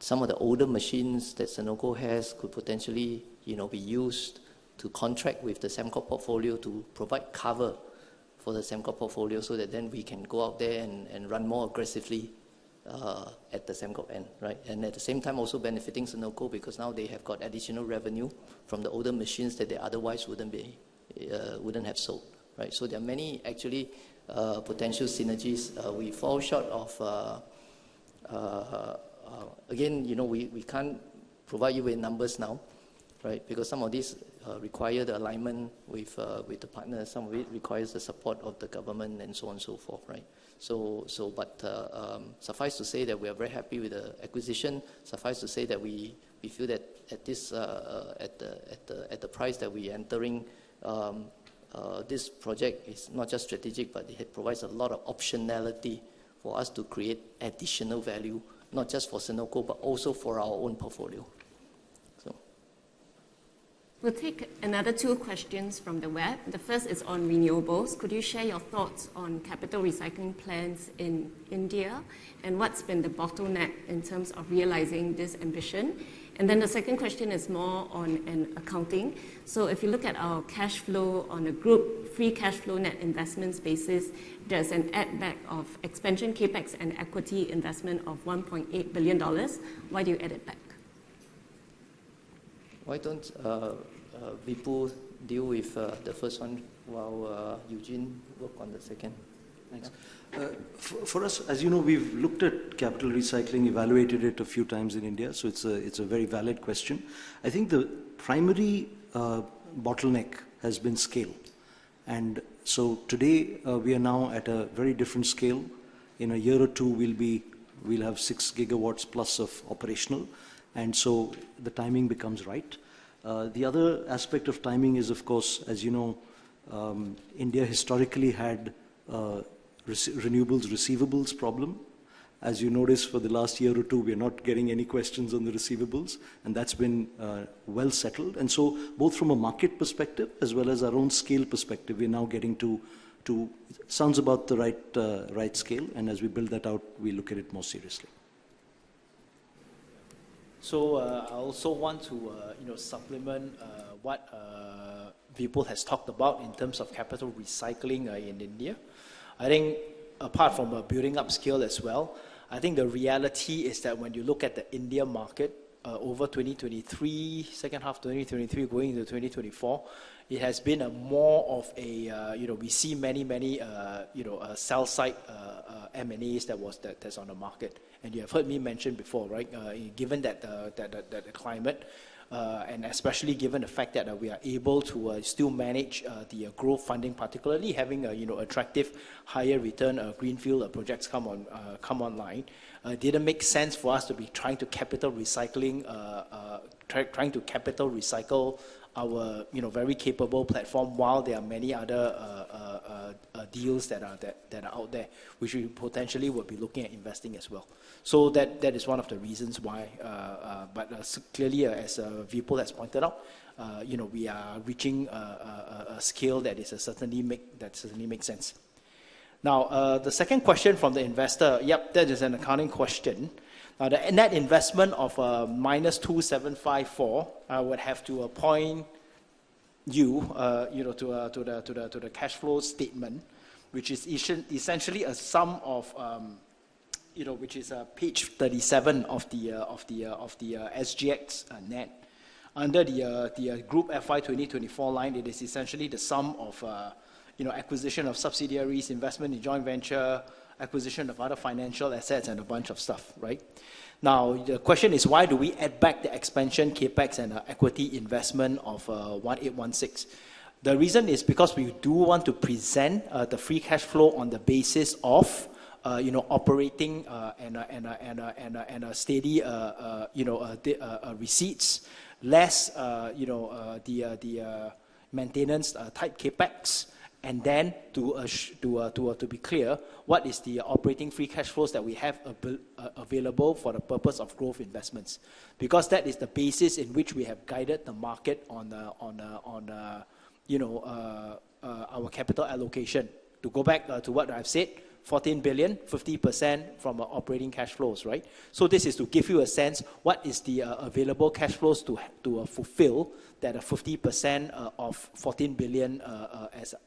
S3: some of the older machines that Senoko has could potentially be used to contract with the Sembcorp portfolio to provide cover for the Sembcorp portfolio so that then we can go out there and run more aggressively at the Sembcorp end. And at the same time, also benefiting Senoko because now they have got additional revenue from the older machines that they otherwise wouldn't have sold. So there are many, actually, potential synergies. We fall short of again, we can't provide you with numbers now because some of these require the alignment with the partners. Some of it requires the support of the government and so on and so forth. But suffice to say that we are very happy with the acquisition. Suffice to say that we feel that at the price that we are entering, this project is not just strategic, but it provides a lot of optionality for us to create additional value, not just for Senoko, but also for our own portfolio.
S11: We'll take another two questions from the web. The first is on renewables. Could you share your thoughts on capital recycling plans in India and what's been the bottleneck in terms of realizing this ambition? And then the second question is more on accounting. So if you look at our cash flow on a group, free cash flow net investment basis, there's an add-back of expansion CapEx and equity investment of S$1.8 billion. Why do you add it back?
S2: Why don't Vipul deal with the first one while Eugene work on the second?
S6: For us, as you know, we've looked at capital recycling, evaluated it a few times in India, so it's a very valid question. I think the primary bottleneck has been scale, and so today, we are now at a very different scale. In a year or two, we'll have six GW plus of operational, and so the timing becomes right. The other aspect of timing is, of course, as you know, India historically had renewables receivables problem. As you noticed, for the last year or two, we are not getting any questions on the receivables, and that's been well settled, and so both from a market perspective as well as our own scale perspective, we're now getting to what sounds about the right scale, and as we build that out, we look at it more seriously.
S3: So I also want to supplement what Vipul has talked about in terms of capital recycling in India. I think apart from building up scale as well, I think the reality is that when you look at the India market over 2023, second half 2023 going into 2024, it has been more of a we see many, many sell-side M&As that's on the market. And you have heard me mention before, given that the climate, and especially given the fact that we are able to still manage the growth funding, particularly having attractive higher return of greenfield projects come online, didn't make sense for us to be trying to capital recycle our very capable platform while there are many other deals that are out there, which we potentially would be looking at investing as well. So that is one of the reasons why. But clearly, as Vipul has pointed out, we are reaching a scale that certainly makes sense. Now, the second question from the investor, yep, that is an accounting question. The net investment of minus 2,754, I would have to point you to the cash flow statement, which is essentially a sum of which is page 37 of the SGXNET. Under the Group FY 2024 line, it is essentially the sum of acquisition of subsidiaries, investment in joint venture, acquisition of other financial assets, and a bunch of stuff. Now, the question is, why do we add back the expansion CapEx and the equity investment of 1,816? The reason is because we do want to present the free cash flow on the basis of operating and a steady receipts, less the maintenance-type CapEx, and then to be clear, what is the operating free cash flows that we have available for the purpose of growth investments? Because that is the basis in which we have guided the market on our capital allocation. To go back to what I've said, 14 billion, 50% from our operating cash flows. So this is to give you a sense of what is the available cash flows to fulfill that 50% of 14 billion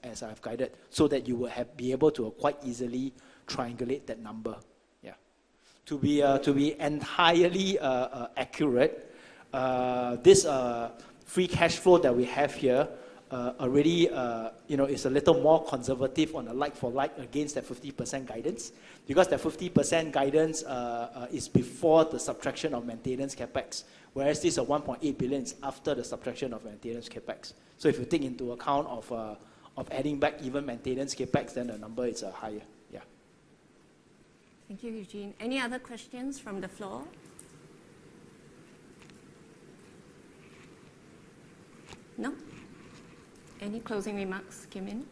S3: as I've guided, so that you will be able to quite easily triangulate that number. Yeah. To be entirely accurate, this free cash flow that we have here already is a little more conservative on the like-for-like against that 50% guidance because that 50% guidance is before the subtraction of maintenance CapEx, whereas this 1.8 billion is after the subtraction of maintenance CapEx. So if you take into account of adding back even maintenance CapEx, then the number is higher. Yeah.
S1: Thank you, Eugene. Any other questions from the floor? No? Any closing remarks, Kim Yin?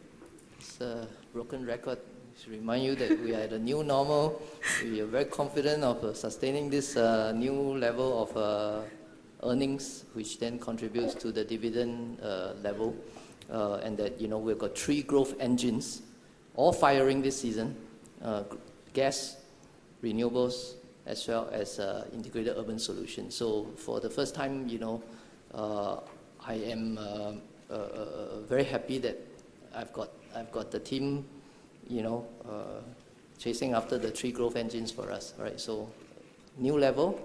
S2: It's a broken record. Just to remind you that we are at a new normal. We are very confident of sustaining this new level of earnings, which then contributes to the dividend level. And that we've got three growth engines all firing this season: gas, renewables, as well as integrated urban solutions. So for the first time, I am very happy that I've got the team chasing after the three growth engines for us. So new level,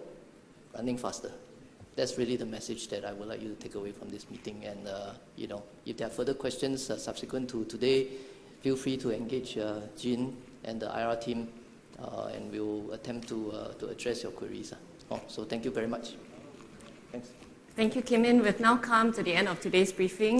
S2: running faster. That's really the message that I would like you to take away from this meeting. And if there are further questions subsequent to today, feel free to engage Eugene and the IR team, and we'll attempt to address your queries. So thank you very much. Thanks.
S1: Thank you, Kim Yin. We've now come to the end of today's briefing.